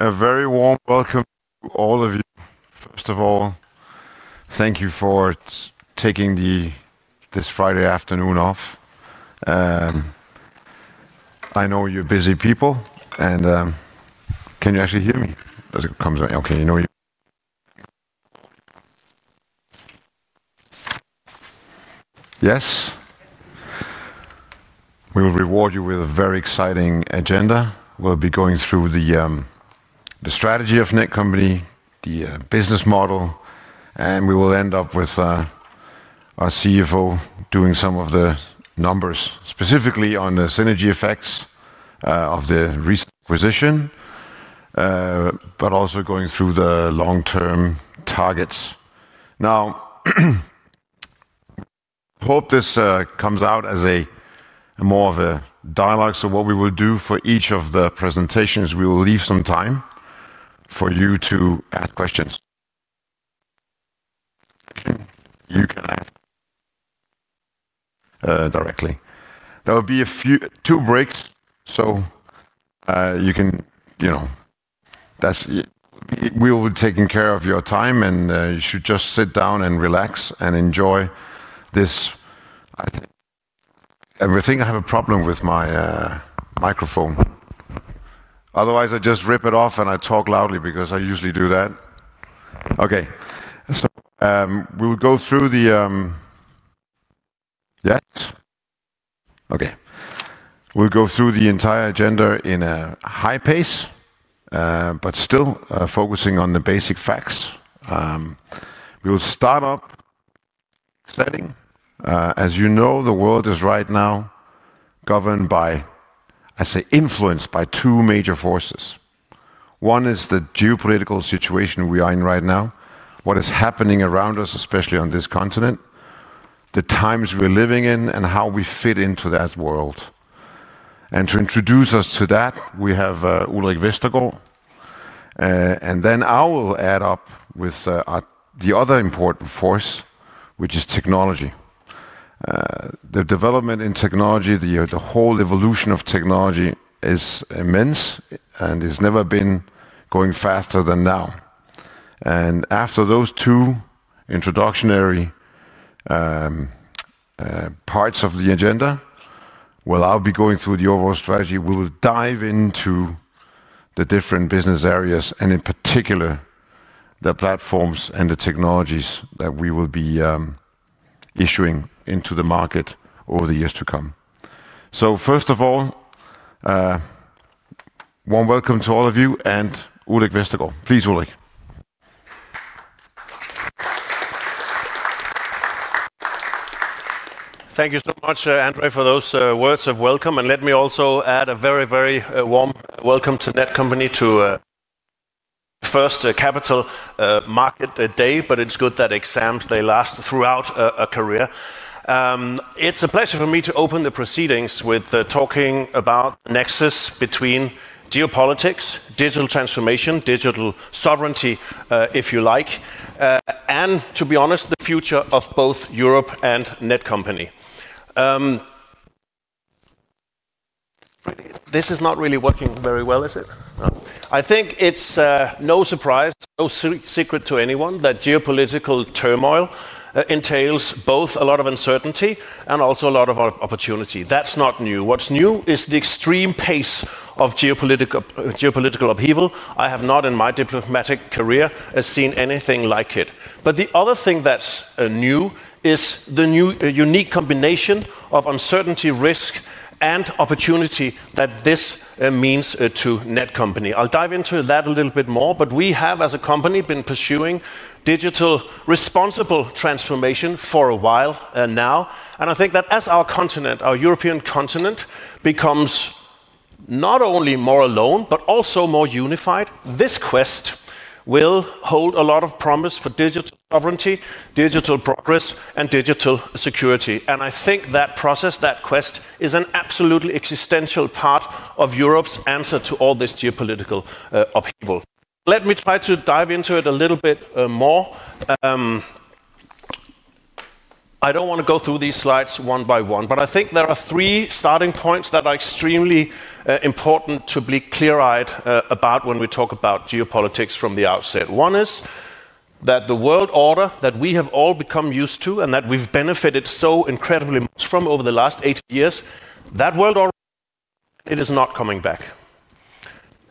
A very warm welcome to all of you. First of all, thank you for taking this Friday afternoon off. I know you're busy people. Can you actually hear me okay? Can you? Yes? Yes. We will reward you with a very exciting agenda. We'll be going through the strategy of Netcompany, the business model, and we will end up with our CFO doing some of the numbers, specifically on the synergy effects of the recent acquisition, but also going through the long-term targets. Now, hope this comes out as more of a dialogue. What we will do for each of the presentations, we will leave some time for you to ask questions. You can ask directly. There will be two breaks, so we will be taking care of your time, and you should just sit down and relax and enjoy this. Everything. I have a problem with my microphone. Otherwise, I just rip it off and I talk loudly because I usually do that. Okay. We will go through the—yes? Okay. We'll go through the entire agenda in a high pace, but still focusing on the basic facts. We will start up setting. As you know, the world is right now governed by—I say influenced by—two major forces. One is the geopolitical situation we are in right now, what is happening around us, especially on this continent, the times we're living in, and how we fit into that world. To introduce us to that, we have Ulrik Vestergaard. I will add up with the other important force, which is technology. The development in technology, the whole evolution of technology is immense and has never been going faster than now. After those two introductionary parts of the agenda, while I'll be going through the overall strategy, we will dive into the different business areas and in particular the platforms and the technologies that we will be issuing into the market over the years to come. First of all, warm welcome to all of you and Ulrik Vestergaard. Please, Ulrik. Thank you so much, André, for those words of welcome. Let me also add a very, very warm welcome to Netcompany too. First capital market day, but it's good that exams, they last throughout a career. It's a pleasure for me to open the proceedings with talking about the nexus between geopolitics, digital transformation, digital sovereignty, if you like. To be honest, the future of both Europe and Netcompany. This is not really working very well, is it? I think it's no surprise, no secret to anyone, that geopolitical turmoil entails both a lot of uncertainty and also a lot of opportunity. That's not new. What's new is the extreme pace of geopolitical upheaval. I have not, in my diplomatic career, seen anything like it. The other thing that's new is the unique combination of uncertainty, risk, and opportunity that this means to Netcompany. I'll dive into that a little bit more. We have, as a company, been pursuing digital responsible transformation for a while now. I think that as our continent, our European continent, becomes not only more alone, but also more unified, this quest will hold a lot of promise for digital sovereignty, digital progress, and digital security. I think that process, that quest, is an absolutely existential part of Europe's answer to all this geopolitical upheaval. Let me try to dive into it a little bit more. I don't want to go through these slides one by one, but I think there are three starting points that are extremely important to be clear-eyed about when we talk about geopolitics from the outset. One is that the world order that we have all become used to and that we've benefited so incredibly much from over the last 80 years, that world order, it is not coming back.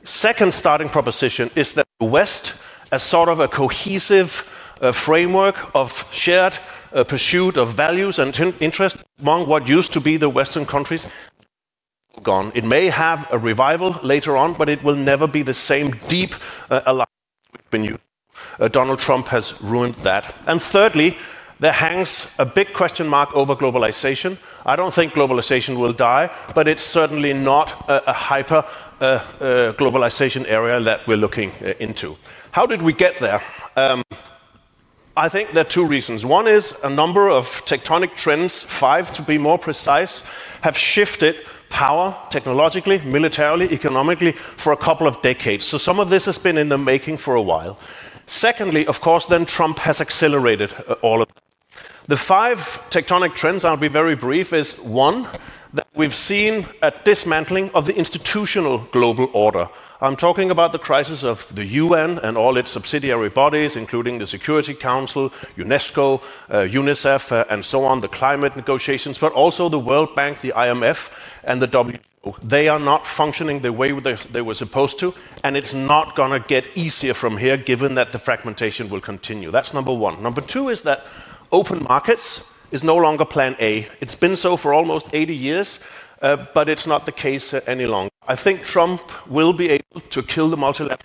Second starting proposition is that the West, as sort of a cohesive framework of shared pursuit of values and interests among what used to be the Western countries, gone. It may have a revival later on, but it will never be the same deep alliance we've been using. Donald Trump has ruined that. Thirdly, there hangs a big question mark over globalization. I don't think globalization will die, but it's certainly not a hyper-globalization era that we're looking into. How did we get there? I think there are two reasons. One is a number of tectonic trends, five to be more precise, have shifted power technologically, militarily, economically for a couple of decades. Some of this has been in the making for a while. Secondly, of course, then Trump has accelerated all of that. The five tectonic trends, I'll be very brief, is one that we've seen a dismantling of the institutional global order. I'm talking about the crisis of the UN and all its subsidiary bodies, including the Security Council, UNESCO, UNICEF, and so on, the climate negotiations, but also the World Bank, the IMF, and the WTO. They are not functioning the way they were supposed to, and it's not going to get easier from here given that the fragmentation will continue. That's number one. Number two is that open markets is no longer plan A. It's been so for almost 80 years, but it's not the case any longer. I think Trump will be able to kill the multilateralism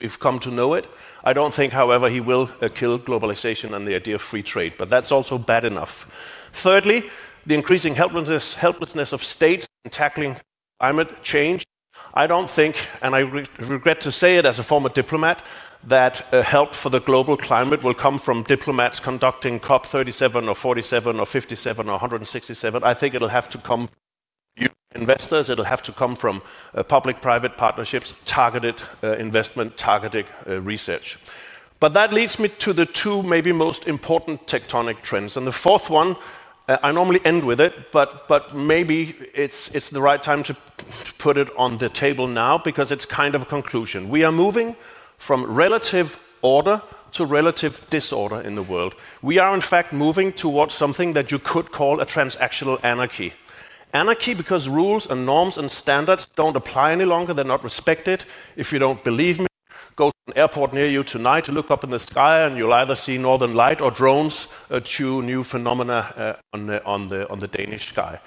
we've come to know it. I don't think, however, he will kill globalization and the idea of free trade, but that's also bad enough. Thirdly, the increasing helplessness of states in tackling climate change. I don't think, and I regret to say it as a former diplomat, that help for the global climate will come from diplomats conducting COP 37 or 47 or 57 or 167. I think it'll have to come from investors. It'll have to come from public-private partnerships, targeted investment, targeted research. That leads me to the two maybe most important tectonic trends. The fourth one, I normally end with it, but maybe it's the right time to put it on the table now because it's kind of a conclusion. We are moving from relative order to relative disorder in the world. We are, in fact, moving towards something that you could call a transactional anarchy. Anarchy because rules and norms and standards don't apply any longer. They're not respected. If you don't believe me, go to an airport near you tonight, look up in the sky, and you'll either see northern lights or drones, two new phenomena on the Danish sky.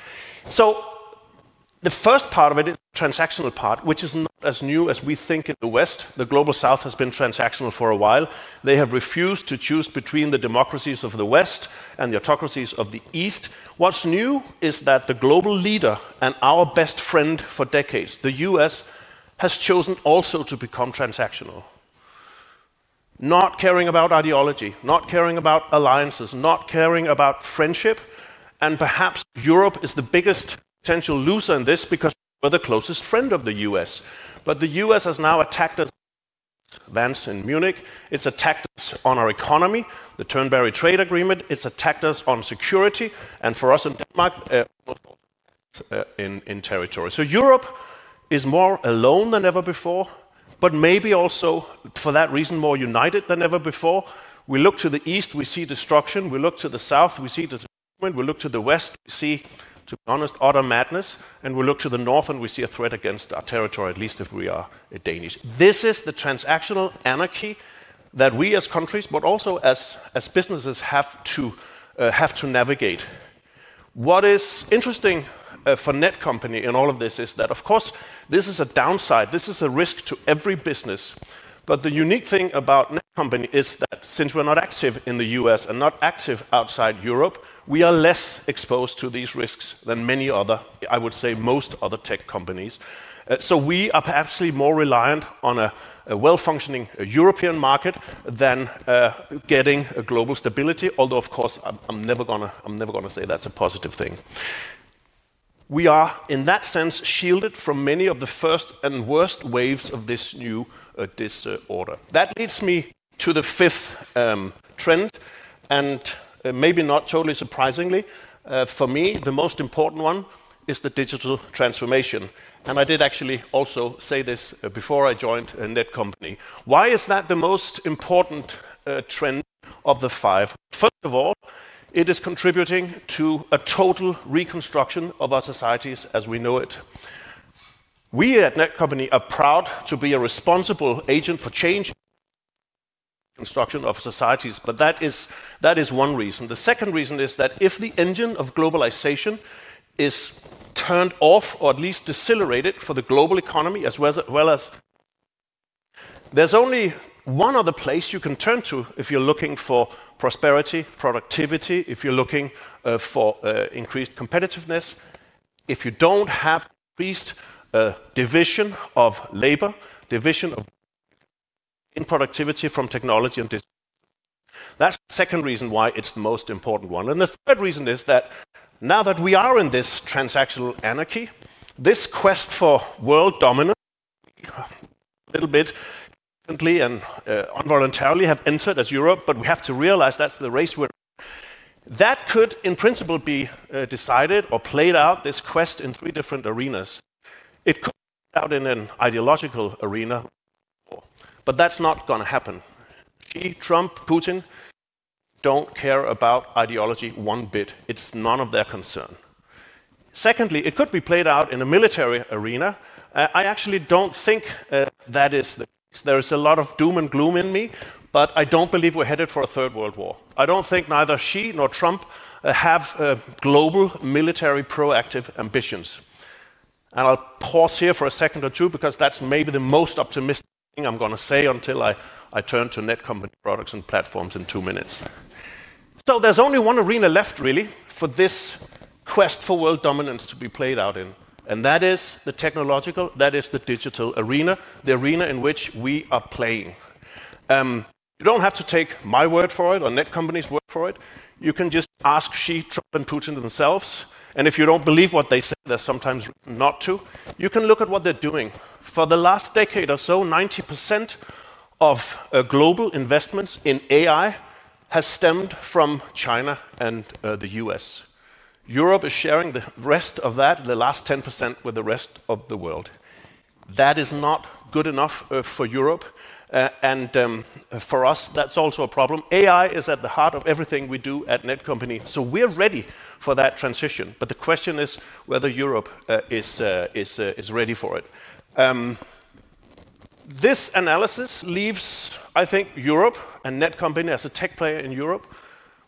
The first part of it is the transactional part, which is not as new as we think in the West. The Global South has been transactional for a while. They have refused to choose between the democracies of the West and the autocracies of the East. What's new is that the global leader and our best friend for decades, the U.S., has chosen also to become transactional. Not caring about ideology, not caring about alliances, not caring about friendship. Perhaps Europe is the biggest potential loser in this because we're the closest friend of the U.S. The U.S. has now attacked us. Advance in Munich. It's attacked us on our economy, the Turnberry trade agreement. It's attacked us on security and for us in Denmark, in territory. Europe is more alone than ever before, but maybe also for that reason more united than ever before. We look to the East, we see destruction. We look to the South, we see disappointment. We look to the West, we see, to be honest, utter madness. We look to the North and we see a threat against our territory, at least if we are Danish. This is the transactional anarchy that we as countries, but also as businesses, have to navigate. What is interesting for Netcompany in all of this is that, of course, this is a downside. This is a risk to every business. The unique thing about Netcompany is that since we're not active in the U.S. and not active outside Europe, we are less exposed to these risks than many other, I would say most other tech companies. We are perhaps more reliant on a well-functioning European market than getting global stability, although, of course, I'm never going to say that's a positive thing. We are, in that sense, shielded from many of the first and worst waves of this new disorder. That leads me to the fifth trend. Maybe not totally surprisingly, for me, the most important one is the digital transformation. I did actually also say this before I joined Netcompany. Why is that the most important trend of the five? First of all, it is contributing to a total reconstruction of our societies as we know it. We at Netcompany are proud to be a responsible agent for change, reconstruction of societies, but that is one reason. The second reason is that if the engine of globalization is turned off or at least decelerated for the global economy as well as there's only one other place you can turn to if you're looking for prosperity, productivity, if you're looking for increased competitiveness, if you don't have increased division of labor, division of productivity from technology. That's the second reason why it's the most important one. The third reason is that now that we are in this transactional anarchy, this quest for world dominance, a little bit currently and unvoluntarily have entered as Europe, but we have to realize that's the race we're in. That could, in principle, be decided or played out, this quest, in three different arenas. It could play out in an ideological arena, but that's not going to happen. Xi, Trump, Putin don't care about ideology one bit. It's none of their concern. Secondly, it could be played out in a military arena. I actually don't think that is the case. There is a lot of doom and gloom in me, but I don't believe we're headed for a third world war. I don't think neither Xi nor Trump have global military proactive ambitions. I'll pause here for a second or two because that's maybe the most optimistic thing I'm going to say until I turn to Netcompany products and platforms in two minutes. There's only one arena left, really, for this quest for world dominance to be played out in. That is the technological, that is the digital arena, the arena in which we are playing. You don't have to take my word for it or Netcompany's word for it. You can just ask Xi, Trump, and Putin themselves. If you don't believe what they say, there's sometimes not to. You can look at what they're doing. For the last decade or so, 90% of global investments in AI has stemmed from China and the U.S. Europe is sharing the rest of that, the last 10%, with the rest of the world. That is not good enough for Europe. For us, that's also a problem. AI is at the heart of everything we do at Netcompany. We're ready for that transition. The question is whether Europe is ready for it. This analysis leaves, I think, Europe and Netcompany as a tech player in Europe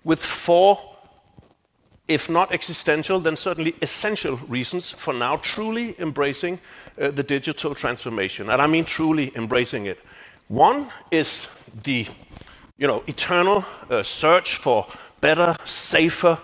with four, if not existential, then certainly essential reasons for now truly embracing the digital transformation. I mean truly embracing it. One is the eternal search for better, safer,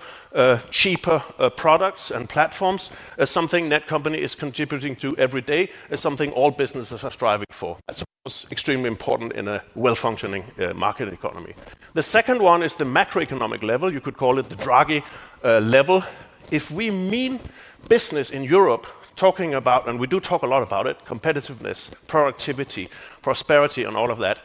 cheaper products and platforms, which is something Netcompany is contributing to every day. It's something all businesses are striving for. That's extremely important in a well-functioning market economy. The second one is the macroeconomic level. You could call it the Draghi level. If we mean business in Europe talking about, and we do talk a lot about it, competitiveness, productivity, prosperity, and all of that,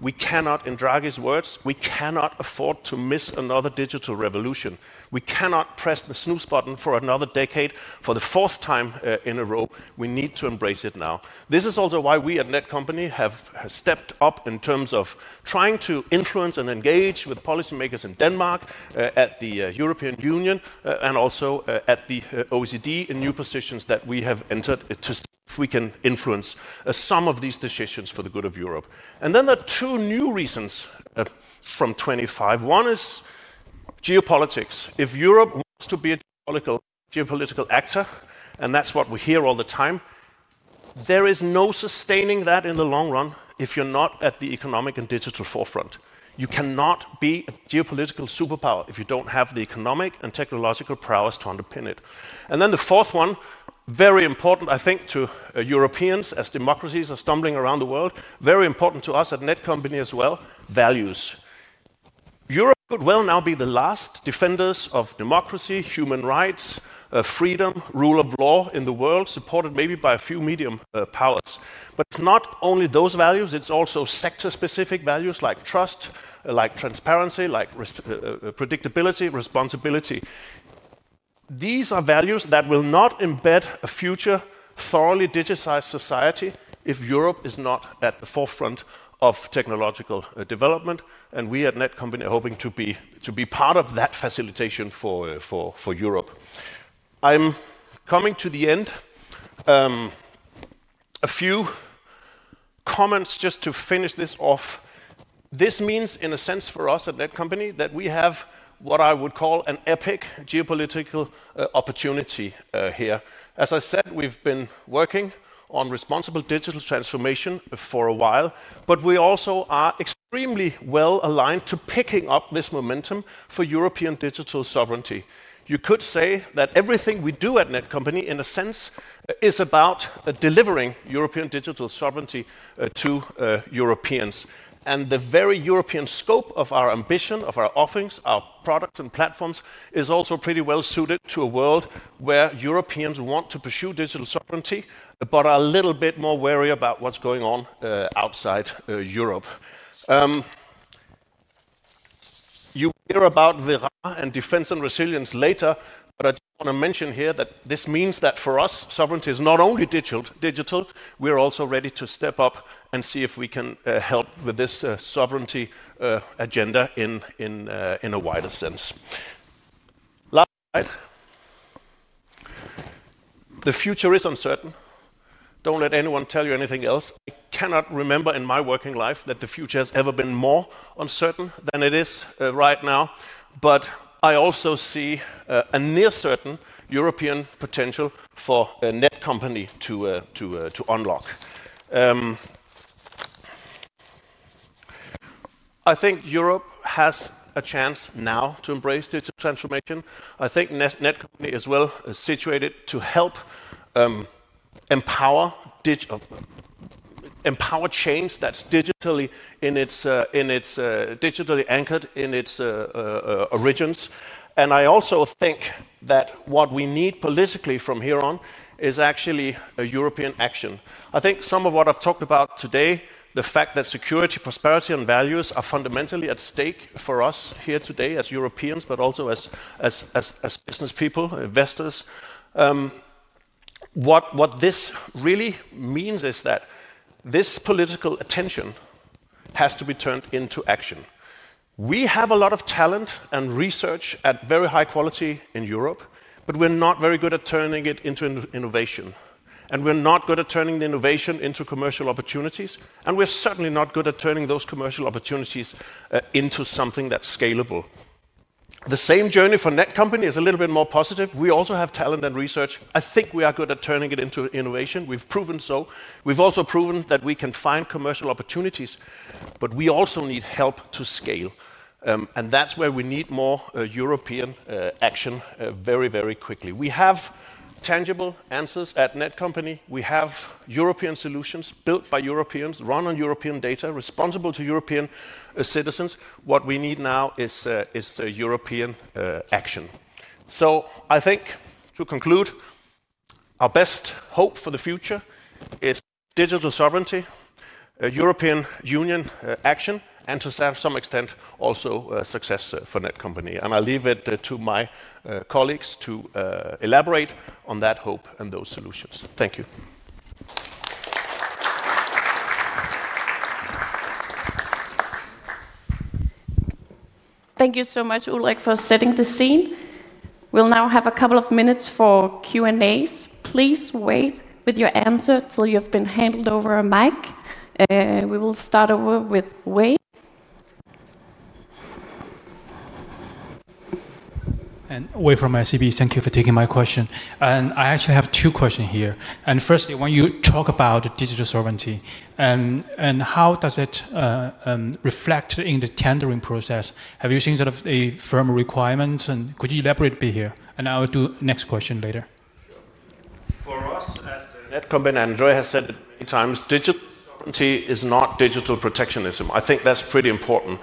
we cannot, in Draghi's words, afford to miss another digital revolution. We cannot press the snooze button for another decade for the fourth time in a row. We need to embrace it now. This is also why we at Netcompany have stepped up in terms of trying to influence and engage with policymakers in Denmark, at the European Union, and also at the OECD in new positions that we have entered to see if we can influence some of these decisions for the good of Europe. There are two new reasons from 2025. One is geopolitics. If Europe wants to be a geopolitical actor, and that's what we hear all the time. There is no sustaining that in the long run if you're not at the economic and digital forefront. You cannot be a geopolitical superpower if you don't have the economic and technological prowess to underpin it. The fourth one, very important, I think, to Europeans as democracies are stumbling around the world, very important to us at Netcompany as well, values. Europe could well now be the last defenders of democracy, human rights, freedom, rule of law in the world, supported maybe by a few medium powers. It's not only those values. It's also sector-specific values like trust, like transparency, like predictability, responsibility. These are values that will not embed a future thoroughly digitized society if Europe is not at the forefront of technological development. We at Netcompany are hoping to be part of that facilitation for Europe. I'm coming to the end. A few comments just to finish this off. This means, in a sense, for us at Netcompany that we have what I would call an epic geopolitical opportunity here. As I said, we've been working on responsible digital transformation for a while, but we also are extremely well aligned to picking up this momentum for European digital sovereignty. You could say that everything we do at Netcompany in a sense is about delivering European digital sovereignty to Europeans. The very European scope of our ambition, of our offerings, our products and platforms is also pretty well suited to a world where Europeans want to pursue digital sovereignty, but are a little bit more wary about what's going on outside Europe. You hear about VERÁ and defense and resilience later, but I just want to mention here that this means that for us, sovereignty is not only digital. We're also ready to step up and see if we can help with this sovereignty agenda in a wider sense. Last slide. The future is uncertain. Don't let anyone tell you anything else. I cannot remember in my working life that the future has ever been more uncertain than it is right now. I also see a near certain European potential for Netcompany to unlock. I think Europe has a chance now to embrace digital transformation. I think Netcompany as well is situated to help empower change that's digitally anchored in its origins. I also think that what we need politically from here on is actually a European action. I think some of what I've talked about today, the fact that security, prosperity, and values are fundamentally at stake for us here today as Europeans, but also as business people, investors. What this really means is that this political attention has to be turned into action. We have a lot of talent and research at very high quality in Europe, but we're not very good at turning it into innovation. We're not good at turning the innovation into commercial opportunities. We're certainly not good at turning those commercial opportunities into something that's scalable. The same journey for Netcompany is a little bit more positive. We also have talent and research. I think we are good at turning it into innovation. We've proven so. We've also proven that we can find commercial opportunities, but we also need help to scale. That's where we need more European action very, very quickly. We have tangible answers at Netcompany. We have European solutions built by Europeans, run on European data, responsible to European citizens. What we need now is European action. I think to conclude, our best hope for the future is digital sovereignty, European Union action, and to some extent also success for Netcompany. I'll leave it to my colleagues to elaborate on that hope and those solutions. Thank you. Thank you so much, Ulrik, for setting the scene. We'll now have a couple of minutes for Q&As. Please wait with your answer till you've been handed over a mic. We will start over with Wade. Wade from ICB, thank you for taking my question. I actually have two questions here. First, I want you to talk about digital sovereignty. How does it reflect in the tendering process? Have you seen sort of a firm requirement? Could you elaborate a bit here? I'll do the next question later. For us at Netcompany, and André has said it many times, digital sovereignty is not digital protectionism. I think that's pretty important.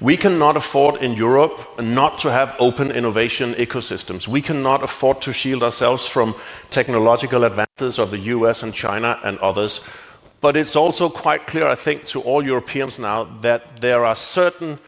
We cannot afford in Europe not to have open innovation ecosystems. We cannot afford to shield ourselves from technological advances of the U.S. and China and others. It's also quite clear, I think, to all Europeans now that there are certain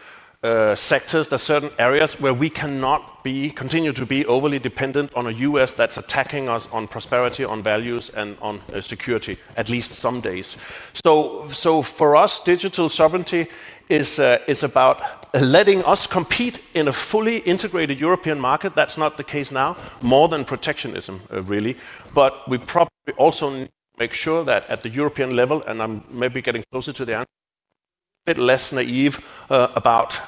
sectors, there are certain areas where we cannot continue to be overly dependent on a U.S. that's attacking us on prosperity, on values, and on security, at least some days. For us, digital sovereignty is about letting us compete in a fully integrated European market. That's not the case now, more than protectionism, really. We probably also need to make sure that at the European level, and I'm maybe getting closer to the answer, we are a bit less naive about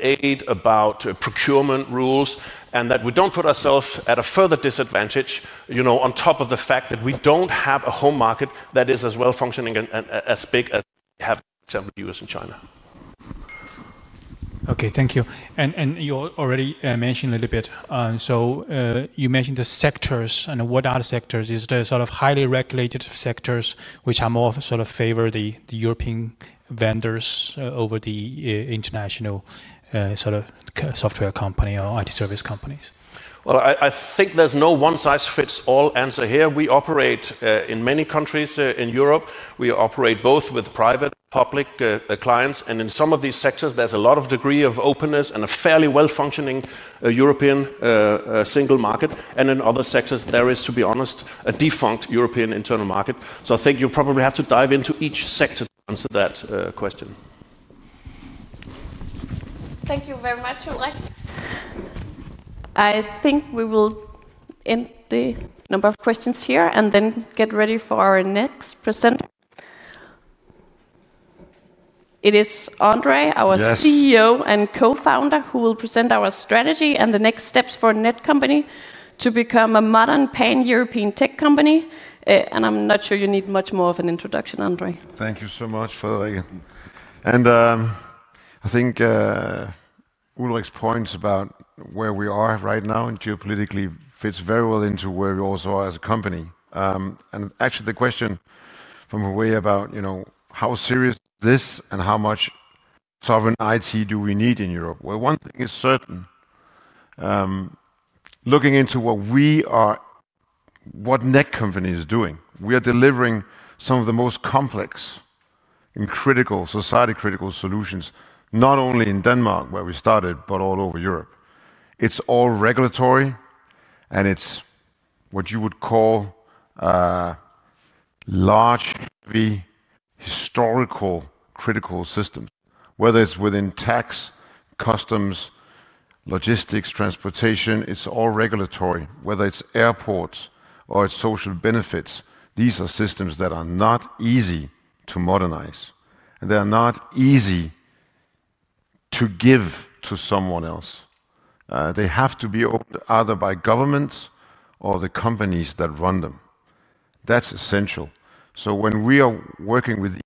aid, about procurement rules, and that we don't put ourselves at a further disadvantage on top of the fact that we don't have a home market that is as well functioning and as big as we have, for example, in the U.S. and China. Thank you. You already mentioned a little bit. You mentioned the sectors. What are the sectors? Is there sort of highly regulated sectors which are more sort of favor the European vendors over the international sort of software company or IT service companies? I think there's no one-size-fits-all answer here. We operate in many countries in Europe. We operate both with private and public clients. In some of these sectors, there's a lot of degree of openness and a fairly well-functioning European single market. In other sectors, there is, to be honest, a defunct European internal market. I think you probably have to dive into each sector to answer that question. Thank you very much, Ulrik. I think we will end the number of questions here and then get ready for our next presenter. It is André, our CEO and co-founder, who will present our strategy and the next steps for Netcompany to become a modern, paying European tech company. I'm not sure you need much more of an introduction, André. Thank you so much for the way. I think Ulrik's points about where we are right now geopolitically fits very well into where we also are as a company. Actually, the question from a way about how serious is this and how much sovereign IT do we need in Europe? One thing is certain. Looking into what we are, what Netcompany is doing, we are delivering some of the most complex and critical society-critical solutions, not only in Denmark where we started, but all over Europe. It's all regulatory, and it's what you would call large, heavy, historical critical systems. Whether it's within tax, customs, logistics, transportation, it's all regulatory. Whether it's airports or it's social benefits, these are systems that are not easy to modernize. They are not easy to give to someone else. They have to be opened either by governments or the companies that run them. That's essential. When we are working with,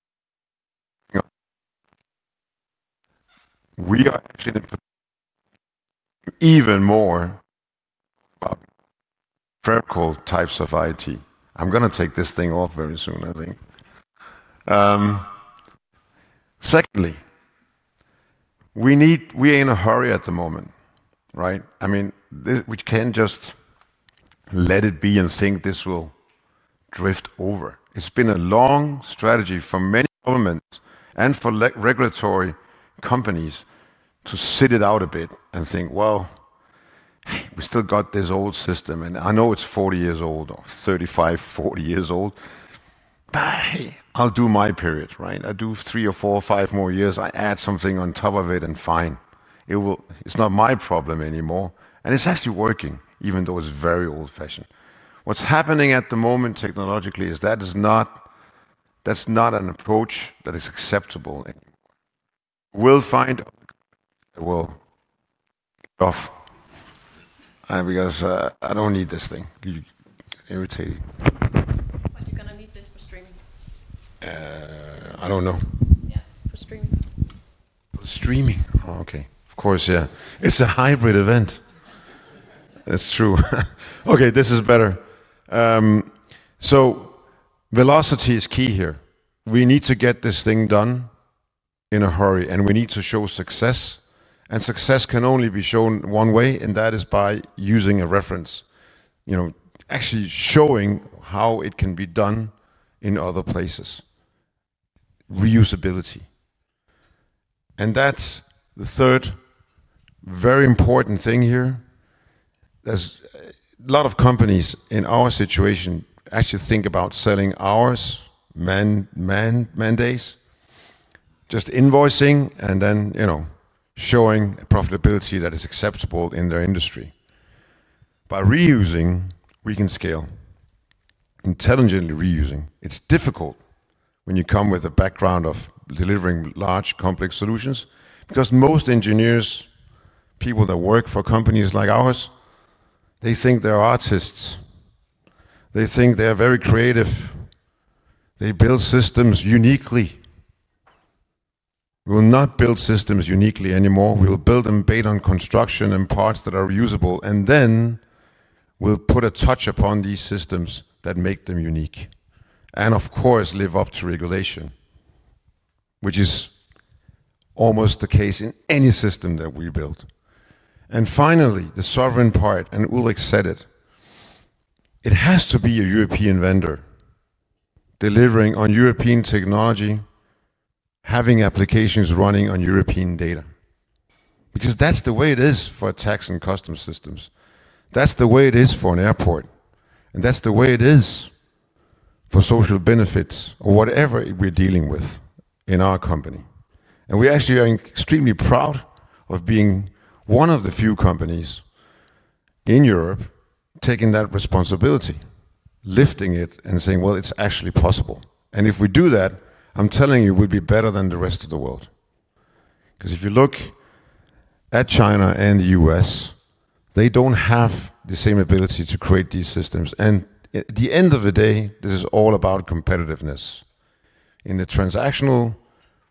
we are actually even more critical types of IT. I'm going to take this thing off very soon, I think. Secondly, we are in a hurry at the moment, right? I mean, we can't just let it be and think this will drift over. It's been a long strategy for many governments and for regulatory companies to sit it out a bit and think, well, we still got this old system. I know it's 40 years old or 35, 40 years old. I'll do my period, right? I'll do three or four or five more years. I add something on top of it and fine. It's not my problem anymore. It's actually working, even though it's very old-fashioned. What's happening at the moment technologically is that is not. That's not an approach that is acceptable anymore. Velocity is key here. We need to get this thing done in a hurry, and we need to show success. Success can only be shown one way, and that is by using a reference, actually showing how it can be done in other places. Reusability, and that's the third very important thing here. A lot of companies in our situation actually think about selling hours, man days, just invoicing and then showing profitability that is acceptable in their industry. By reusing, we can scale. Intelligently reusing, it's difficult when you come with a background of delivering large, complex solutions because most engineers, people that work for companies like ours, they think they're artists. They think they're very creative. They build systems uniquely. We will not build systems uniquely anymore. We will build them based on construction and parts that are reusable. Then we'll put a touch upon these systems that make them unique and, of course, live up to regulation, which is almost the case in any system that we build. Finally, the sovereign part, and Ulrik said it, it has to be a European vendor delivering on European technology, having applications running on European data. That's the way it is for tax and customs systems. That's the way it is for an airport, and that's the way it is for social benefits or whatever we're dealing with in our company. We actually are extremely proud of being one of the few companies in Europe taking that responsibility, lifting it and saying, it's actually possible. If we do that, I'm telling you, we'll be better than the rest of the world. Because if you look at China and the U.S., they don't have the same ability to create these systems. At the end of the day, this is all about competitiveness. In the transactional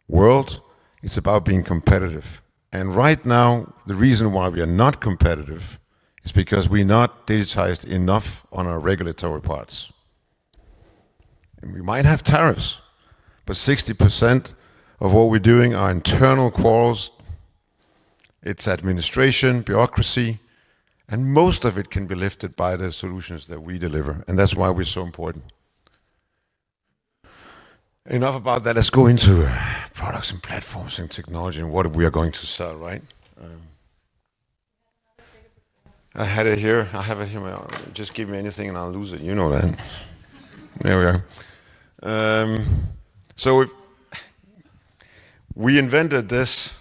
world, it's about being competitive. Right now, the reason why we are not competitive is because we're not digitized enough on our regulatory parts. We might have tariffs, but 60% of what we're doing are internal quarrels. It's administration, bureaucracy, and most of it can be lifted by the solutions that we deliver. That's why we're so important. Enough about that. Let's go into products and platforms and technology and what we are going to sell, right? I had it here. I have it here. Just give me anything and I'll lose it. You know that. There we are. We invented this,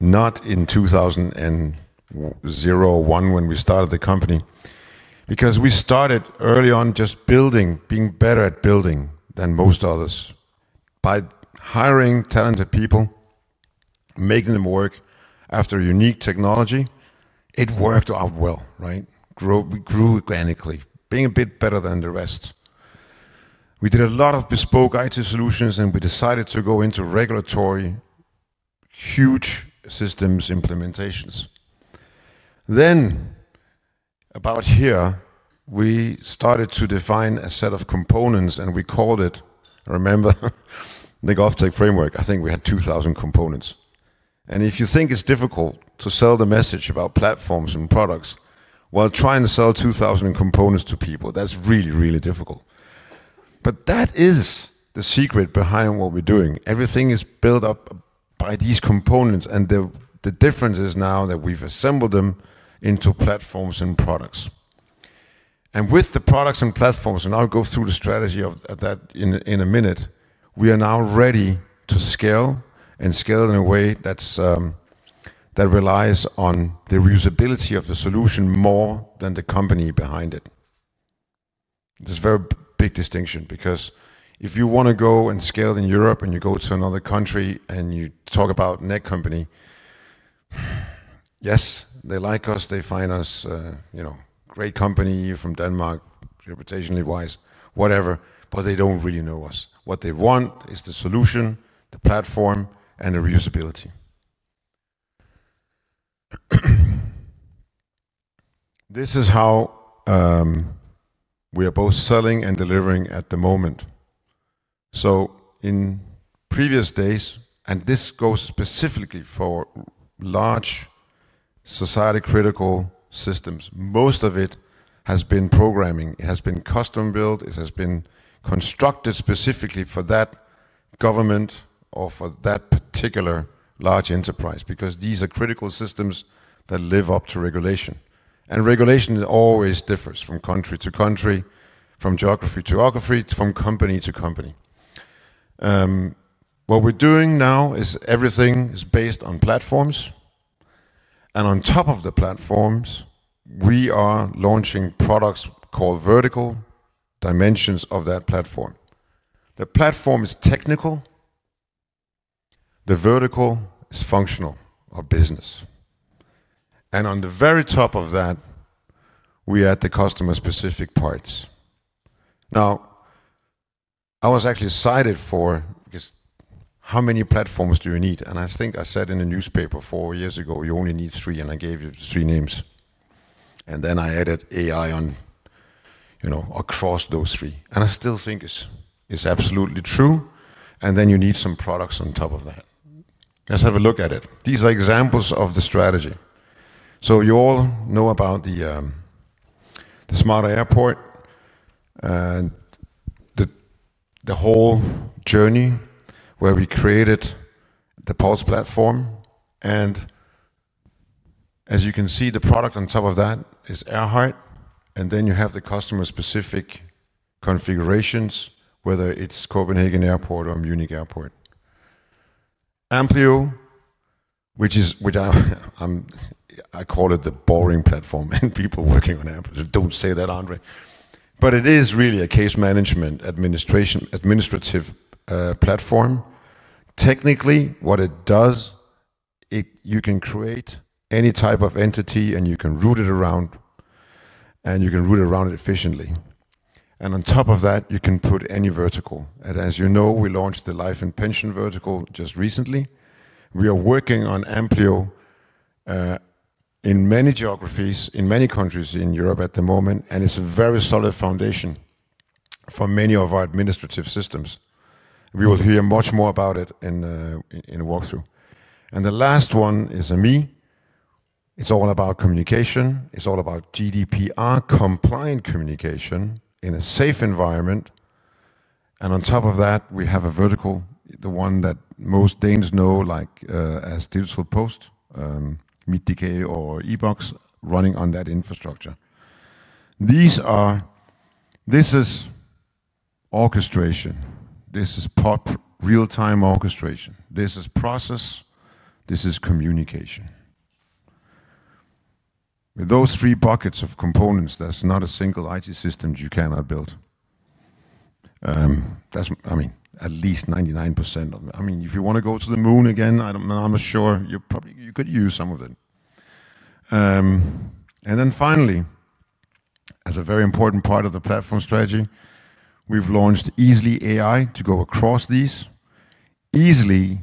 not in 2000 and 2001 when we started the company, because we started early on just building, being better at building than most others by hiring talented people, making them work after unique technology. It worked out well, right? We grew organically, being a bit better than the rest. We did a lot of bespoke IT solutions, and we decided to go into regulatory, huge systems implementations. About here, we started to define a set of components, and we called it, remember, the Govtech Framework. I think we had 2,000 components. If you think it's difficult to sell the message about platforms and products while trying to sell 2,000 components to people, that's really, really difficult. That is the secret behind what we're doing. Everything is built up by these components. The difference is now that we've assembled them into platforms and products. With the products and platforms, and I'll go through the strategy of that in a minute, we are now ready to scale and scale in a way that relies on the reusability of the solution more than the company behind it. This is a very big distinction because if you want to go and scale in Europe and you go to another country and you talk about Netcompany, yes, they like us. They find us a great company from Denmark, reputationally wise, whatever, but they don't really know us. What they want is the solution, the platform, and the reusability. This is how we are both selling and delivering at the moment. In previous days, and this goes specifically for large, society-critical systems, most of it has been programming. It has been custom-built. It has been constructed specifically for that government or for that particular. Large enterprise because these are critical systems that live up to regulation. Regulation always differs from country to country, from geography to geography, from company to company. What we're doing now is everything is based on platforms. On top of the platforms, we are launching products called vertical dimensions of that platform. The platform is technical. The vertical is functional or business. On the very top of that, we add the customer-specific parts. I was actually cited for how many platforms do you need. I think I said in a newspaper four years ago, you only need three. I gave you three names, and then I added AI across those three. I still think it's absolutely true. You need some products on top of that. Let's have a look at it. These are examples of the strategy. You all know about the Smarter Airport, the whole journey where we created the PULSE platform. As you can see, the product on top of that is AirHeart, and then you have the customer-specific configurations, whether it's Copenhagen Airport or Munich Airport. AMPLIO, which I call the boring platform. People working on AMPLIO, don't say that, André. It is really a case management administrative platform. Technically, what it does, you can create any type of entity, and you can route it around. You can route it around efficiently. On top of that, you can put any vertical. As you know, we launched the life and pension vertical just recently. We are working on AMPLIO in many geographies, in many countries in Europe at the moment. It's a very solid foundation for many of our administrative systems. We will hear much more about it in a walkthrough. The last one is AMI. It's all about communication. It's all about GDPR-compliant communication in a safe environment. On top of that, we have a vertical, the one that most Danes know, like as Digital Post. [Meet the K] or eBox, running on that infrastructure. This is orchestration. This is real-time orchestration. This is process. This is communication. With those three buckets of components, there's not a single IT system you cannot build. I mean, at least 99% of them. If you want to go to the moon again, I'm not sure you could use some of them. Finally, as a very important part of the platform strategy, we've launched EASLEY AI to go across these. Easily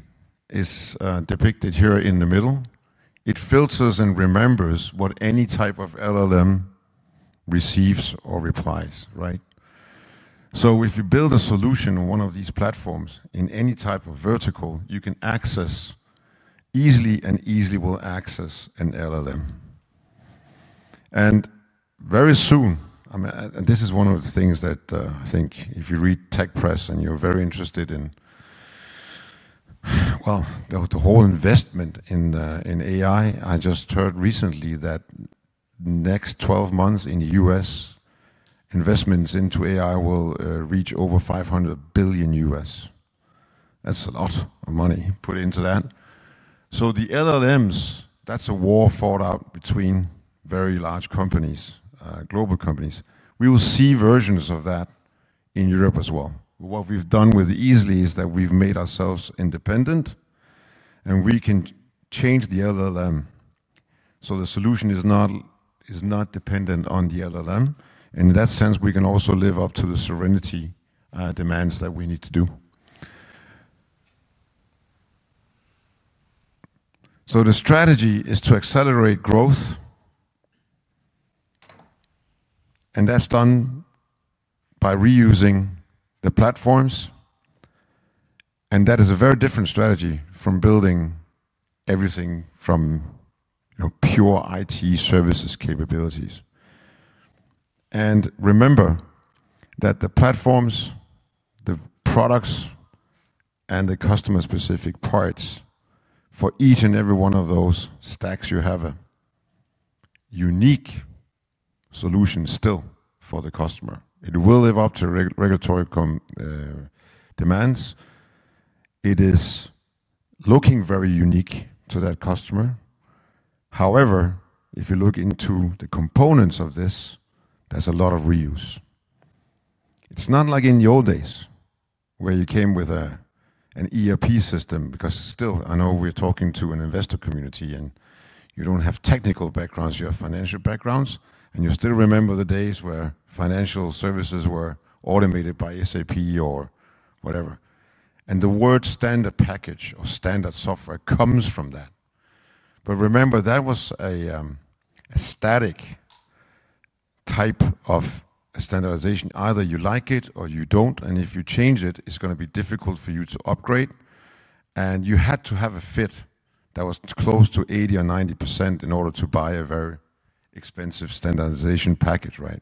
is depicted here in the middle. It filters and remembers what any type of LLM receives or replies, right? If you build a solution on one of these platforms in any type of vertical, you can access. EASLEY and EASLEY will access an LLM. Very soon, this is one of the things that I think if you read tech press and you're very interested in the whole investment in AI. I just heard recently that the next 12 months in the U.S., investments into AI will reach over $500 billion. That's a lot of money put into that. The LLMs, that's a war fought out between very large companies, global companies. We will see versions of that in Europe as well. What we've done with Easily is that we've made ourselves independent, and we can change the LLM, so the solution is not dependent on the LLM. In that sense, we can also live up to the sovereignty demands that we need to do. The strategy is to accelerate growth, and that's done by reusing the platforms. That is a very different strategy from building everything from pure IT services capabilities. Remember that the platforms, the products, and the customer-specific parts for each and every one of those stacks, you have a unique solution still for the customer. It will live up to regulatory demands. It is looking very unique to that customer. However, if you look into the components of this, there's a lot of reuse. It's not like in the old days where you came with an ERP system because still, I know we're talking to an investor community and you don't have technical backgrounds, you have financial backgrounds, and you still remember the days where financial services were automated by SAP or whatever. The word standard package or standard software comes from that. Remember, that was a static type of standardization. Either you like it or you don't, and if you change it, it's going to be difficult for you to upgrade. You had to have a fit that was close to 80% or 90% in order to buy a very expensive standardization package, right?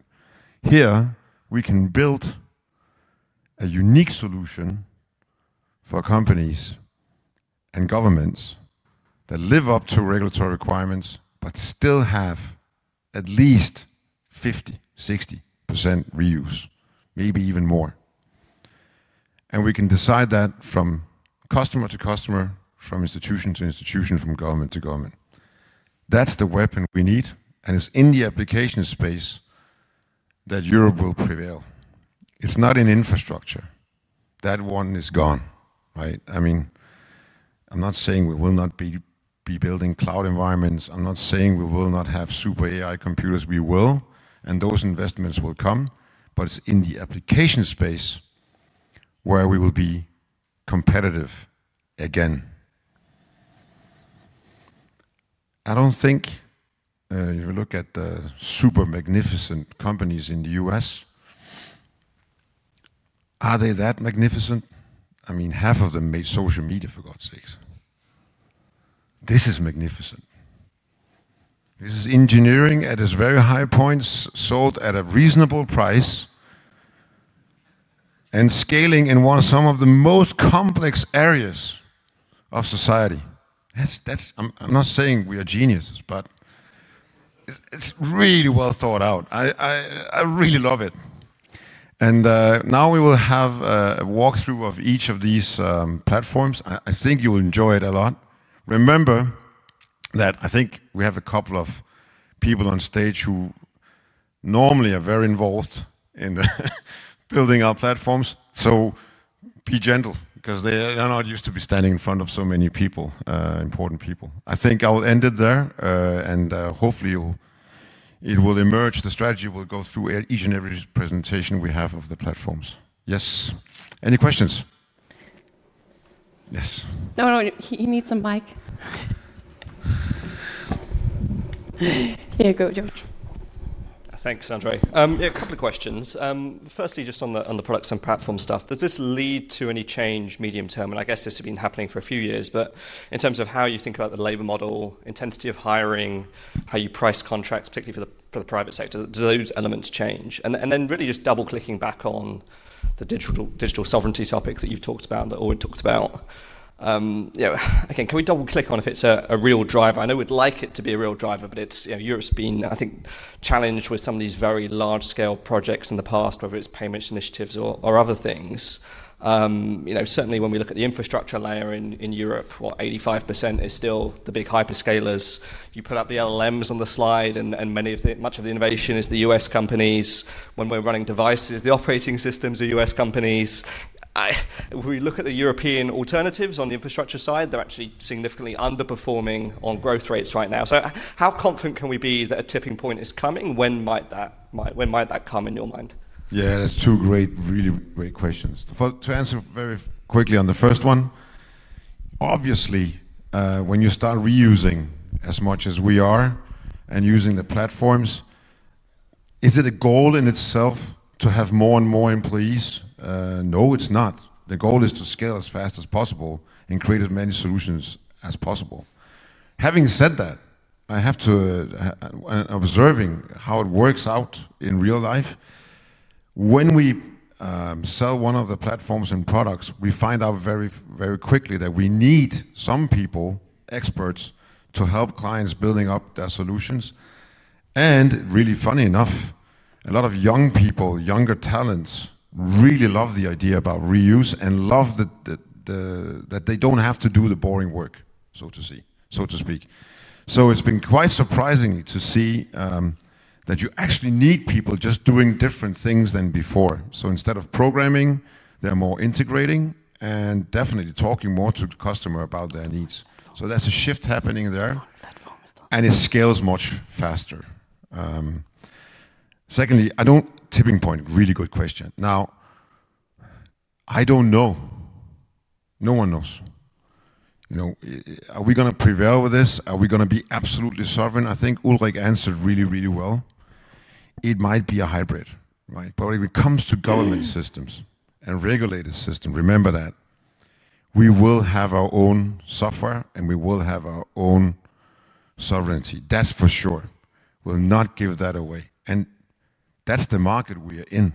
Here, we can build a unique solution for companies and governments that live up to regulatory requirements but still have at least 50%, 60% reuse, maybe even more. We can decide that from customer to customer, from institution to institution, from government to government. That's the weapon we need, and it's in the application space that Europe will prevail. It's not in infrastructure. That one is gone, right? I mean. I'm not saying we will not be building cloud environments. I'm not saying we will not have super AI computers. We will, and those investments will come. It's in the application space where we will be competitive again. I don't think, if you look at the super magnificent companies in the U.S., are they that magnificent? I mean, half of them made social media, for God's sakes. This is magnificent. This is engineering at its very high points, sold at a reasonable price and scaling in some of the most complex areas of society. I'm not saying we are geniuses, but it's really well thought out. I really love it. Now we will have a walkthrough of each of these platforms. I think you will enjoy it a lot. Remember that I think we have a couple of people on stage who normally are very involved in building our platforms. Be gentle because they are not used to being in front of so many people, important people. I think I will end it there, and hopefully it will emerge. The strategy will go through each and every presentation we have of the platforms. Yes. Any questions? Yes. No, no. He needs a mic. Here you go, George. Thanks, André. A couple of questions. Firstly, just on the products and platform stuff, does this lead to any change medium term? I guess this has been happening for a few years, but in terms of how you think about the labor model, intensity of hiring, how you price contracts, particularly for the private sector, do those elements change? Really just double-clicking back on the digital sovereignty topic that you've talked about, that Ulrik talked about. Can we double-click on if it's a real driver? I know we'd like it to be a real driver, but Europe's been, I think, challenged with some of these very large-scale projects in the past, whether it's payments initiatives or other things. Certainly, when we look at the infrastructure layer in Europe, what, 85% is still the big hyperscalers. You put up the LLMs on the slide, and much of the innovation is the U.S. companies. When we're running devices, the operating systems are U.S. companies. If we look at the European alternatives on the infrastructure side, they're actually significantly underperforming on growth rates right now. How confident can we be that a tipping point is coming? When might that come in your mind? Yeah, that's two really great questions. To answer very quickly on the first one. Obviously, when you start reusing as much as we are and using the platforms, is it a goal in itself to have more and more employees? No, it's not. The goal is to scale as fast as possible and create as many solutions as possible. Having said that, I have to observe how it works out in real life. When we sell one of the platforms and products, we find out very quickly that we need some people, experts, to help clients building up their solutions. Funny enough, a lot of young people, younger talents, really love the idea about reuse and love that they don't have to do the boring work, so to speak. It's been quite surprising to see that you actually need people just doing different things than before. Instead of programming, they're more integrating and definitely talking more to the customer about their needs. That's a shift happening there, and it scales much faster. Secondly, tipping point, really good question. I don't know. No one knows. Are we going to prevail with this? Are we going to be absolutely sovereign? I think Ulrik answered really, really well. It might be a hybrid. When it comes to government systems and regulated systems, remember that we will have our own software and we will have our own sovereignty. That's for sure. We'll not give that away, and that's the market we are in.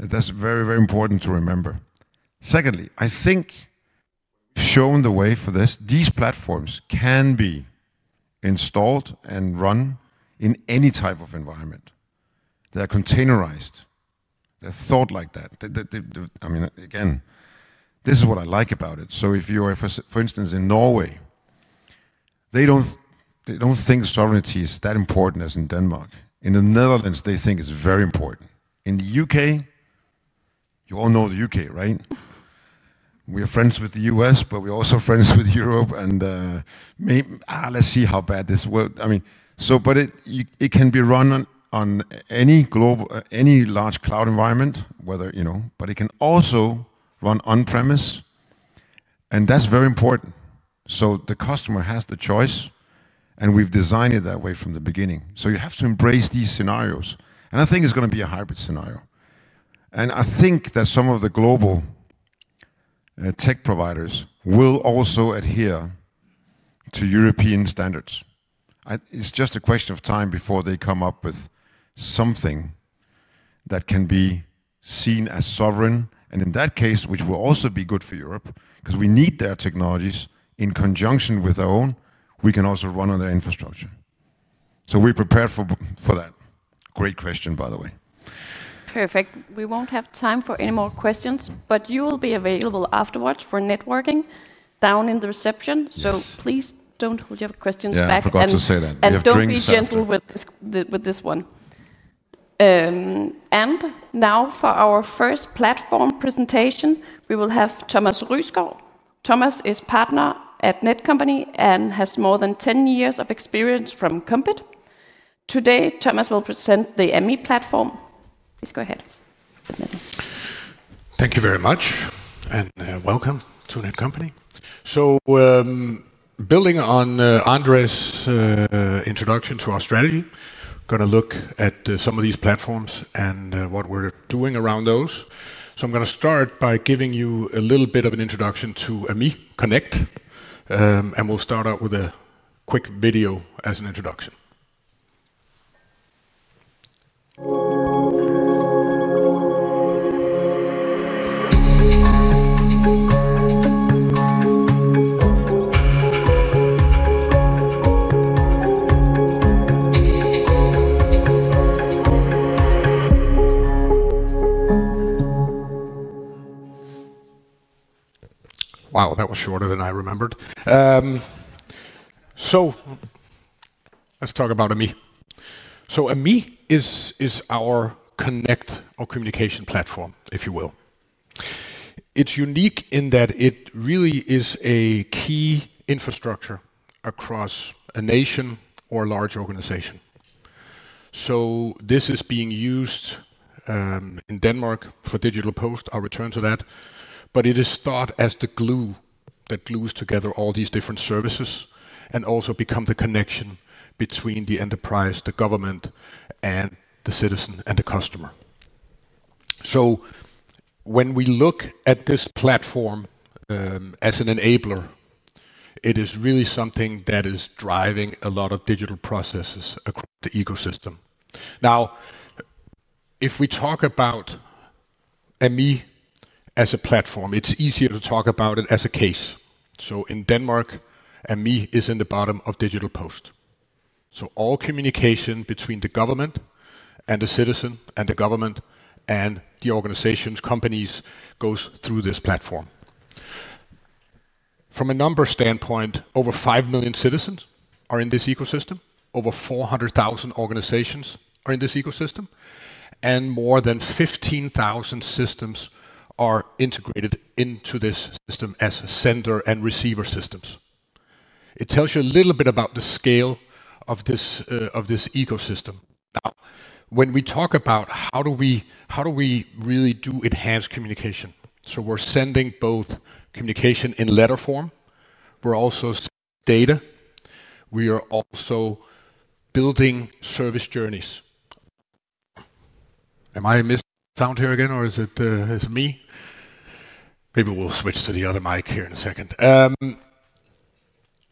That's very, very important to remember. Secondly, I think we've shown the way for this. These platforms can be installed and run in any type of environment. They're containerized. They're thought like that. This is what I like about it. If you're, for instance, in Norway, they don't think sovereignty is that important as in Denmark. In the Netherlands, they think it's very important. In the U.K., you all know the U.K., right? We are friends with the U.S., but we're also friends with Europe. Let's see how bad this will—I mean, it can be run on any large cloud environment, but it can also run on-premise. That's very important. The customer has the choice, and we've designed it that way from the beginning. You have to embrace these scenarios, and I think it's going to be a hybrid scenario. I think that some of the global tech providers will also adhere to European standards. It's just a question of time before they come up with something that can be seen as sovereign. In that case, which will also be good for Europe, because we need their technologies in conjunction with our own, we can also run on their infrastructure. We're prepared for that. Great question, by the way. Perfect. We won't have time for any more questions, but you will be available afterwards for networking down in the reception. Please don't hold your questions back. I forgot to say that. Don't be gentle with this one. Now for our first platform presentation, we will have Thomas [Rüskow]. Thomas is Partner at Netcompany and has more than 10 years of experience from Compet. Today, Thomas will present the AMI platform. Please go ahead. Thank you very much, and welcome to Netcompany. Building on André's introduction to our strategy, we're going to look at some of these platforms and what we're doing around those. I'm going to start by giving you a little bit of an introduction to AMI connect. We'll start out with a quick video as an introduction. Wow, that was shorter than I remembered. Let's talk about AMI. AMI is our connect or communication platform, if you will. It's unique in that it really is a key infrastructure across a nation or a large organization. This is being used in Denmark for Digital Post. I'll return to that. It is thought as the glue that glues together all these different services and also becomes the connection between the enterprise, the government, the citizen, and the customer. When we look at this platform as an enabler, it is really something that is driving a lot of digital processes across the ecosystem. If we talk about AMI as a platform, it's easier to talk about it as a case. In Denmark, AMI is in the bottom of Digital Post, so all communication between the government and the citizen and the government and the organizations, companies, goes through this platform. From a numbers standpoint, over 5 million citizens are in this ecosystem. Over 400,000 organizations are in this ecosystem. More than 15,000 systems are integrated into this system as sender and receiver systems. It tells you a little bit about the scale of this ecosystem. When we talk about how do we really do enhanced communication, we're sending both communication in letter form, we're also sending data, we are also building service journeys. Am I missing sound here again, or is it me? Maybe we'll switch to the other mic here in a second.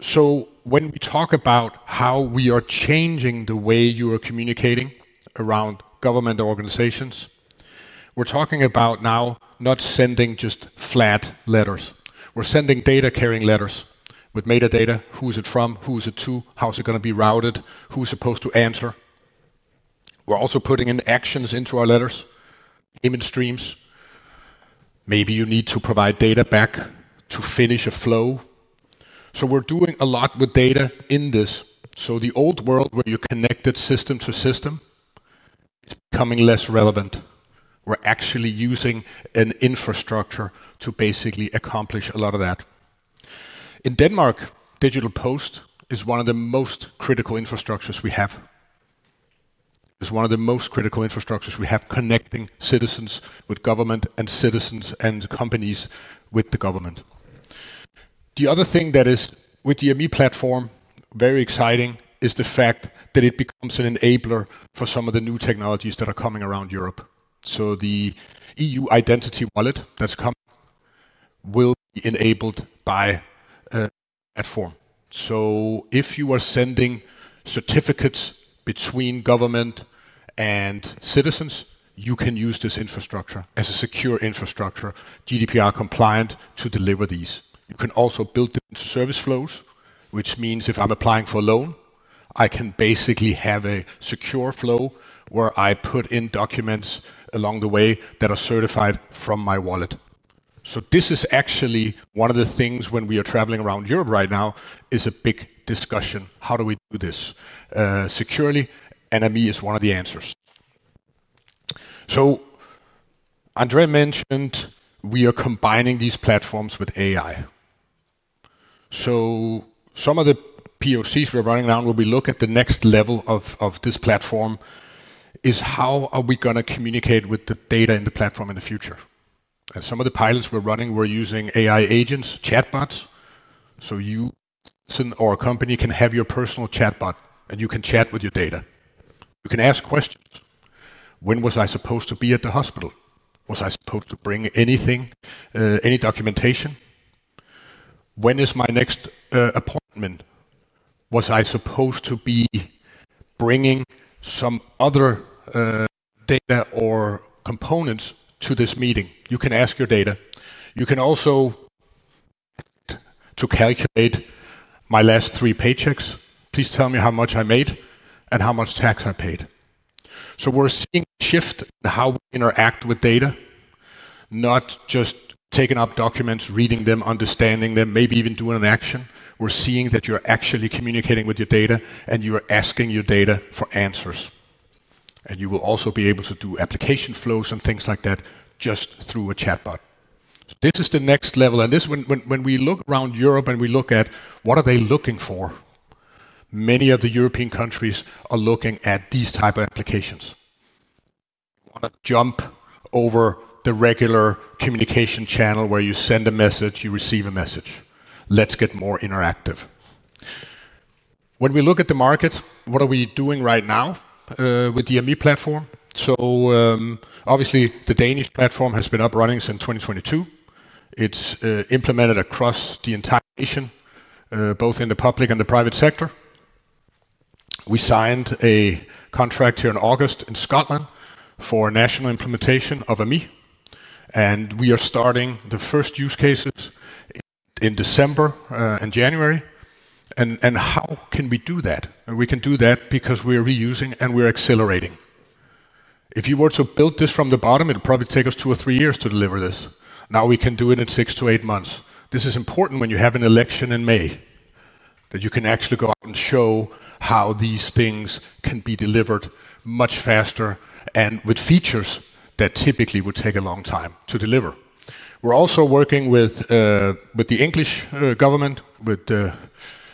When we talk about how we are changing the way you are communicating around government organizations, we're talking about now not sending just flat letters. We're sending data-carrying letters with metadata. Who's it from? Who's it to? How's it going to be routed? Who's supposed to answer? We're also putting in actions into our letters, payment streams. Maybe you need to provide data back to finish a flow. We're doing a lot with data in this. The old world where you connected system to system is becoming less relevant. We're actually using an infrastructure to basically accomplish a lot of that. In Denmark, Digital Post is one of the most critical infrastructures we have. It's one of the most critical infrastructures we have connecting citizens with government and citizens and companies with the government. The other thing that is with the AMI platform, very exciting, is the fact that it becomes an enabler for some of the new technologies that are coming around Europe. The EU Identity Wallet that's coming will be enabled by a platform. If you are sending certificates between government and citizens, you can use this infrastructure as a secure infrastructure, GDPR compliant, to deliver these. You can also build different service flows, which means if I'm applying for a loan, I can basically have a secure flow where I put in documents along the way that are certified from my wallet. This is actually one of the things when we are traveling around Europe right now that is a big discussion. How do we do this securely? AMI is one of the answers. André mentioned we are combining these platforms with AI. Some of the POCs we're running around, when we look at the next level of this platform, is how are we going to communicate with the data in the platform in the future? Some of the pilots we're running, we're using AI agents, chatbots. You or a company can have your personal chatbot, and you can chat with your data. You can ask questions. When was I supposed to be at the hospital? Was I supposed to bring anything, any documentation? When is my next appointment? Was I supposed to be bringing some other data or components to this meeting? You can ask your data. You can also calculate my last three paychecks. Please tell me how much I made and how much tax I paid. We're seeing a shift in how we interact with data, not just taking up documents, reading them, understanding them, maybe even doing an action. We're seeing that you're actually communicating with your data, and you're asking your data for answers. You will also be able to do application flows and things like that just through a chatbot. This is the next level. When we look around Europe and we look at what are they looking for, many of the European countries are looking at these types of applications. You want to jump over the regular communication channel where you send a message, you receive a message. Let's get more interactive. When we look at the market, what are we doing right now with the AMI platform? Obviously, the Danish platform has been up and running since 2022. It's implemented across the entire nation, both in the public and the private sector. We signed a contract here in August in Scotland for national implementation of AMI, and we are starting the first use cases in December and January. How can we do that? We can do that because we are reusing and we are accelerating. If you were to build this from the bottom, it would probably take us two or three years to deliver this. Now we can do it in six to eight months. This is important when you have an election in May, that you can actually go out and show how these things can be delivered much faster and with features that typically would take a long time to deliver. We're also working with the English government, with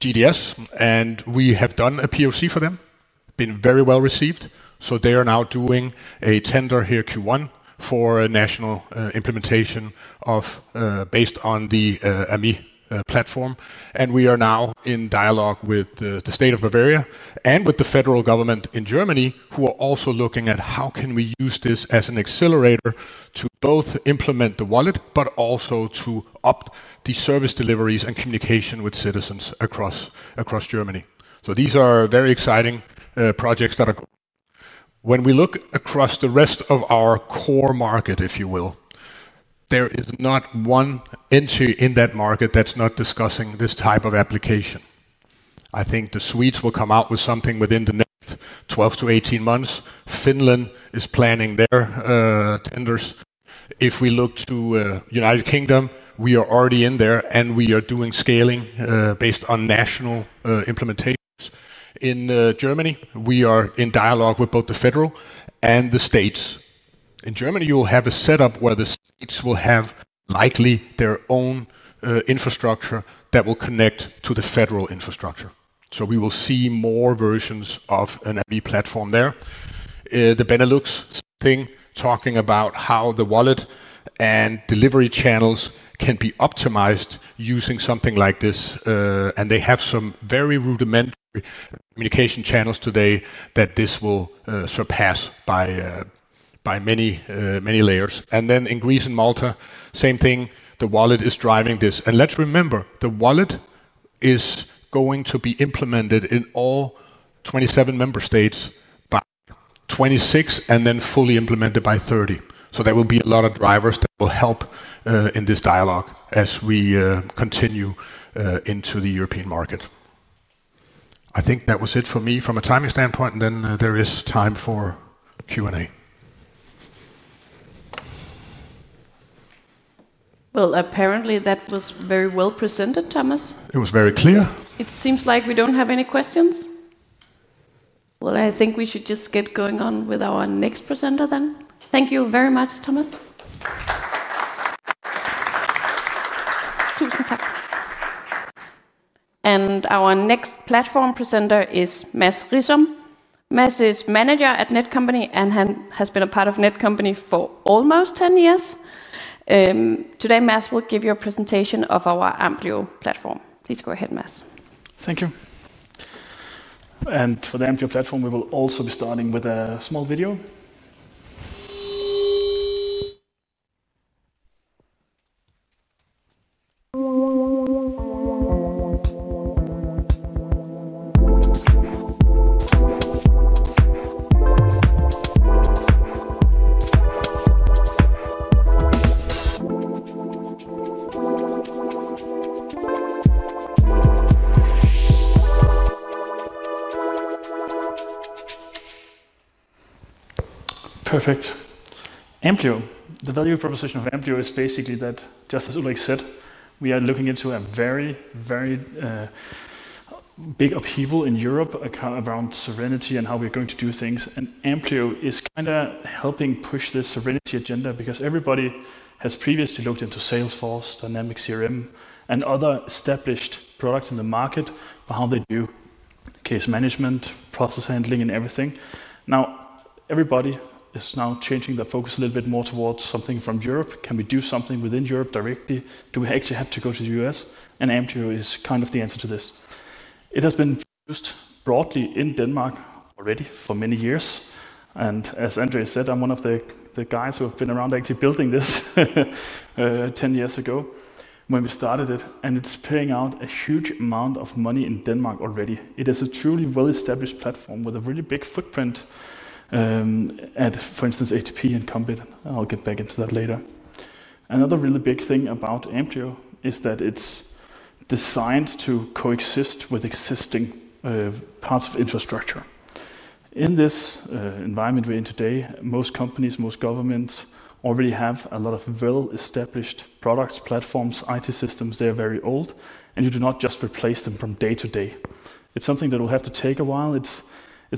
GDS, and we have done a POC for them. It's been very well received. They are now doing a tender here, Q1, for a national implementation based on the AMI platform. We are now in dialogue with the state of Bavaria and with the federal government in Germany, who are also looking at how can we use this as an accelerator to both implement the wallet, but also to up the service deliveries and communication with citizens across Germany. These are very exciting projects that are going on. When we look across the rest of our core market, if you will, there is not one entry in that market that's not discussing this type of application. I think the Swedes will come out with something within the next 12-18 months. Finland is planning their tenders. If we look to the United Kingdom, we are already in there, and we are doing scaling based on national implementations. In Germany, we are in dialogue with both the federal and the states. In Germany, you will have a setup where the states will have likely their own infrastructure that will connect to the federal infrastructure. We will see more versions of an AMI platform there. The Benelux thing, talking about how the wallet and delivery channels can be optimized using something like this. They have some very rudimentary communication channels today that this will surpass by many layers. In Greece and Malta, same thing. The wallet is driving this. Let's remember, the wallet is going to be implemented in all 27 member states by 2026 and then fully implemented by 2030. There will be a lot of drivers that will help in this dialogue as we continue into the European market. I think that was it for me from a timing standpoint. There is time for Q&A. Apparently that was very well presented, Thomas. It was very clear. It seems like we don't have any questions. I think we should just get going on with our next presenter then. Thank you very much, Thomas. Tusind tak. Our next platform presenter is Mads Riisom. Mads is Manager at Netcompany and has been a part of Netcompany for almost 10 years. Today, Mads will give you a presentation of our AMPLIO platform. Please go ahead, Mads. Thank you. For the AMPLIO platform, we will also be starting with a small video. Perfect. AMPLIO, the value proposition of AMPLIO is basically that, just as Ulrik said, we are looking into a very, very big upheaval in Europe around serenity and how we're going to do things. AMPLIO is kind of helping push this serenity agenda because everybody has previously looked into Salesforce, Dynamics CRM, and other established products in the market for how they do case management, process handling, and everything. Now, everybody is now changing their focus a little bit more towards something from Europe. Can we do something within Europe directly? Do we actually have to go to the U.S.? AMPLIO is kind of the answer to this. It has been used broadly in Denmark already for many years. As André said, I'm one of the guys who have been around actually building this 10 years ago when we started it. It's paying out a huge amount of money in Denmark already. It is a truly well-established platform with a really big footprint. At, for instance, HP and Compet. I'll get back into that later. Another really big thing about AMPLIO is that it's designed to coexist with existing parts of infrastructure. In this environment we're in today, most companies, most governments already have a lot of well-established products, platforms, IT systems. They're very old, and you do not just replace them from day to day. It's something that will have to take a while. It's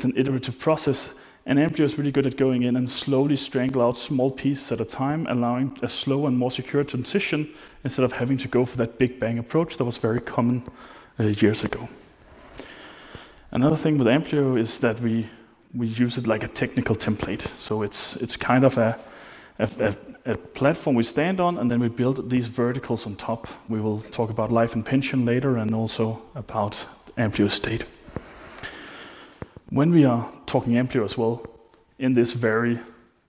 an iterative process. AMPLIO is really good at going in and slowly strangle out small pieces at a time, allowing a slow and more secure transition instead of having to go for that big bang approach that was very common years ago. Another thing with AMPLIO is that we use it like a technical template. It's kind of a platform we stand on, and then we build these verticals on top. We will talk about life and pension later and also about AMPLIO Estate. When we are talking AMPLIO as well, in this very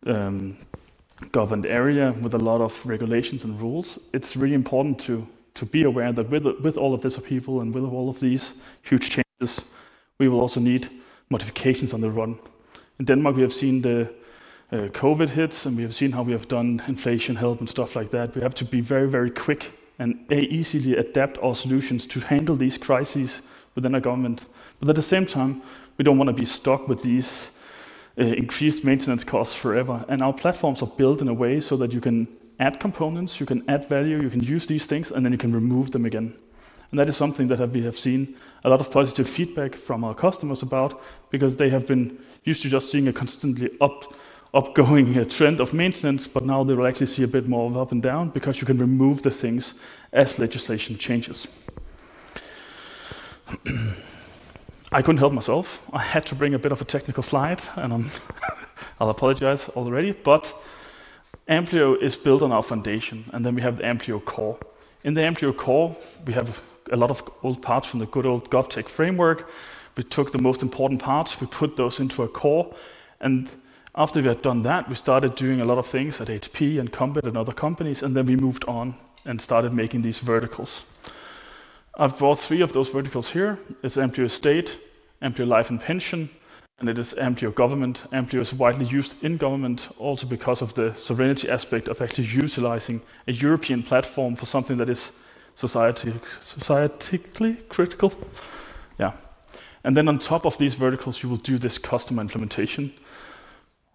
governed area with a lot of regulations and rules, it's really important to be aware that with all of this upheaval and with all of these huge changes, we will also need modifications on the run. In Denmark, we have seen the COVID hits, and we have seen how we have done inflation help and stuff like that. We have to be very, very quick and easily adapt our solutions to handle these crises within our government. At the same time, we don't want to be stuck with these increased maintenance costs forever. Our platforms are built in a way so that you can add components, you can add value, you can use these things, and then you can remove them again. That is something that we have seen a lot of positive feedback from our customers about because they have been used to just seeing a constantly upgoing trend of maintenance, but now they will actually see a bit more of up and down because you can remove the things as legislation changes. I couldn't help myself. I had to bring a bit of a technical slide, and I'll apologize already. AMPLIO is built on our foundation, and then we have the AMPLIO core. In the AMPLIO core, we have a lot of old parts from the good old Govtech Framework. We took the most important parts. We put those into a core. After we had done that, we started doing a lot of things at HP and Compet and other companies. We moved on and started making these verticals. I've brought three of those verticals here. It's AMPLIO Estate, AMPLIO Life & Pension, and it is AMPLIO Government. AMPLIO is widely used in government, also because of the serenity aspect of actually utilizing a European platform for something that is societically critical. On top of these verticals, you will do this customer implementation.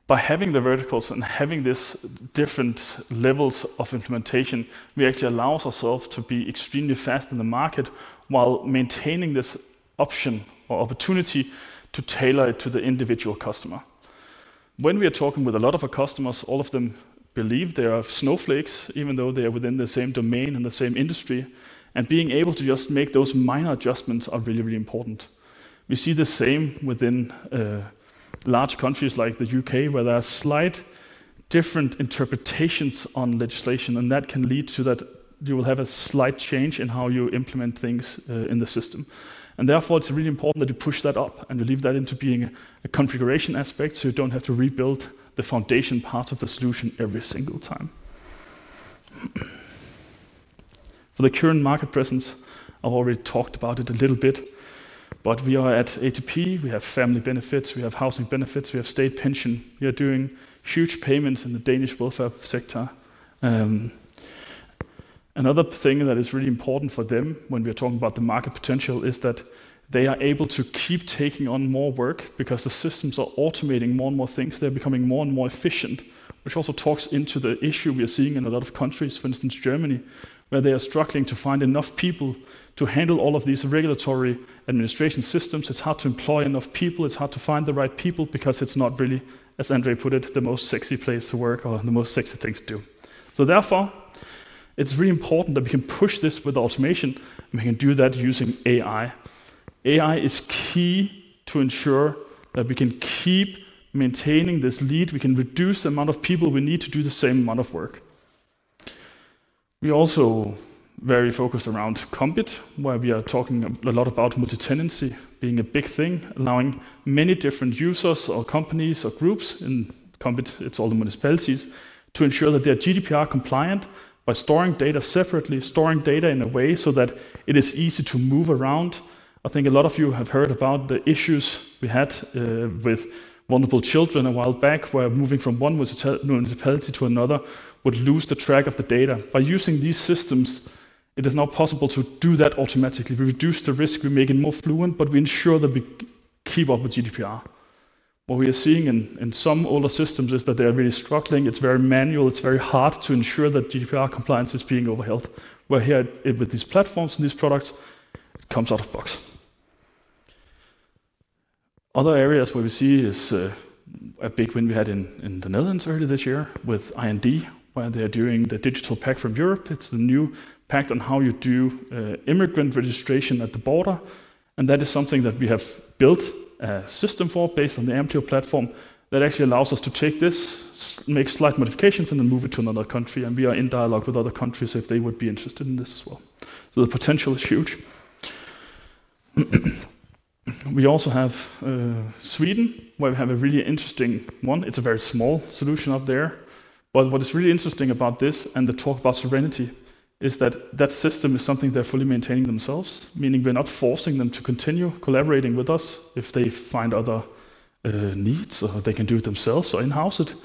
By having the verticals and having these different levels of implementation, we actually allow ourselves to be extremely fast in the market while maintaining this option or opportunity to tailor it to the individual customer. When we are talking with a lot of our customers, all of them believe they are snowflakes, even though they are within the same domain and the same industry. Being able to just make those minor adjustments is really, really important. We see the same within large countries like the U.K., where there are slight different interpretations on legislation. That can lead to that you will have a slight change in how you implement things in the system. Therefore, it's really important that you push that up and you leave that into being a configuration aspect so you don't have to rebuild the foundation part of the solution every single time. For the current market presence, I've already talked about it a little bit, but we are at HP. We have family benefits. We have housing benefits. We have state pension. We are doing huge payments in the Danish welfare sector. Another thing that is really important for them when we are talking about the market potential is that they are able to keep taking on more work because the systems are automating more and more things. They're becoming more and more efficient, which also talks into the issue we are seeing in a lot of countries, for instance, Germany, where they are struggling to find enough people to handle all of these regulatory administration systems. It's hard to employ enough people. It's hard to find the right people because it's not really, as André put it, the most sexy place to work or the most sexy thing to do. Therefore, it's really important that we can push this with automation, and we can do that using AI. AI is key to ensure that we can keep maintaining this lead. We can reduce the amount of people we need to do the same amount of work. We are also very focused around Compet, where we are talking a lot about multitenancy being a big thing, allowing many different users or companies or groups. In Compet, it's all the municipalities, to ensure that they are GDPR compliant by storing data separately, storing data in a way so that it is easy to move around. I think a lot of you have heard about the issues we had with vulnerable children a while back, where moving from one municipality to another would lose the track of the data. By using these systems, it is now possible to do that automatically. We reduce the risk. We make it more fluent, but we ensure that we keep up with GDPR. What we are seeing in some older systems is that they are really struggling. It's very manual. It's very hard to ensure that GDPR compliance is being overhauled. Here, with these platforms and these products, it comes out of the box. Other areas where we see is a big win we had in the Netherlands earlier this year with IND, where they are doing the digital pact from Europe. It's the new pact on how you do immigrant registration at the border. That is something that we have built a system for based on the AMPLIO platform that actually allows us to take this, make slight modifications, and then move it to another country. We are in dialogue with other countries if they would be interested in this as well. The potential is huge. We also have Sweden, where we have a really interesting one. It's a very small solution out there. What is really interesting about this and the talk about sovereignty is that that system is something they're fully maintaining themselves, meaning we're not forcing them to continue collaborating with us if they find other needs or they can do it themselves or in-house it.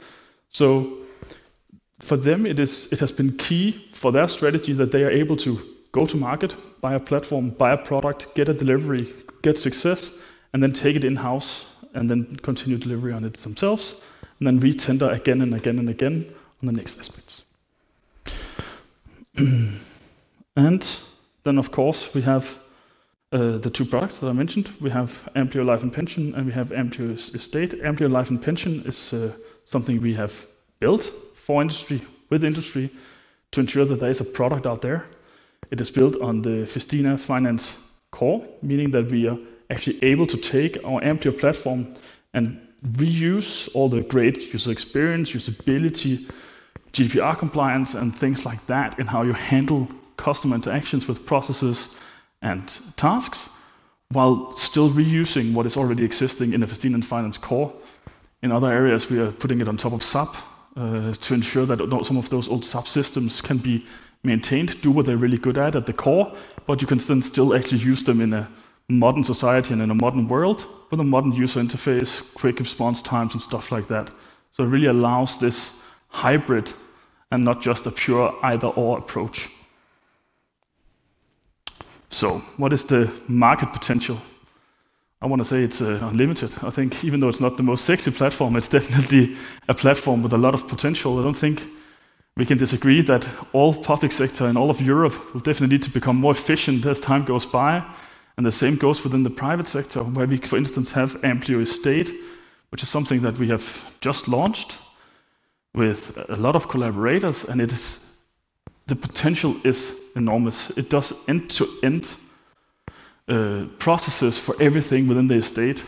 For them, it has been key for their strategy that they are able to go to market, buy a platform, buy a product, get a delivery, get success, and then take it in-house and then continue delivery on it themselves, and then retender again and again and again on the next aspects. Of course, we have the two products that I mentioned. We have AMPLIO Life & Pension, and we have AMPLIO Estate. AMPLIO Life & Pension is something we have built for industry, with industry, to ensure that there is a product out there. It is built on the Festina Finance core, meaning that we are actually able to take our AMPLIO platform and reuse all the great user experience, usability, GDPR compliance, and things like that in how you handle customer interactions with processes and tasks while still reusing what is already existing in the Festina Finance core. In other areas, we are putting it on top of SAP to ensure that some of those old SAP systems can be maintained, do what they're really good at at the core, but you can still actually use them in a modern society and in a modern world with a modern user interface, quick response times, and stuff like that. It really allows this hybrid and not just a pure either/or approach. What is the market potential? I want to say it's unlimited. I think even though it's not the most sexy platform, it's definitely a platform with a lot of potential. I don't think we can disagree that all public sector and all of Europe will definitely need to become more efficient as time goes by. The same goes within the private sector, where we, for instance, have AMPLIO Estate, which is something that we have just launched with a lot of collaborators. The potential is enormous. It does end-to-end processes for everything within the estate.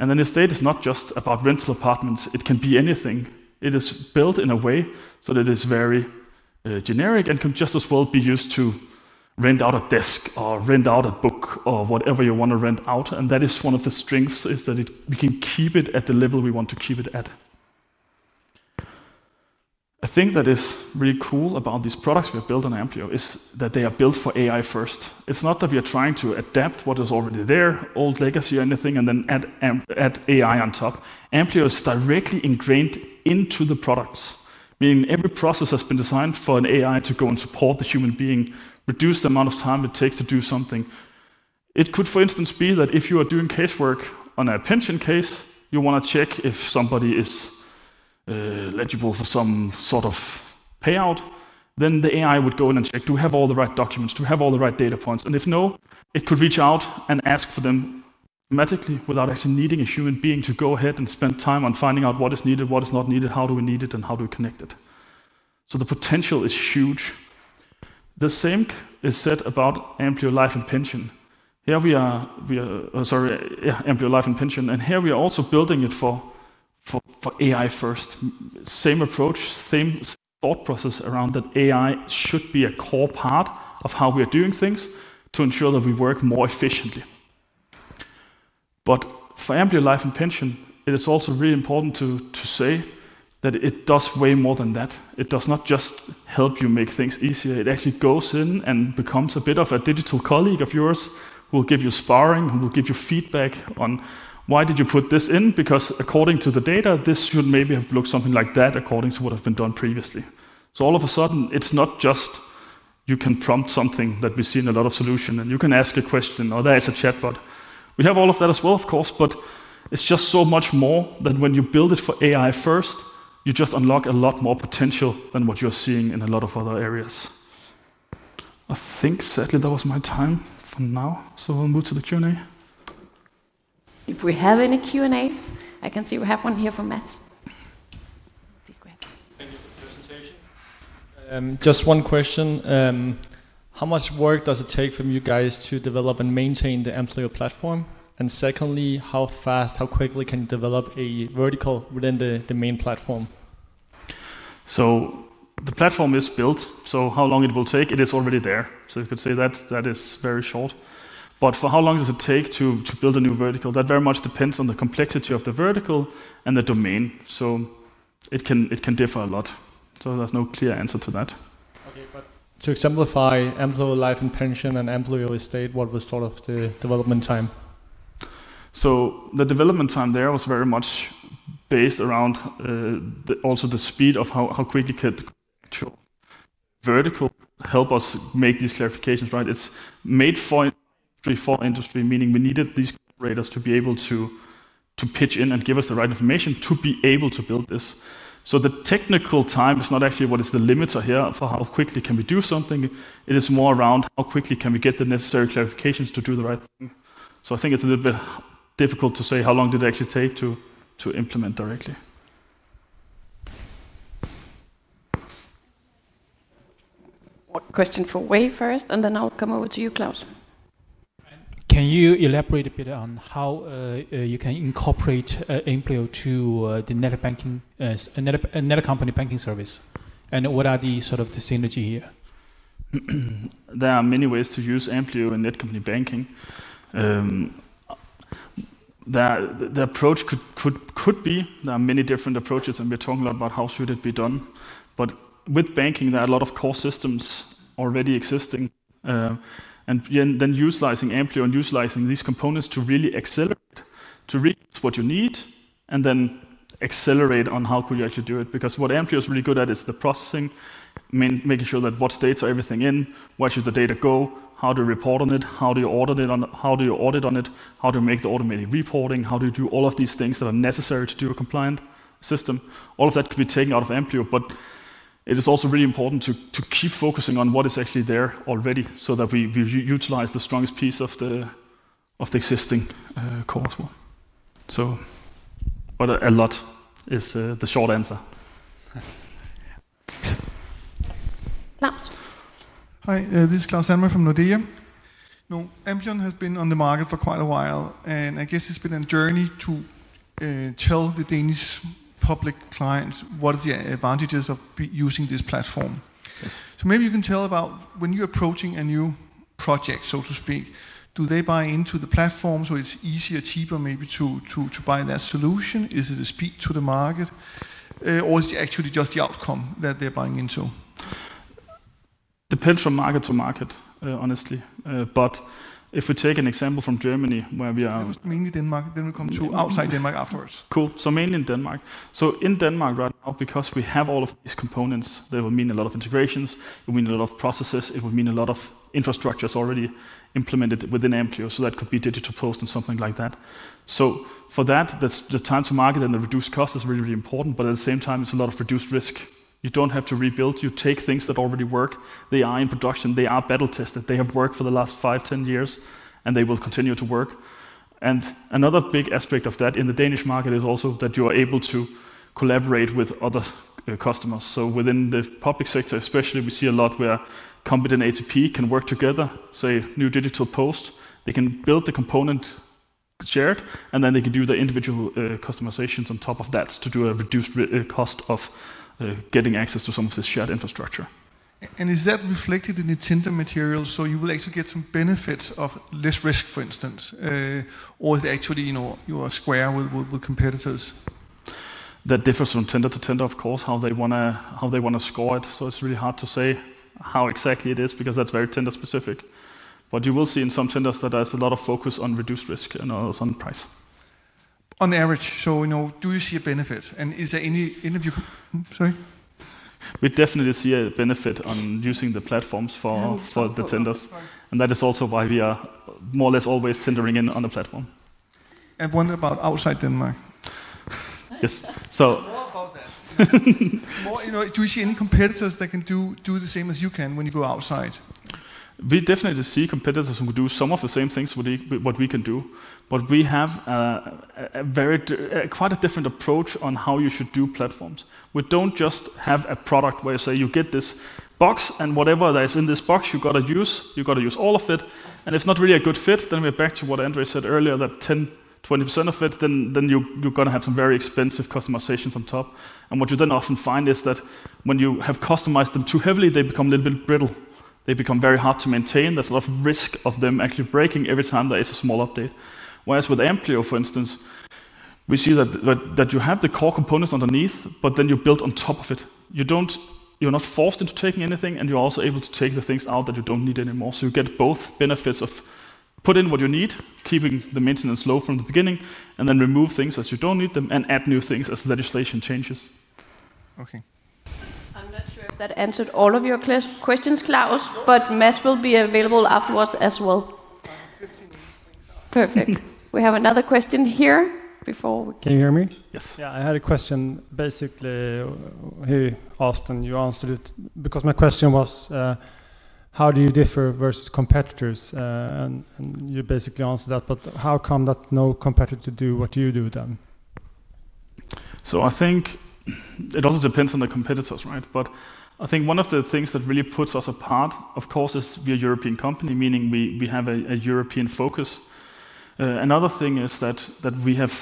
The estate is not just about rental apartments. It can be anything. It is built in a way so that it is very generic and can just as well be used to rent out a desk or rent out a book or whatever you want to rent out. That is one of the strengths, that we can keep it at the level we want to keep it at. I think that is really cool about these products we have built on AMPLIO, that they are built for AI first. It's not that we are trying to adapt what is already there, old legacy or anything, and then add AI on top. AMPLIO is directly ingrained into the products, meaning every process has been designed for an AI to go and support the human being, reduce the amount of time it takes to do something. It could, for instance, be that if you are doing casework on a pension case, you want to check if somebody is eligible for some sort of payout, then the AI would go in and check, do we have all the right documents, do we have all the right data points? If no, it could reach out and ask for them automatically without actually needing a human being to go ahead and spend time on finding out what is needed, what is not needed, how do we need it, and how do we connect it. The potential is huge. The same is said about employee. life and pension. Here we are, employee life and pension. Here we are also building it for AI first. Same approach, same thought process around that AI should be a core part of how we are doing things to ensure that we work more efficiently. For employee life and pension, it is also really important to say that it does way more than that. It does not just help you make things easier. It actually goes in and becomes a bit of a digital colleague of yours who will give you sparring, who will give you feedback on, "Why did you put this in?" Because according to the data, this should maybe have looked something like that according to what has been done previously. All of a sudden, it's not just you can prompt something that we see in a lot of solutions, and you can ask a question, or there is a chatbot. We have all of that as well, of course, but it's just so much more that when you build it for AI first, you just unlock a lot more potential than what you're seeing in a lot of other areas. I think, sadly, that was my time for now, so we'll move to the Q&A. If we have any Q&As, I can see we have one here from Matt. Please go ahead. Thank you for the presentation. Just one question. How much work does it take from you guys to develop and maintain the employee platform? Secondly, how quickly can you develop a vertical within the main platform? The platform is built, so how long it will take, it is already there. You could say that is very short. For how long does it take to build a new vertical? That very much depends on the complexity of the vertical and the domain. It can differ a lot. There is no clear answer to that. Okay, to exemplify employee life and pension and employee estate, what was the development time? The development time there was very much based around the speed of how quickly the actual vertical could help us make these clarifications, right? It's made for industry, meaning we needed these operators to be able to pitch in and give us the right information to be able to build this. The technical time is not actually what is the limiter here for how quickly we can do something. It is more around how quickly we can get the necessary clarifications to do the right thing. I think it's a little bit difficult to say how long it actually took to implement directly. One question for Wei first, and then I'll come over to you, Klaus. Can you elaborate a bit on how you can incorporate AMPLIO to the Netcompany Banking Services? What are the sort of the synergy here? There are many ways to use AMPLIO in Netcompany Banking. The approach could be, there are many different approaches, and we're talking a lot about how should it be done. With banking, there are a lot of core systems already existing, and then utilizing AMPLIO and utilizing these components to really accelerate, to reach what you need, and then accelerate on how could you actually do it. What AMPLIO is really good at is the processing, making sure that what states are everything in, where should the data go, how do you report on it, how do you audit on it, how do you make the automated reporting, how do you do all of these things that are necessary to do a compliant system. All of that could be taken out of AMPLIO, but it is also really important to keep focusing on what is actually there already so that we utilize the strongest piece of the existing core as well. A lot is, the short answer. Thanks. Klaus. Hi, this is [Klaus Sandberg] from Nordea. AMPLIO has been on the market for quite a while, and I guess it's been a journey to tell the Danish public clients what are the advantages of using this platform. Yes. Maybe you can tell about when you're approaching a new project, so to speak. Do they buy into the platform so it's easier, cheaper, maybe to buy their solution? Is it a speed to the market, or is it actually just the outcome that they're buying into? Depends from market to market, honestly. If we take an example from Germany, where we are. Mainly Denmark, then we come to outside Denmark afterwards. Cool. Mainly in Denmark. In Denmark right now, because we have all of these components, that would mean a lot of integrations, a lot of processes, and a lot of infrastructures already implemented within AMPLIO, so that could be digital post and something like that. For that, the time to market and the reduced cost is really, really important, but at the same time, it's a lot of reduced risk. You don't have to rebuild. You take things that already work. They are in production. They are battle tested. They have worked for the last 5, 10 years, and they will continue to work. Another big aspect of that in the Danish market is also that you are able to collaborate with other customers. Within the public sector especially, we see a lot where company and ATP can work together, say, new digital post. They can build the component shared, and then they can do the individual customizations on top of that to do a reduced cost of getting access to some of this shared infrastructure. Is that reflected in the tender materials? You will actually get some benefits of less risk, for instance, or is it actually, you are square with competitors? That differs from tender to tender, of course, how they wanna, how they wanna score it. It's really hard to say how exactly it is because that's very tender specific. You will see in some tenders that there's a lot of focus on reduced risk and also on price. On average, do you see a benefit? Is there any of you? We definitely see a benefit on using the platforms for the tenders. Oh, sorry. That is also why we are more or less always tendering in on the platform. What about outside Denmark? Yes. So. More about that. Do you see any competitors that can do the same as you can when you go outside? We definitely see competitors who do some of the same things with what we can do. We have quite a different approach on how you should do platforms. We don't just have a product where you say you get this box and whatever there is in this box you have to use, you have to use all of it. If it's not really a good fit, then we're back to what André said earlier, that 10% or 20% of it, then you are going to have some very expensive customizations on top. What you then often find is that when you have customized them too heavily, they become a little bit brittle. They become very hard to maintain. There's a lot of risk of them actually breaking every time there is a small update. Whereas with AMPLIO, for instance, we see that you have the core components underneath, but then you build on top of it. You are not forced into taking anything, and you're also able to take the things out that you don't need anymore. You get both benefits of putting what you need, keeping the maintenance low from the beginning, and then remove things as you don't need them and add new things as legislation changes. Okay. I'm not sure if that answered all of your questions, [Klaus], but Mads will be available afterwards as well. 15 minutes. Perfect. We have another question here before we. Can you hear me? Yes. Yeah, I had a question. Basically, hey, Austin, you answered it because my question was, how do you differ versus competitors? You basically answered that, but how come that no competitor to do what you do then? I think it also depends on the competitors, right? I think one of the things that really puts us apart, of course, is we are a European company, meaning we have a European focus. Another thing is that we have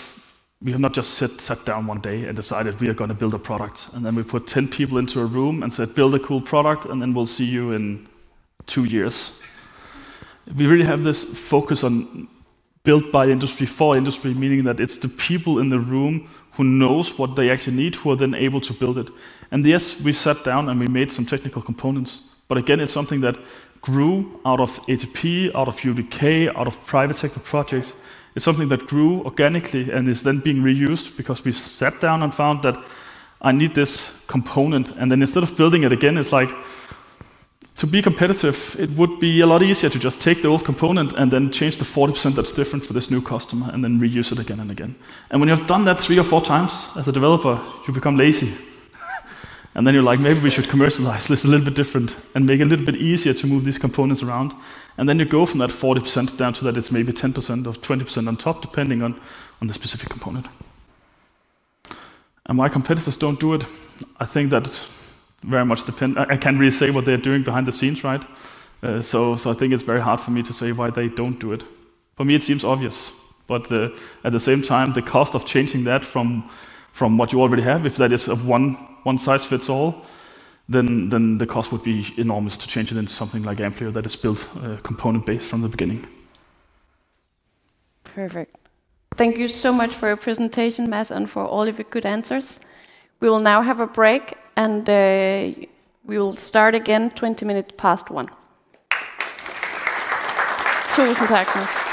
not just sat down one day and decided we are going to build a product, and then we put 10 people into a room and said, "Build a cool product, and then we'll see you in two years." We really have this focus on built by industry, for industry, meaning that it's the people in the room who know what they actually need, who are then able to build it. Yes, we sat down and we made some technical components. Again, it's something that grew out of ATP, out of UDK, out of private sector projects. It's something that grew organically and is then being reused because we sat down and found that I need this component. Instead of building it again, it's like to be competitive, it would be a lot easier to just take the old component and then change the 40% that's different for this new customer and then reuse it again and again. When you have done that three or four times as a developer, you become lazy. Then you're like, "Maybe we should commercialize this a little bit different and make it a little bit easier to move these components around." You go from that 40% down to that it's maybe 10% or 20% on top, depending on the specific component. Why competitors don't do it, I think that it very much depends. I can't really say what they're doing behind the scenes, right? I think it's very hard for me to say why they don't do it. For me, it seems obvious. At the same time, the cost of changing that from what you already have, if that is a one size fits all, then the cost would be enormous to change it into something like AMPLIO that is built component-based from the beginning. Perfect. Thank you so much for your presentation, Matt, and for all of your good answers. We will now have a break, and we will start again 20 minutes past 1:00 P.M.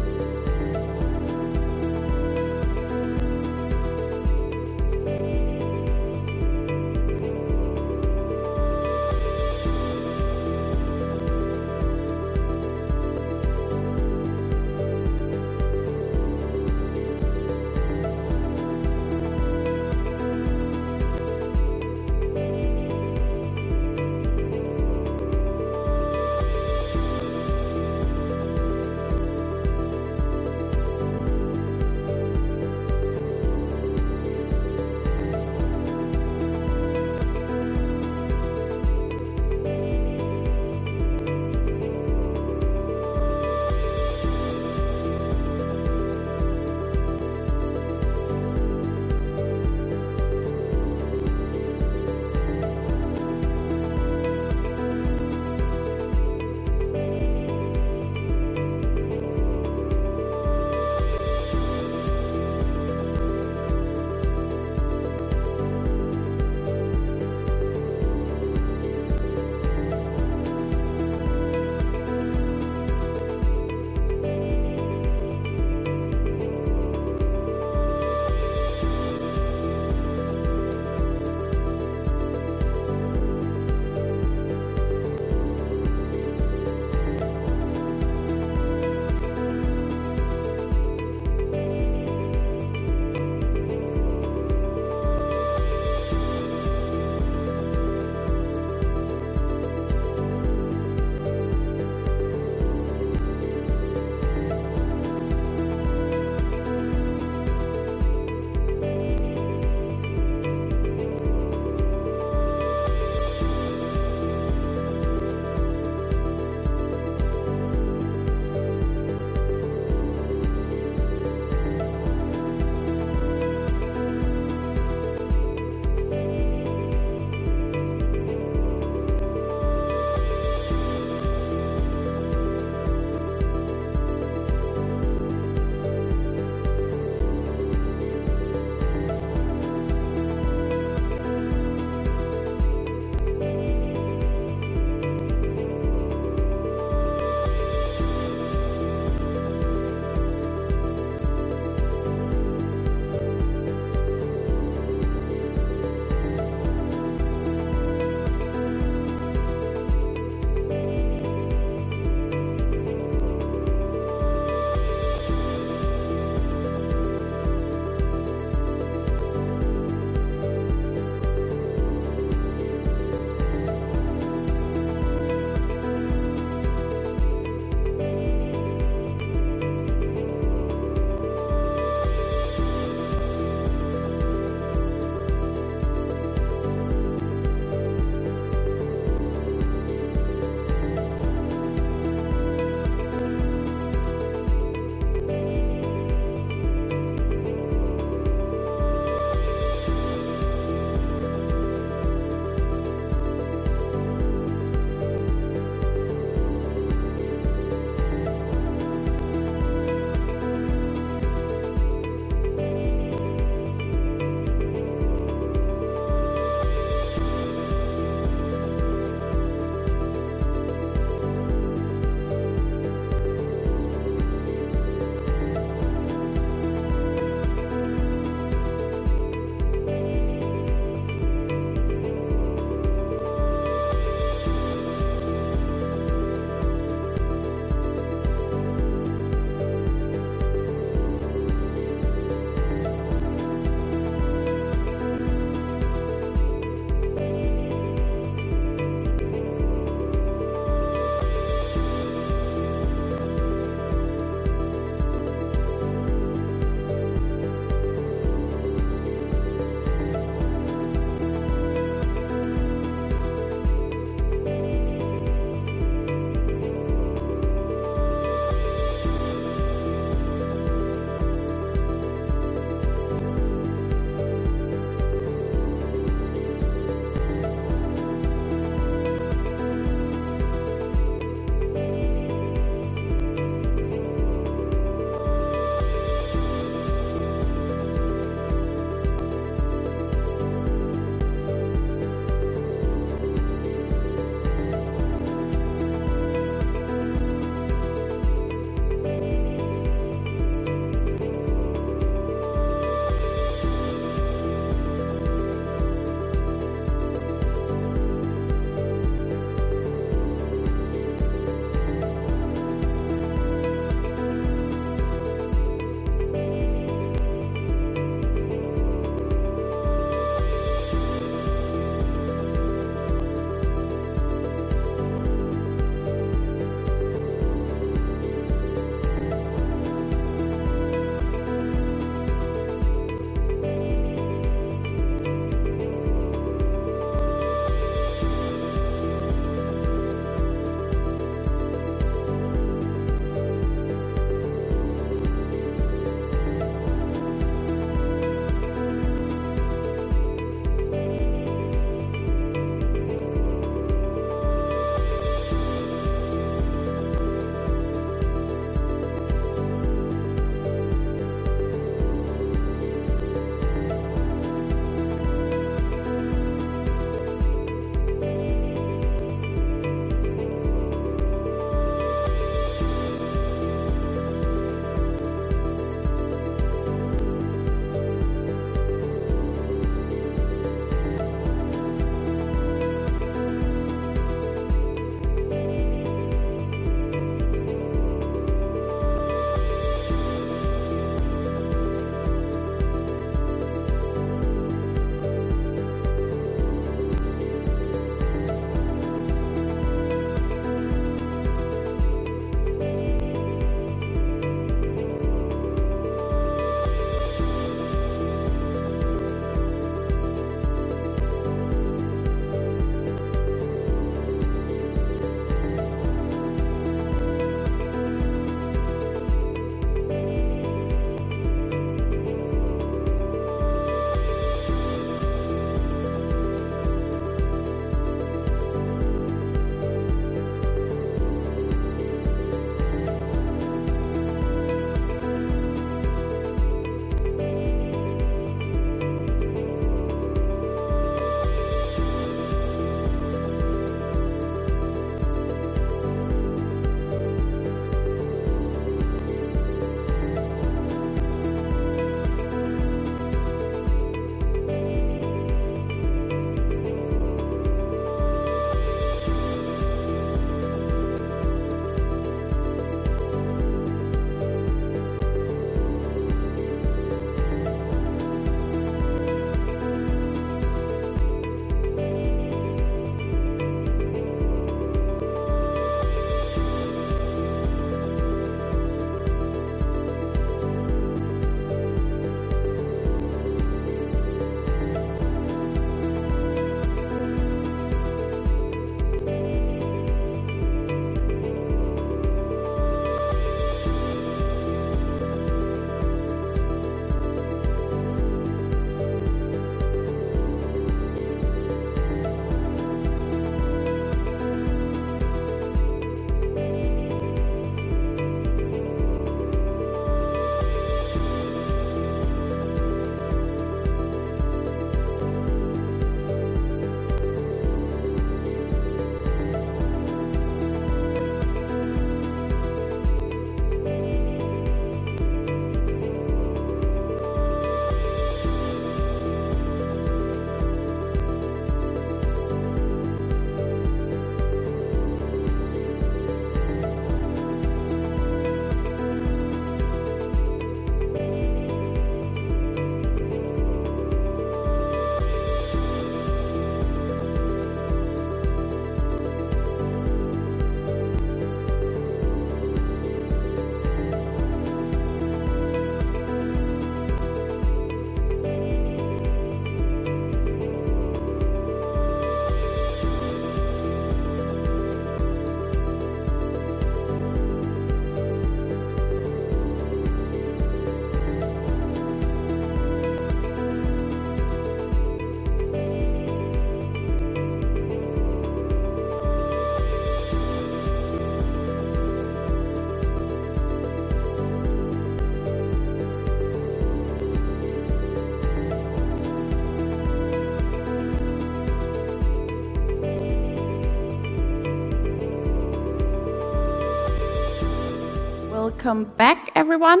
Welcome back, everyone.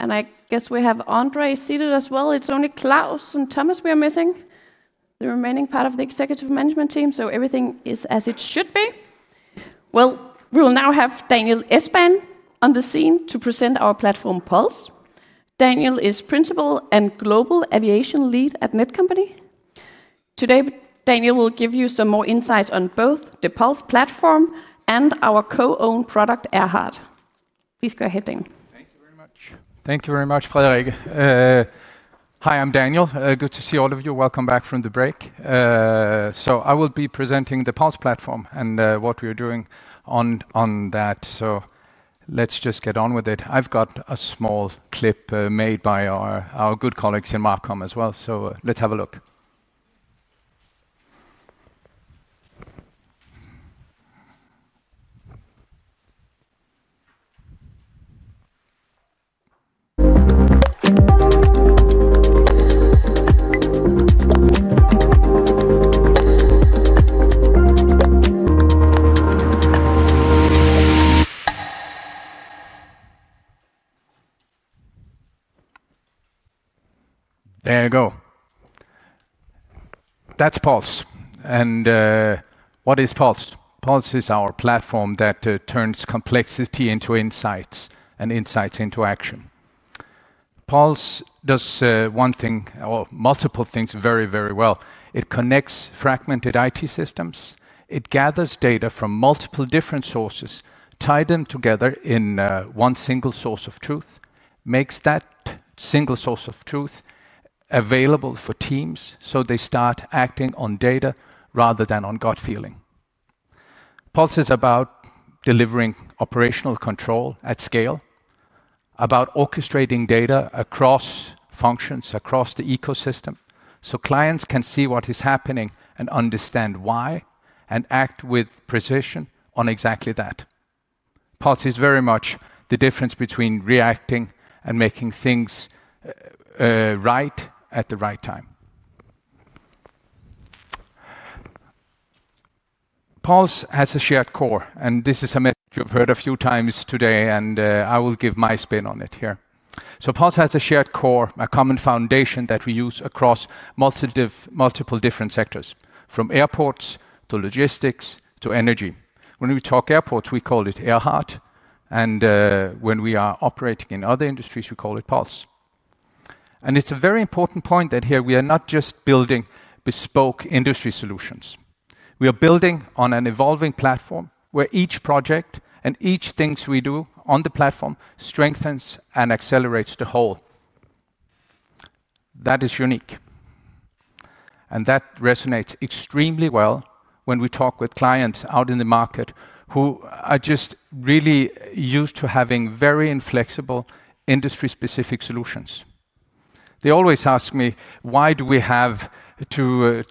I guess we have André seated as well. It's only Klaus and Thomas we are missing, the remaining part of the executive management team. Everything is as it should be. We will now have Daniel Espan on the scene to present our platform, PULSE. Daniel is Principal and Global Aviation Lead at Netcompany. Today, Daniel will give you some more insights on both the PULSE platform and our co-owned product, AIRHART. Please go ahead, Daniel. Thank you very much. Thank you very much, Frederik. Hi, I'm Daniel. Good to see all of you. Welcome back from the break. I will be presenting the PULSE platform and what we are doing on that. Let's just get on with it. I've got a small clip made by our good colleagues in Markham as well. Let's have a look. There you go. That's PULSE. What is PULSE? PULSE is our platform that turns complexity into insights and insights into action. PULSE does one thing or multiple things very, very well. It connects fragmented IT systems. It gathers data from multiple different sources, ties them together in one single source of truth, makes that single source of truth available for teams so they start acting on data rather than on gut feeling. PULSE is about delivering operational control at scale, about orchestrating data across functions, across the ecosystem, so clients can see what is happening and understand why and act with precision on exactly that. PULSE is very much the difference between reacting and making things right at the right time. PULSE has a shared core, and this is a message you've heard a few times today, and I will give my spin on it here. PULSE has a shared core, a common foundation that we use across multiple different sectors, from airports to logistics to energy. When we talk airports, we call it AIRHART. When we are operating in other industries, we call it PULSE. It's a very important point that here we are not just building bespoke industry solutions. We are building on an evolving platform where each project and each thing we do on the platform strengthens and accelerates the whole. That is unique. That resonates extremely well when we talk with clients out in the market who are just really used to having very inflexible industry-specific solutions. They always ask me, "Why do we have to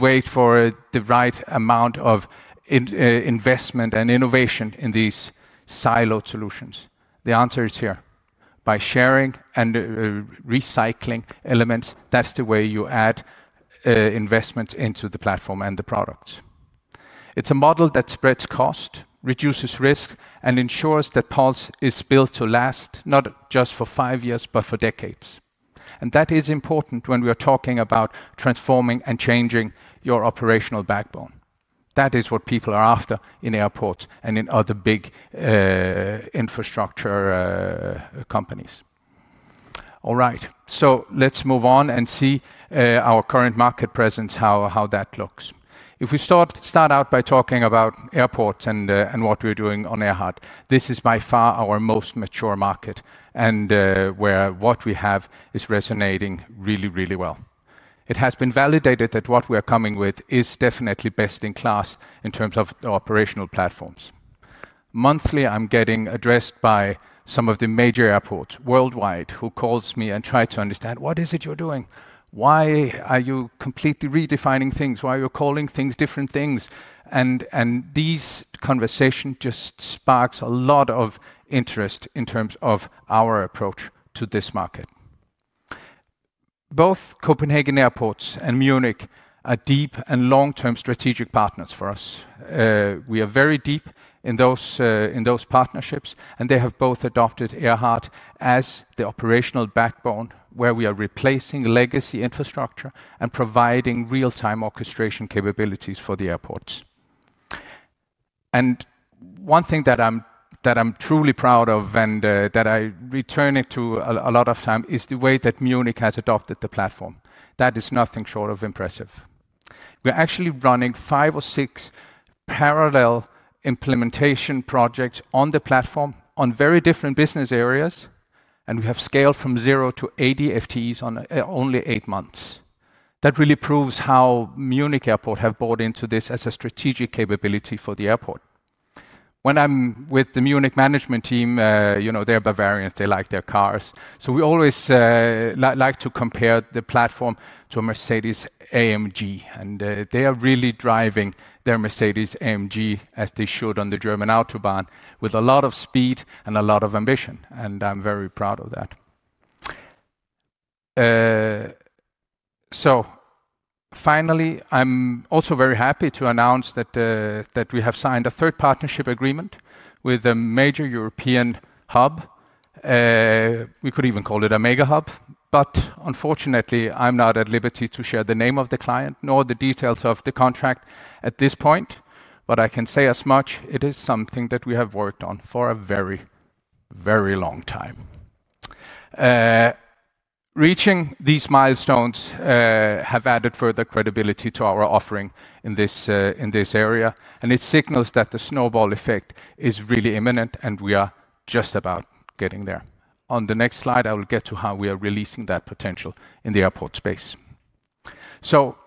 wait for the right amount of investment and innovation in these siloed solutions?" The answer is here. By sharing and recycling elements, that's the way you add investment into the platform and the products. It's a model that spreads cost, reduces risk, and ensures that PULSE is built to last not just for five years, but for decades. That is important when we are talking about transforming and changing your operational backbone. That is what people are after in airports and in other big infrastructure companies. All right, let's move on and see our current market presence, how that looks. If we start out by talking about airports and what we're doing on AIRHART, this is by far our most mature market and where what we have is resonating really, really well. It has been validated that what we are coming with is definitely best in class in terms of the operational platforms. Monthly, I'm getting addressed by some of the major airports worldwide who call me and try to understand, "What is it you're doing? Why are you completely redefining things? Why are you calling things different things?" These conversations just spark a lot of interest in terms of our approach to this market. Both Copenhagen Airports and Munich are deep and long-term strategic partners for us. We are very deep in those partnerships, and they have both adopted AIRHART as the operational backbone where we are replacing legacy infrastructure and providing real-time orchestration capabilities for the airports. One thing that I'm truly proud of and that I return to a lot of time is the way that Munich has adopted the platform. That is nothing short of impressive. We're actually running five or six parallel implementation projects on the platform on very different business areas, and we have scaled from zero to 80 FTEs in only eight months. That really proves how Munich Airport has bought into this as a strategic capability for the airport. When I'm with the Munich management team, you know, they're Bavarians. They like their cars. We always like to compare the platform to a Mercedes-AMG, and they are really driving their Mercedes-AMG, as they should on the German Autobahn, with a lot of speed and a lot of ambition, and I'm very proud of that. Finally, I'm also very happy to announce that we have signed a third partnership agreement with a major European hub. We could even call it a mega hub, but unfortunately, I'm not at liberty to share the name of the client nor the details of the contract at this point. I can say as much, it is something that we have worked on for a very, very long time. Reaching these milestones has added further credibility to our offering in this area, and it signals that the snowball effect is really imminent, and we are just about getting there. On the next slide, I will get to how we are releasing that potential in the airport space.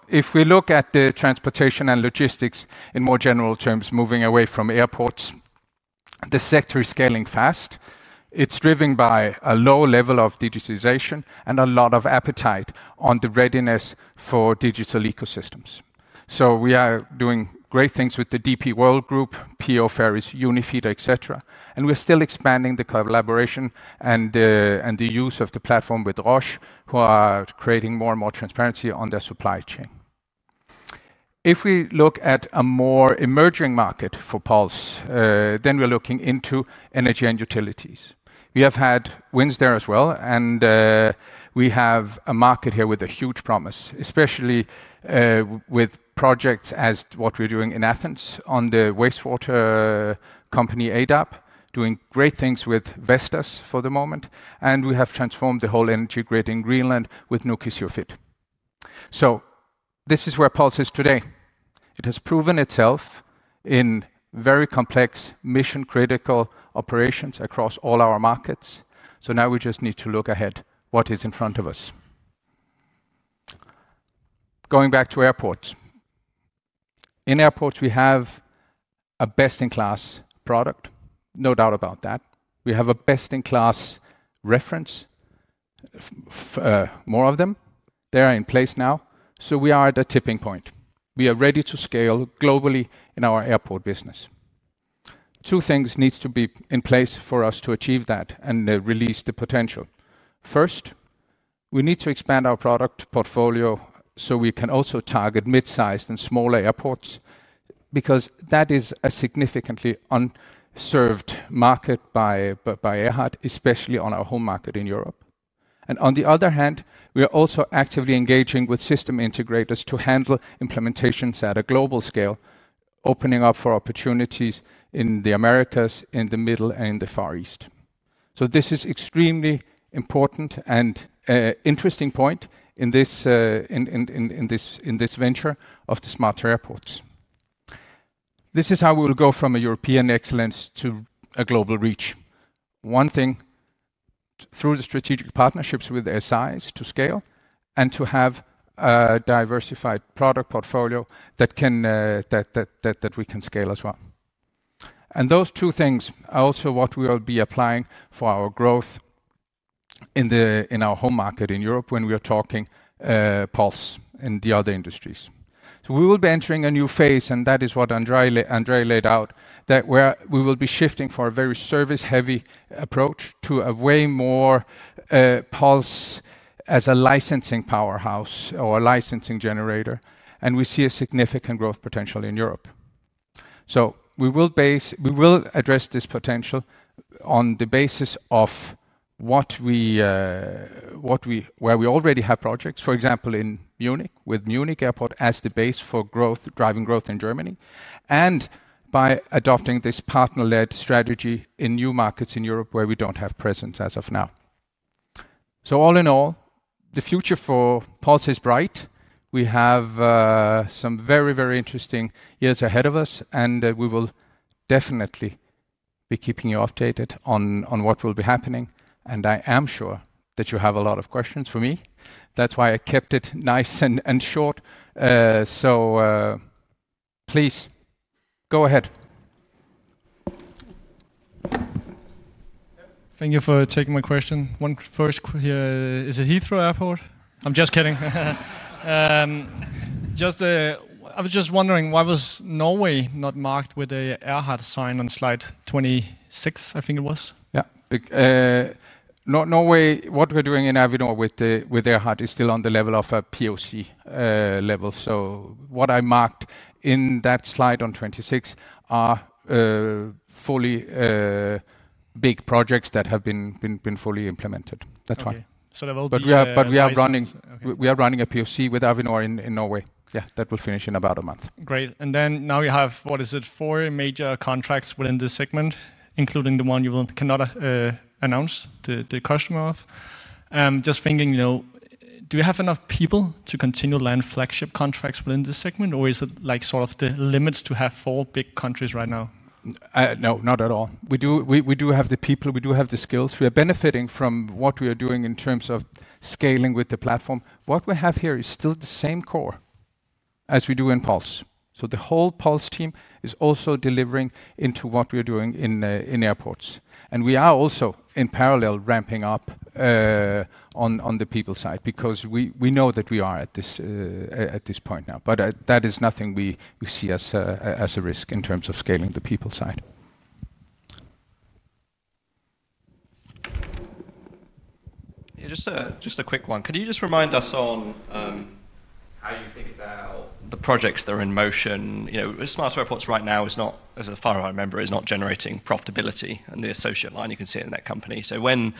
If we look at transportation and logistics in more general terms, moving away from airports, the sector is scaling fast. It's driven by a low level of digitization and a lot of appetite on the readiness for digital ecosystems. We are doing great things with the DP World Group, P&O Ferries, Unifeeder, etc., and we're still expanding the collaboration and the use of the platform with Roche, who are creating more and more transparency on their supply chain. If we look at a more emerging market for PULSE, then we're looking into energy and utilities. We have had wins there as well, and we have a market here with a huge promise, especially with projects as what we're doing in Athens on the wastewater company EYDAP, doing great things with Vestas for the moment, and we have transformed the whole energy grid in Greenland with Nukissiorfiit. This is where PULSE is today. It has proven itself in very complex mission-critical operations across all our markets. Now we just need to look ahead at what is in front of us. Going back to airports, in airports, we have a best-in-class product, no doubt about that. We have a best-in-class reference. More of them are in place now. We are at a tipping point. We are ready to scale globally in our airport business. Two things need to be in place for us to achieve that and release the potential. First, we need to expand our product portfolio so we can also target mid-sized and smaller airports because that is a significantly unserved market by AIRHARTt, especially in our home market in Europe. On the other hand, we are also actively engaging with system integrators to handle implementations at a global scale, opening up for opportunities in the Americas, in the Middle East, and in the Far East. This is an extremely important and interesting point in this venture of the smart airports. This is how we will go from a European excellence to a global reach. One thing. Through the strategic partnerships with SIs to scale and to have a diversified product portfolio that we can scale as well. Those two things are also what we will be applying for our growth in our home market in Europe when we are talking PULSE and the other industries. We will be entering a new phase, and that is what André laid out, where we will be shifting from a very service-heavy approach to a way more, PULSE as a licensing powerhouse or a licensing generator, and we see a significant growth potential in Europe. We will address this potential on the basis of what we, where we already have projects, for example, in Munich with Munich Airport as the base for growth, driving growth in Germany, and by adopting this partner-led strategy in new markets in Europe where we don't have presence as of now. All in all, the future for PULSE is bright. We have some very, very interesting years ahead of us, and we will definitely be keeping you updated on what will be happening. I am sure that you have a lot of questions for me. That's why I kept it nice and short. Please go ahead. Thank you for taking my question. One first question here. Is it Heathrow Airport? I'm just kidding. I was just wondering, why was Norway not marked with an AIRHART sign on slide 26, I think it was? Yeah. Norway, what we're doing in Avinor with the AIRHART is still on the level of a POC level. What I marked in that slide on 26 are fully big projects that have been fully implemented. That's why. That will be the next slide. We are running a POC with Avinor in Norway. That will finish in about a month. Great. Now you have, what is it, four major contracts within this segment, including the one you cannot announce the customer of. I'm just thinking, do you have enough people to continue to land flagship contracts within this segment, or is it like sort of the limits to have four big countries right now? No, not at all. We do have the people, we do have the skills. We are benefiting from what we are doing in terms of scaling with the platform. What we have here is still the same core as we do in PULSE. The whole PULSE team is also delivering into what we are doing in airports. We are also in parallel ramping up on the people side because we know that we are at this point now. That is nothing we see as a risk in terms of scaling the people side. Just a quick one. Could you remind us on how you think about the projects that are in motion? You know, Smart Airports right now is not, as a far-right member, generating profitability on the associate line you can see in that company. When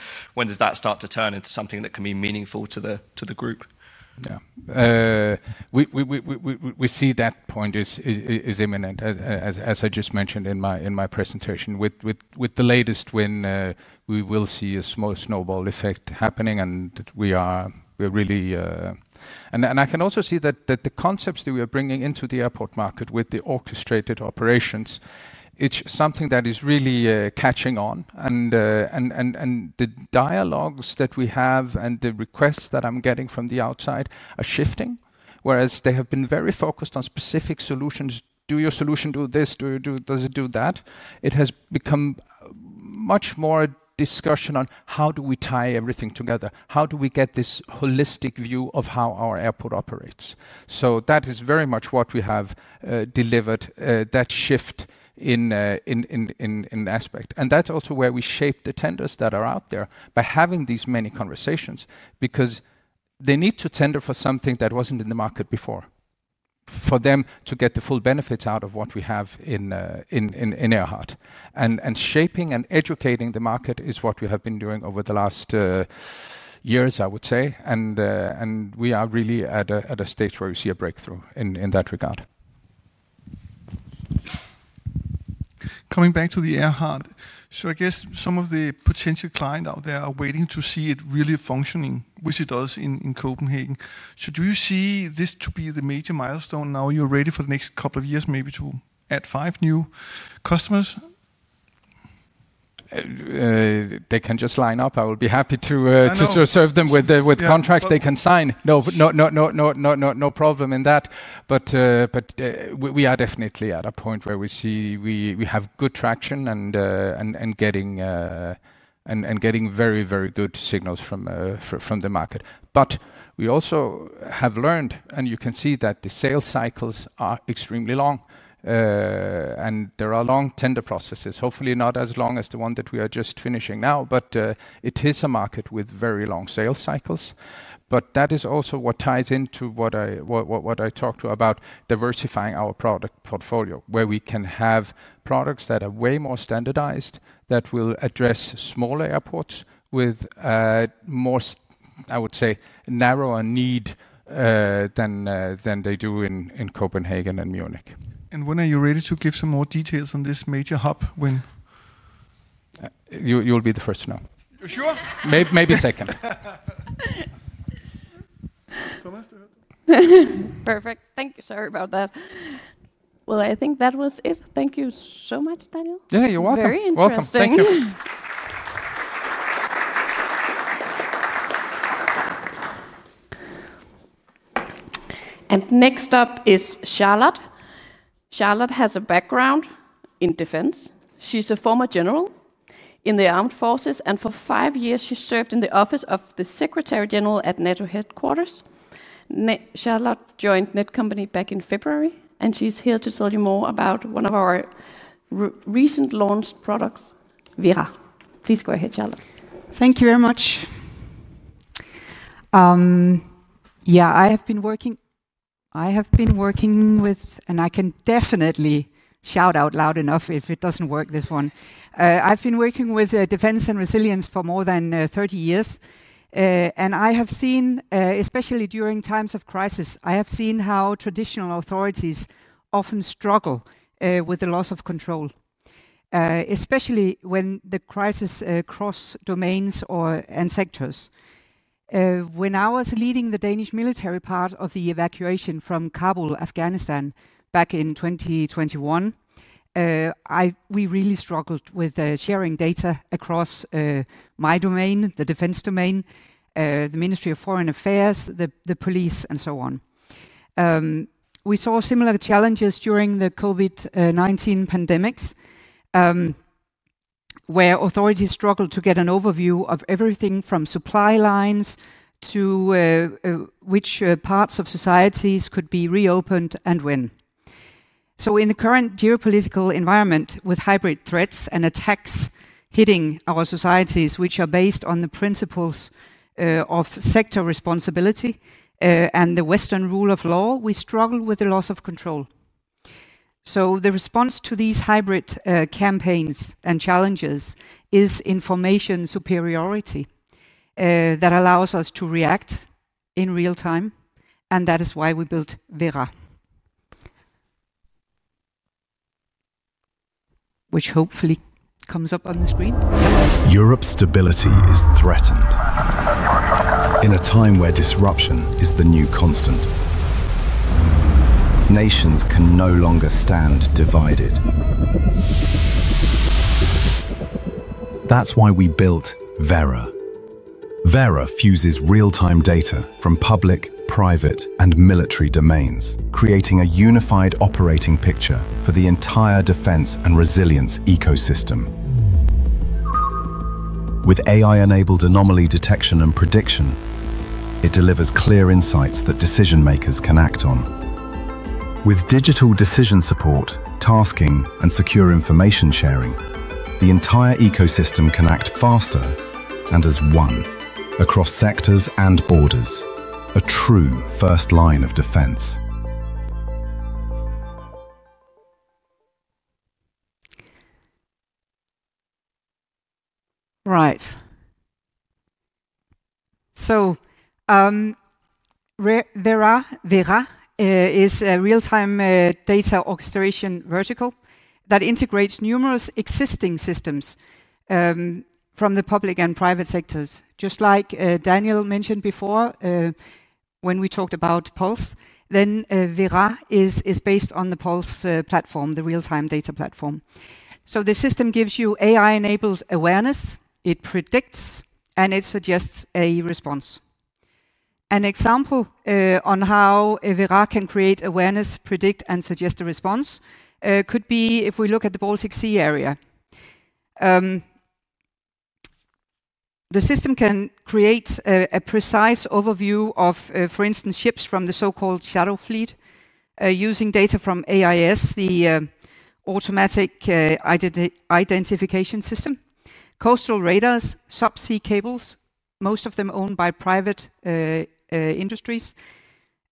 does that start to turn into something that can be meaningful to the group? We see that point is imminent, as I just mentioned in my presentation. With the latest win, we will see a small snowball effect happening, and I can also see that the concepts we are bringing into the airport market with the orchestrated operations are really catching on. The dialogues that we have and the requests that I'm getting from the outside are shifting, whereas they have been very focused on specific solutions. Do your solution do this? Does it do that? It has become much more a discussion on how do we tie everything together, how do we get this holistic view of how our airport operates. That is very much what we have delivered, that shift in aspect. That's also where we shape the tenders that are out there by having these many conversations because they need to tender for something that wasn't in the market before for them to get the full benefits out of what we have in AIRHART. Shaping and educating the market is what we have been doing over the last years, I would say. We are really at a stage where we see a breakthrough in that regard. Coming back to the AIRHART, I guess some of the potential clients out there are waiting to see it really functioning, which it does in Copenhagen. Do you see this to be the major milestone now, you're ready for the next couple of years, maybe to add five new customers? They can just line up. I will be happy to serve them with the contracts they can sign. No problem in that. We are definitely at a point where we see we have good traction and are getting very, very good signals from the market. We also have learned, and you can see that the sales cycles are extremely long, and there are long tender processes, hopefully not as long as the one that we are just finishing now, but it is a market with very long sales cycles. That is also what ties into what I talked about diversifying our product portfolio, where we can have products that are way more standardized, that will address smaller airports with more, I would say, narrower need than they do in Copenhagen and Munich. When are you ready to give some more details on this major hub? When? You'll be the first to know. You're sure? Maybe second. Perfect. Thank you, sorry about that. I think that was it. Thank you so much, Daniel. Yeah, you're welcome. Very interesting. Welcome. Thank you. Next up is Charlotte. Charlotte has a background in defense. She's a former general in the armed forces, and for five years, she served in the office of the Secretary General at NATO headquarters. Charlotte joined Netcompany back in February, and she's here to tell you more about one of our recently launched products, VERÁ. Please go ahead, Charlotte. Thank you very much. I have been working with, and I can definitely shout out loud enough if it doesn't work, this one. I've been working with defense and resilience for more than 30 years, and I have seen, especially during times of crisis, how traditional authorities often struggle with the loss of control, especially when the crisis crosses domains and sectors. When I was leading the Danish military part of the evacuation from Kabul, Afghanistan, back in 2021, we really struggled with sharing data across my domain, the defense domain, the Ministry of Foreign Affairs, the police, and so on. We saw similar challenges during the COVID-19 pandemic, where authorities struggled to get an overview of everything from supply lines to which parts of societies could be reopened and when. In the current geopolitical environment, with hybrid threats and attacks hitting our societies, which are based on the principles of sector responsibility and the Western rule of law, we struggle with the loss of control. The response to these hybrid campaigns and challenges is information superiority. That allows us to react in real time, and that is why we built VERÁ, which hopefully comes up on the screen. Europe's stability is threatened. In a time where disruption is the new constant. Nations can no longer stand divided. That's why we built VERÁ. VERÁ fuses real-time data from public, private, and military domains, creating a unified operating picture for the entire defense and resilience ecosystem. With AI-enabled anomaly detection and prediction, it delivers clear insights that decision-makers can act on. With digital decision support, tasking, and secure information sharing, the entire ecosystem can act faster and as one across sectors and borders, a true first line of defense. VERÁ is a real-time data orchestration vertical that integrates numerous existing systems from the public and private sectors. Just like Daniel mentioned before when we talked about PULSE, VERÁ is based on the PULSE platform, the real-time data platform. The system gives you AI-enabled awareness, it predicts, and it suggests a response. An example on how VERÁ can create awareness, predict, and suggest a response could be if we look at the Baltic Sea area. The system can create a precise overview of, for instance, ships from the so-called shadow fleet using data from AIS, the Automatic Identification System, coastal radars, subsea cables, most of them owned by private industries,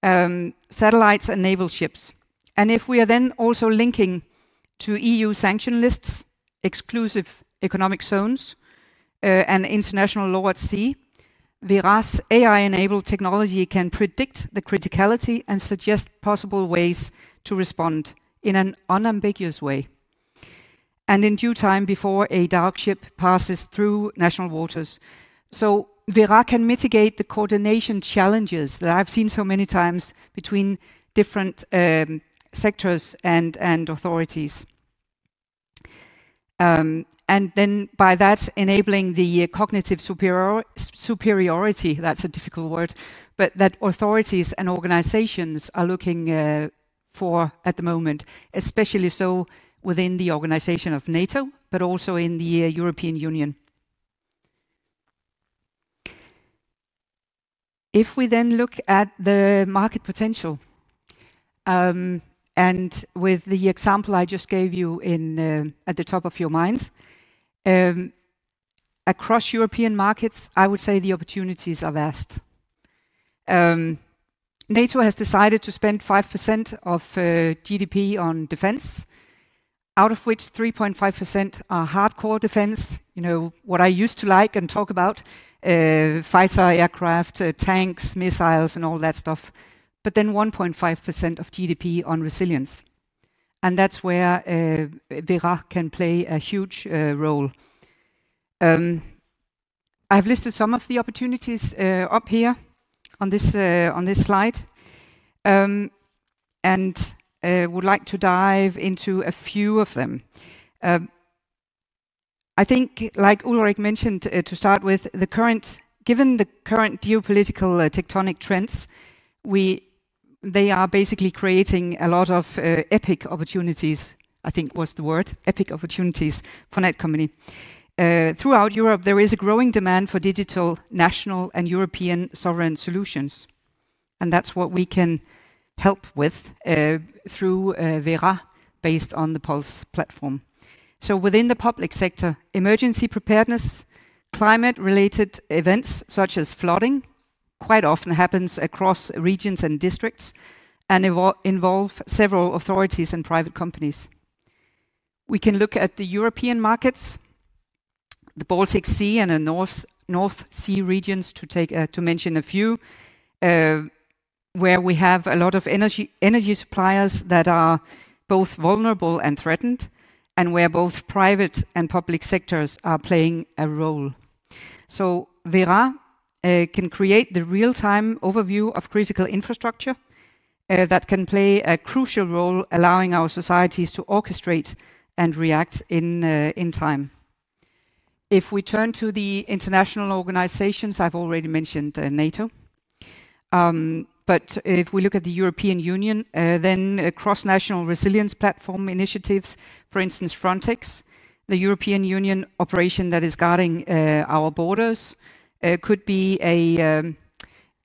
satellites, and naval ships. If we are then also linking to EU sanction lists, exclusive economic zones, and international law at sea, VERÁ's AI-enabled technology can predict the criticality and suggest possible ways to respond in an unambiguous way and in due time before a dark ship passes through national waters. VERÁ can mitigate the coordination challenges that I've seen so many times between different sectors and authorities, enabling the cognitive superiority that authorities and organizations are looking for at the moment, especially within the organization of NATO, but also in the European Union. If we then look at the market potential, and with the example I just gave you at the top of your mind, across European markets, I would say the opportunities are vast. NATO has decided to spend 5% of GDP on defense, out of which 3.5% are hardcore defense, you know, what I used to like and talk about: fighter aircraft, tanks, missiles, and all that stuff. Then 1.5% of GDP on resilience, and that's where VERÁ can play a huge role. I've listed some of the opportunities up here on this slide, and I would like to dive into a few of them. I think, like Ulrik mentioned, to start with, given the current geopolitical tectonic trends, they are basically creating a lot of epic opportunities, I think was the word, epic opportunities for Netcompany. Throughout Europe, there is a growing demand for digital national and European sovereign solutions. That's what we can help with through VERÁ based on the PULSE platform. Within the public sector, emergency preparedness, climate-related events such as flooding quite often happen across regions and districts and involve several authorities and private companies. We can look at the European markets, the Baltic Sea and the North Sea regions to mention a few, where we have a lot of energy suppliers that are both vulnerable and threatened, and where both private and public sectors are playing a role. VERÁ can create the real-time overview of critical infrastructure that can play a crucial role, allowing our societies to orchestrate and react in time. If we turn to the international organizations, I've already mentioned NATO. If we look at the European Union, then across national resilience platform initiatives, for instance, Frontex, the European Union operation that is guarding our borders, could be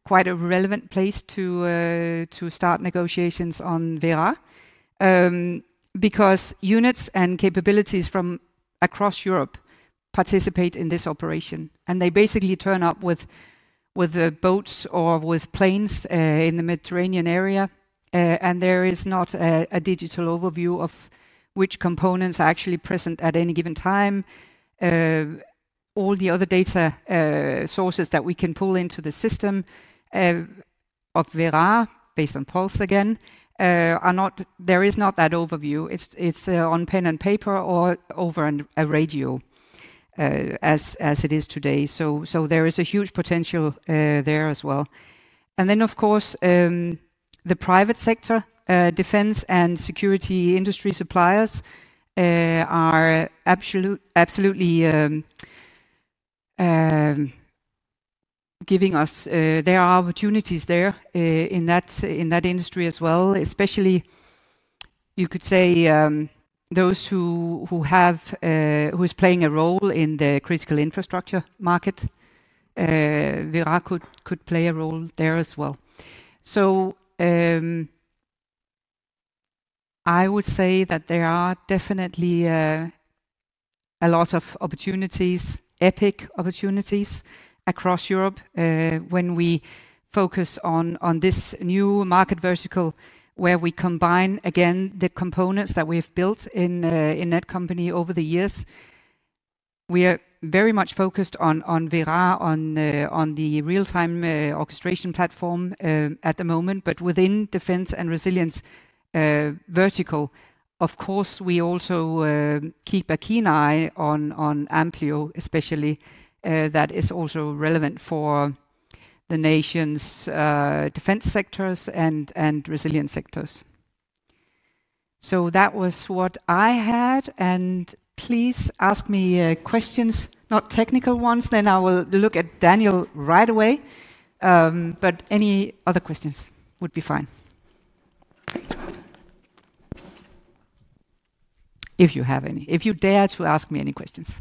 quite a relevant place to start negotiations on VERÁ because units and capabilities from across Europe participate in this operation. They basically turn up with boats or with planes in the Mediterranean area, and there is not a digital overview of which components are actually present at any given time. All the other data sources that we can pull into the system of VERÁ, based on PULSE again, are not there. There is not that overview. It's on pen and paper or over a radio as it is today. There is a huge potential there as well. Of course, the private sector, defense and security industry suppliers are absolutely giving us opportunities in that industry as well, especially those who are playing a role in the critical infrastructure market. VERÁ could play a role there as well. I would say that there are definitely a lot of opportunities, epic opportunities across Europe when we focus on this new market vertical, where we combine again the components that we have built in Netcompany over the years. We are very much focused on VERÁ, on the real-time orchestration platform at the moment, but within defense and resilience. Vertical, of course, we also keep a keen eye on AMPLIO, especially. That is also relevant for the nation's defense sectors and resilience sectors. That was what I had. Please ask me questions, not technical ones. Then I will look at Daniel right away, but any other questions would be fine. If you have any, if you dare to ask me any questions.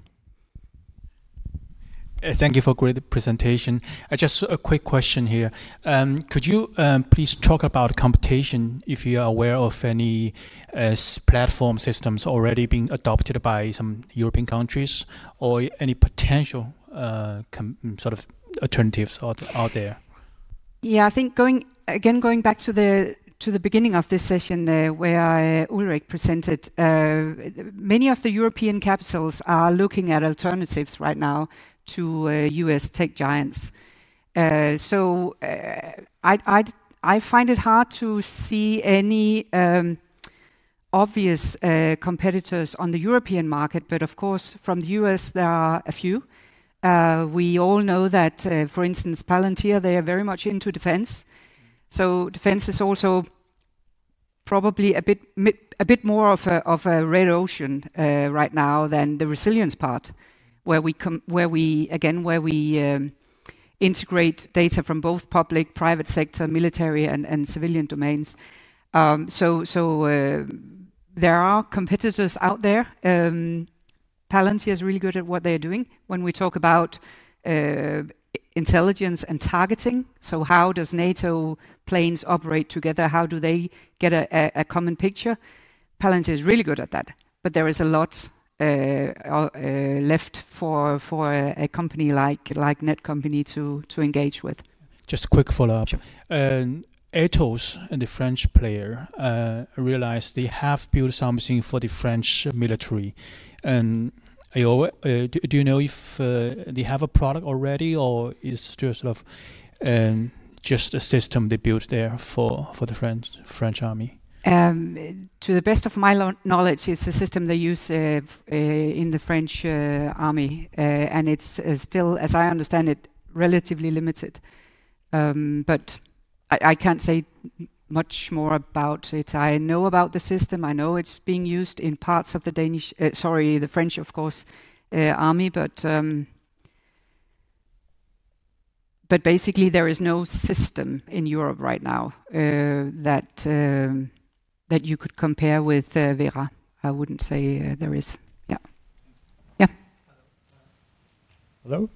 Thank you for a great presentation. Just a quick question here. Could you please talk about computation, if you are aware of any platform systems already being adopted by some European countries or any potential sort of alternatives out there? Yeah, I think going again, going back to the beginning of this session where Ulrik presented, many of the European capitals are looking at alternatives right now to U.S. tech giants. I find it hard to see any obvious competitors on the European market. Of course, from the U.S., there are a few. We all know that, for instance, Palantir, they are very much into defense. Defense is also probably a bit more of a red ocean right now than the resilience part, where we integrate data from both public, private sector, military, and civilian domains. There are competitors out there. Palantir is really good at what they're doing when we talk about intelligence and targeting. How does NATO planes operate together? How do they get a common picture? Palantir is really good at that. There is a lot left for a company like Netcompany to engage with. Just a quick follow-up. Sure. ATOS and the French player, I realize they have built something for the French military. Do you know if they have a product already or it's just sort of just a system they built there for the French army? To the best of my knowledge, it's a system they use in the French army, and it's still, as I understand it, relatively limited. I can't say much more about it. I know about the system. I know it's being used in parts of the French army. Basically, there is no system in Europe right now that you could compare with VERÁ. I wouldn't say there is. Yeah. Hello.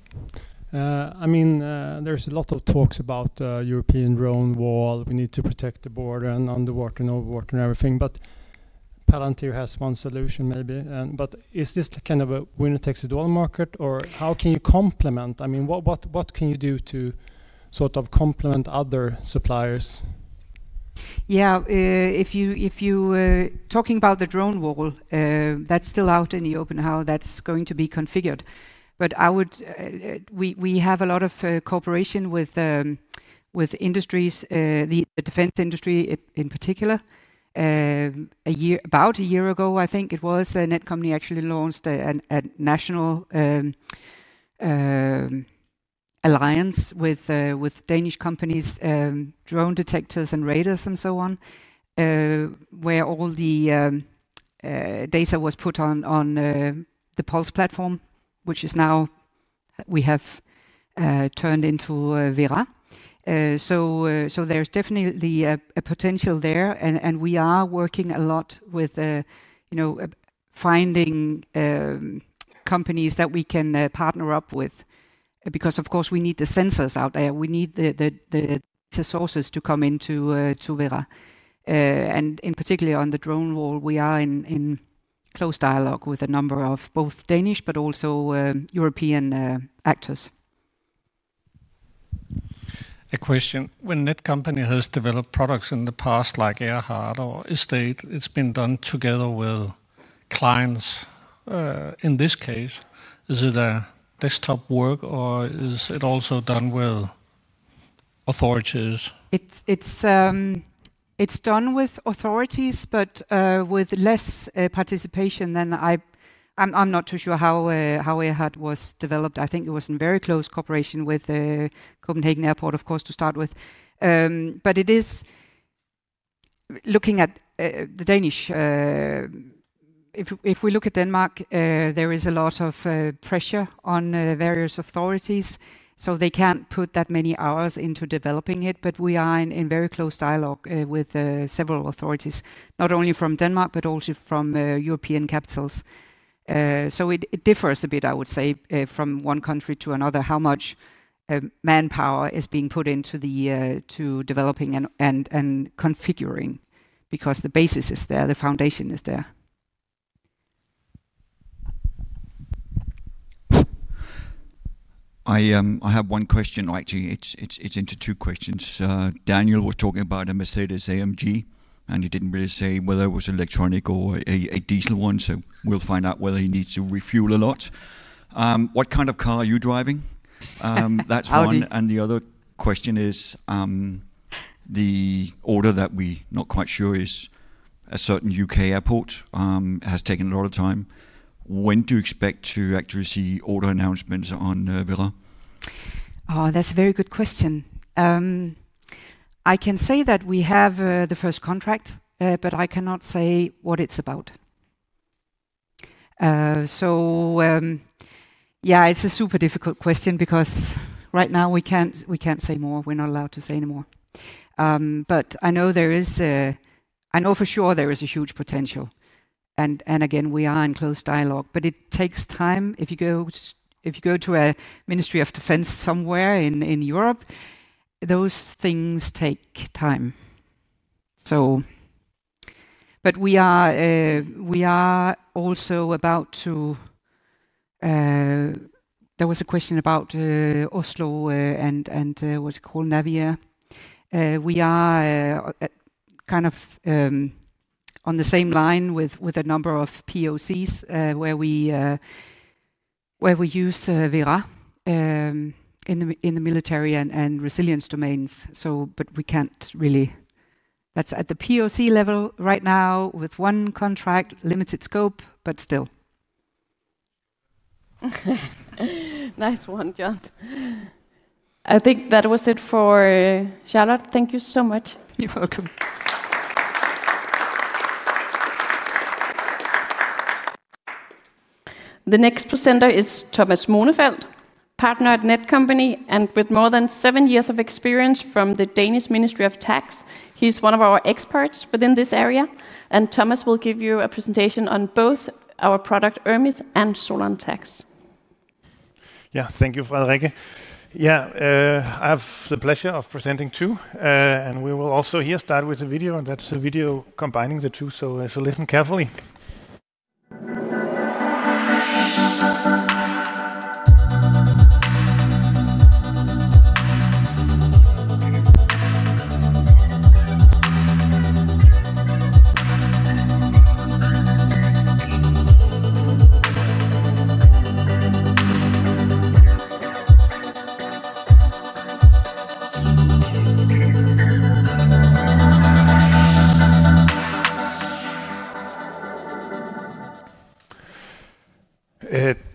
I mean, there's a lot of talks about the European drone war. We need to protect the border and underwater and overwater and everything. Palantir has one solution maybe. Is this kind of a winner takes a dollar market or how can you complement? I mean, what can you do to sort of complement other suppliers? Yeah, if you are talking about the drone war, that's still out in the open how that's going to be configured. We have a lot of cooperation with industries, the defense industry in particular. About a year ago, I think it was, Netcompany actually launched a national alliance with Danish companies, drone detectors, and radars and so on, where all the data was put on the PULSE platform, which is now turned into VERÁ. There's definitely a potential there, and we are working a lot with finding companies that we can partner up with. Of course, we need the sensors out there. We need the data sources to come into VERÁ. In particular on the drone war, we are in close dialogue with a number of both Danish but also European actors. A question. When Netcompany has developed products in the past like AIRHART or Estate, it's been done together with clients. In this case, is it a desktop work or is it also done with authorities? It's done with authorities, but with less participation than—I'm not too sure how AIRHART was developed. I think it was in very close cooperation with Copenhagen Airport, of course, to start with. Looking at Denmark, there is a lot of pressure on various authorities, so they can't put that many hours into developing it. We are in very close dialogue with several authorities, not only from Denmark but also from European capitals. It differs a bit, I would say, from one country to another how much manpower is being put into developing and configuring because the basis is there, the foundation is there. I have one question. Actually, it's two questions. Daniel was talking about a Mercedes-AMG and he didn't really say whether it was electronic or a diesel one, so we'll find out whether he needs to refuel a lot. What kind of car are you driving? That's one. The other question is, the order that we are not quite sure is a certain U.K. airport has taken a lot of time. When do you expect to actually see order announcements on VERÁ? Oh, that's a very good question. I can say that we have the first contract, but I cannot say what it's about. It's a super difficult question because right now we can't say more. We're not allowed to say anymore. I know for sure there is a huge potential. Again, we are in close dialogue, but it takes time. If you go to a Ministry of Defense somewhere in Europe, those things take time. We are also about to—there was a question about Oslo and what's called Navia. We are kind of on the same line with a number of POCs where we use VERÁ in the military and resilience domains. We can't really—that's at the POC level right now with one contract, limited scope, but still. Nice one, John. I think that was it for Charlotte. Thank you so much. You're welcome. The next presenter is Thomas Mognefeldt, Partner at Netcompany and with more than seven years of experience from the Danish Ministry of Tax. He's one of our experts within this area. Thomas will give you a presentation on both our product ERMIS and SOLON TAX. Yeah, thank you, Frederikke. Yeah, I have the pleasure of presenting too. We will also here start with a video, and that's a video combining the two. Listen carefully.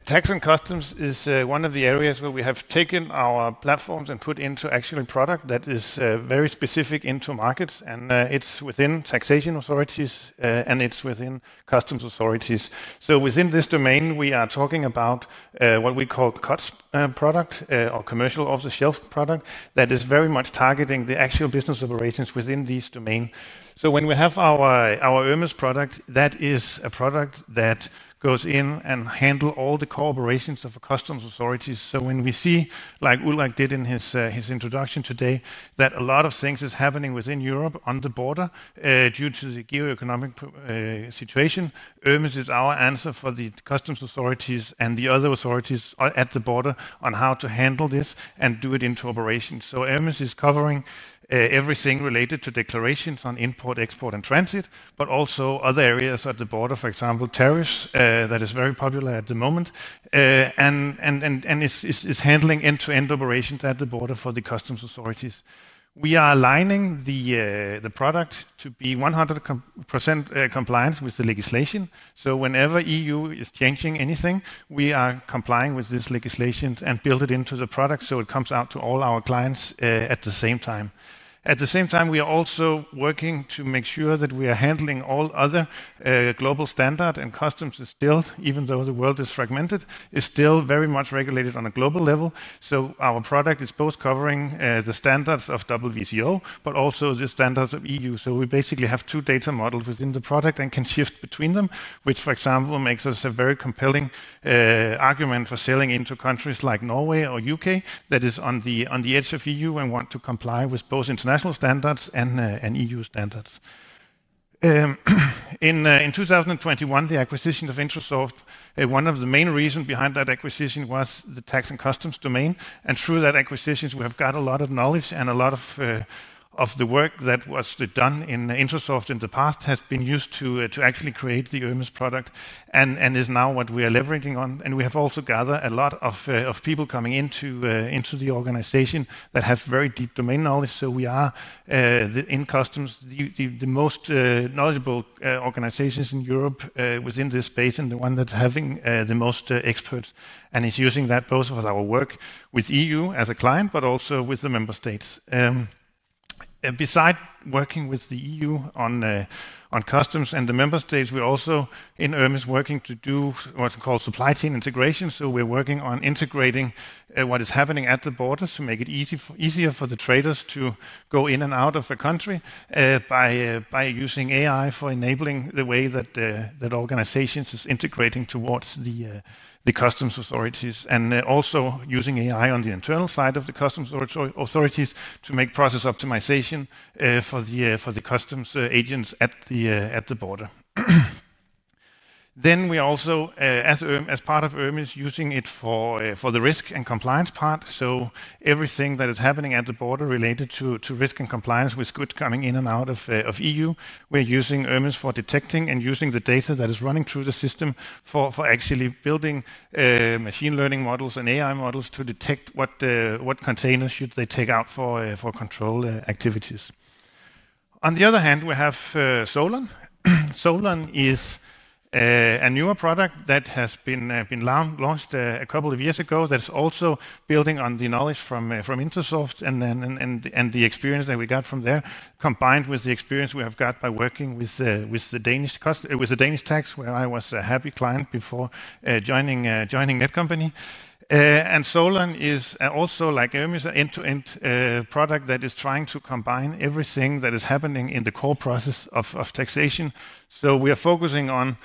Tax and customs is one of the areas where we have taken our platforms and put into actual product that is very specific into markets. It's within taxation authorities and it's within customs authorities. Within this domain, we are talking about what we call cut product or commercial off the shelf product that is very much targeting the actual business operations within these domains. When we have our ERMIS product, that is a product that goes in and handles all the cooperations of customs authorities. When we see, like Ulrik did in his introduction today, that a lot of things are happening within Europe on the border due to the geoeconomic situation, ERMIS is our answer for the customs authorities and the other authorities at the border on how to handle this and do it into operations. ERMIS is covering everything related to declarations on import, export, and transit, but also other areas at the border, for example, tariffs that are very popular at the moment. It is handling end-to-end operations at the border for the customs authorities. We are aligning the product to be 100% compliant with the legislation. Whenever EU is changing anything, we are complying with this legislation and building it into the product so it comes out to all our clients at the same time. At the same time, we are also working to make sure that we are handling all other global standards and customs is still, even though the world is fragmented, is still very much regulated on a global level. Our product is both covering the standards of WTO, but also the standards of EU. We basically have two data models within the product and can shift between them, which, for example, makes us a very compelling argument for selling into countries like Norway or U.K. that is on the edge of EU and want to comply with both international standards. EU standards. In 2021, the acquisition of Intrasoft, one of the main reasons behind that acquisition was the tax and customs domain. Through that acquisition, we have got a lot of knowledge. The work that was done in Intrasoft in the past has been used to actually create the ERMIS product, and is now what we are leveraging on. We have also gathered a lot of people coming into the organization that have very deep domain knowledge. We are, in customs, the most knowledgeable organizations in Europe within this space, and the one that's having the most experts. It's using that both for our work with EU as a client, but also with the member states. Besides working with the EU on customs and the member states, we're also in ERMIS working to do what's called supply chain integration. We're working on integrating what is happening at the borders to make it easier for the traders to go in and out of the country by using AI for enabling the way that organizations are integrating towards the customs authorities, and also using AI on the internal side of the customs authorities to make process optimization for the customs agents at the border. As part of ERMIS, we are using it for the risk and compliance part. Everything that is happening at the border related to risk and compliance with goods coming in and out of EU, we're using ERMIS for detecting and using the data that is running through the system for actually building machine learning models and AI models to detect what containers should they take out for control activities. On the other hand, we have SOLON. SOLON is a newer product that has been launched a couple of years ago that's also building on the knowledge from Intrasoft and the experience that we got from there, combined with the experience we have got by working with the Danish tax, where I was a happy client before joining Netcompany. SOLON is also, like ERMIS, an end-to-end product that is trying to combine everything that is happening in the core process of taxation. We are focusing on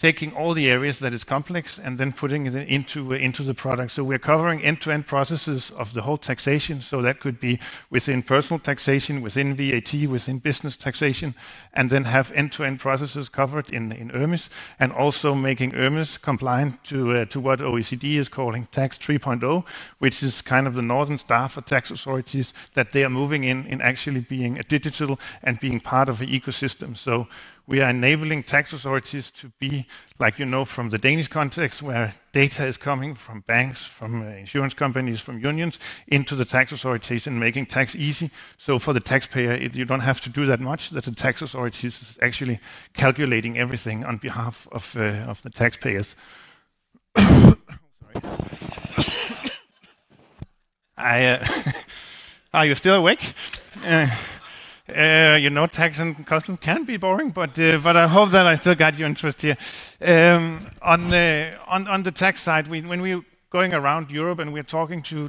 taking all the areas that are complex and then putting it into the product. We are covering end-to-end processes of the whole taxation. That could be within personal taxation, within VAT, within business taxation, and then have end-to-end processes covered in ERMIS, and also making ERMIS compliant to what OECD is calling Tax 3.0, which is kind of the northern star for tax authorities that they are moving in, in actually being digital and being part of the ecosystem. We are enabling tax authorities to be, like you know, from the Danish context, where data is coming from banks, from insurance companies, from unions into the tax authorities and making tax easy. For the taxpayer, you don't have to do that much, that the tax authorities are actually calculating everything on behalf of the taxpayers. Are you still awake? You know, tax and customs can be boring, but I hope that I still got your interest here. On the tax side, when we're going around Europe and we're talking to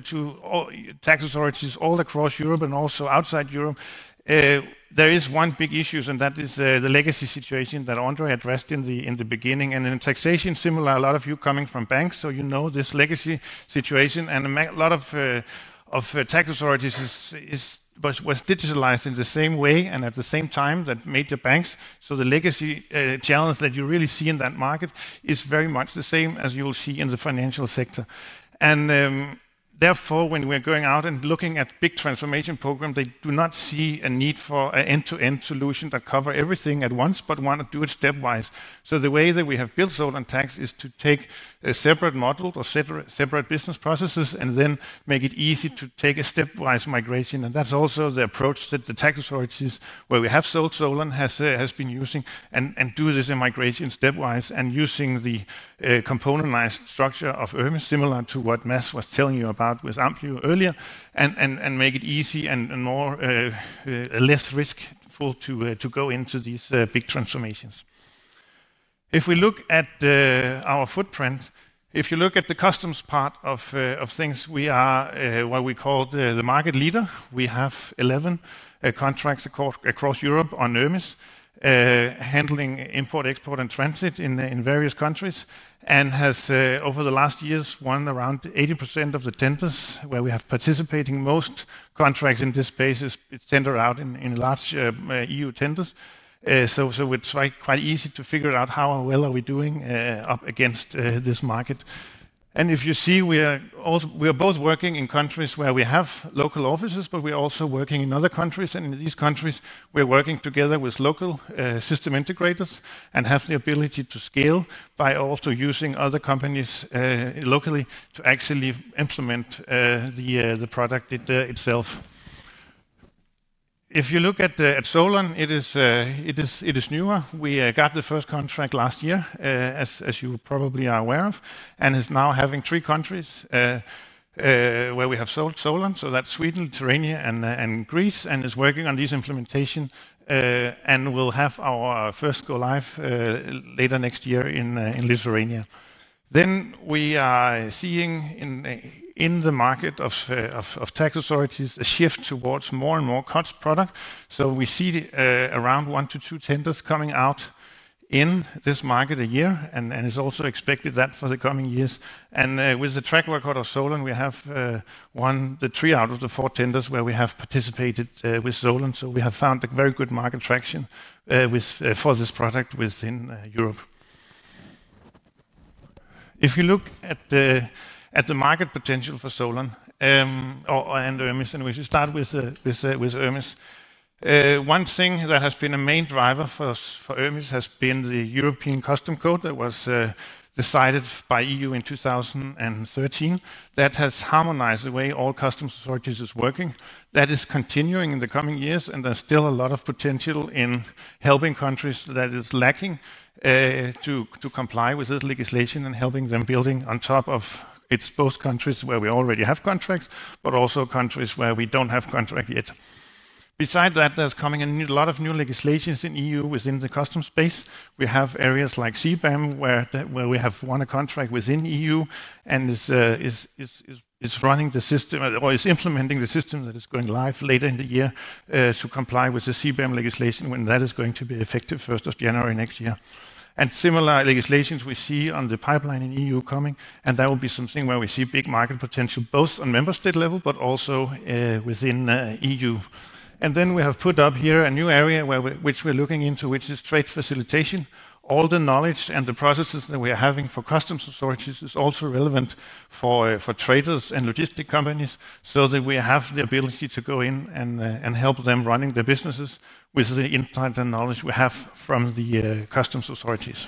tax authorities all across Europe and also outside Europe, there is one big issue, and that is the legacy situation that André addressed in the beginning. In taxation, similar, a lot of you are coming from banks, so you know this legacy situation. A lot of tax authorities were digitalized in the same way and at the same time that major banks. The legacy challenge that you really see in that market is very much the same as you will see in the financial sector. Therefore, when we are going out and looking at big transformation programs, they do not see a need for an end-to-end solution that covers everything at once, but want to do it stepwise. The way that we have built SOLON TAX is to take a separate model or separate business processes and then make it easy to take a stepwise migration. That's also the approach that the tax authorities, where we have sold SOLON, have been using and do this in migration stepwise and using the componentized structure of ERMIS, similar to what Mads was telling you about with AMPLIO earlier, and make it easy and less risky to go into these big transformations. If we look at our footprint, if you look at the customs part of things, we are what we call the market leader. We have 11 contracts across Europe on ERMIS, handling import, export, and transit in various countries, and have over the last years won around 80% of the tenders where we have participated. Most contracts in this space are centered out in large EU tenders. It's quite easy to figure out how well we are doing up against this market. If you see, we are both working in countries where we have local offices, but we are also working in other countries. In these countries, we are working together with local system integrators and have the ability to scale by also using other companies locally to actually implement the product itself. If you look at SOLON, it is newer. We got the first contract last year, as you probably are aware of, and is now having three countries where we have sold SOLON. That's Sweden, Lithuania, and Greece, and is working on this implementation and will have our first go-live later next year in Lithuania. We are seeing in the market of tax authorities a shift towards more and more cut product. We see around one to two tenders coming out in this market a year, and it's also expected that for the coming years. With the track record of SOLON, we have won three out of the four tenders where we have participated with SOLON. We have found a very good market traction for this product within Europe. If you look at the market potential for SOLON and ERMIS, and we should start with ERMIS. One thing that has been a main driver for ERMIS has been the European Customs Code that was decided by EU in 2013 that has harmonized the way all customs authorities are working. That is continuing in the coming years, and there's still a lot of potential in helping countries that are lacking to comply with this legislation and helping them build on top of those countries where we already have contracts, but also countries where we don't have contracts yet. Besides that, there's coming a lot of new legislations in EU within the customs space. We have areas like CBAM, where we have won a contract within EU, and is running the system, or is implementing the system that is going live later in the year to comply with the CBAM legislation, when that is going to be effective 1st of January next year. Similar legislations we see on the pipeline in EU are coming, and that will be something where we see big market potential, both on member state level, but also within EU. We have put up here a new area which we're looking into, which is trade facilitation. All the knowledge and the processes that we are having for customs authorities is also relevant for traders and logistic companies, so that we have the ability to go in and help them run their businesses with the insight and knowledge we have from the customs authorities.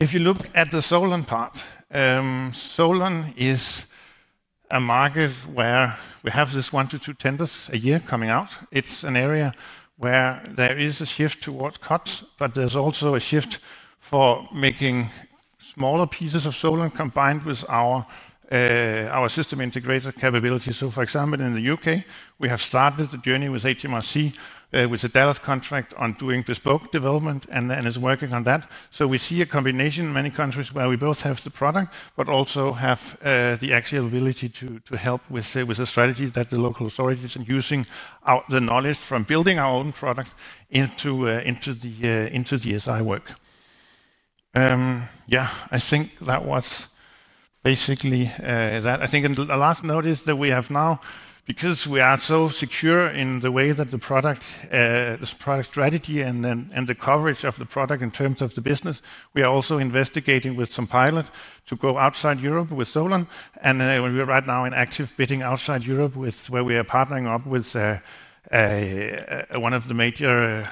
If you look at the SOLON part, SOLON is a market where we have this one to two tenders a year coming out. It's an area where there is a shift towards cuts, but there's also a shift for making smaller pieces of SOLON combined with our system integrated capabilities. For example, in the U.K., we have started the journey with HMRC with a Dallas contract on doing bespoke development and is working on that. We see a combination in many countries where we both have the product, but also have the actual ability to help with the strategy that the local authorities are using the knowledge from building our own product into the SI work. I think that was basically that. I think the last note is that we have now, because we are so secure in the way that the product strategy and the coverage of the product in terms of the business, we are also investigating with some pilots to go outside Europe with SOLON. We are right now in active bidding outside Europe, where we are partnering up with one of the major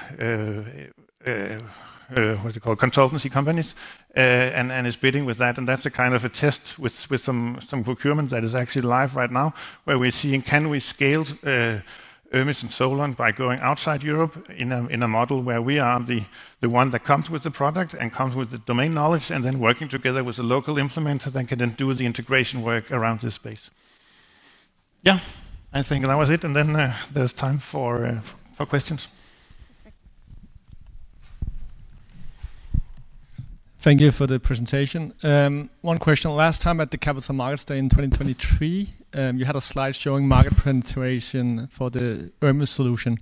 consultancy companies, and is bidding with that. That's a kind of a test with some procurement that is actually live right now, where we're seeing, can we scale ERMIS and SOLON by going outside Europe in a model where we are the one that comes with the product and comes with the domain knowledge, and then working together with a local implementer that can then do the integration work around this space. I think that was it. Then there's time for questions. Thank you for the presentation. One question. Last time at the Capital Markets Day in 2023, you had a slide showing market penetration for the ERMIS solution.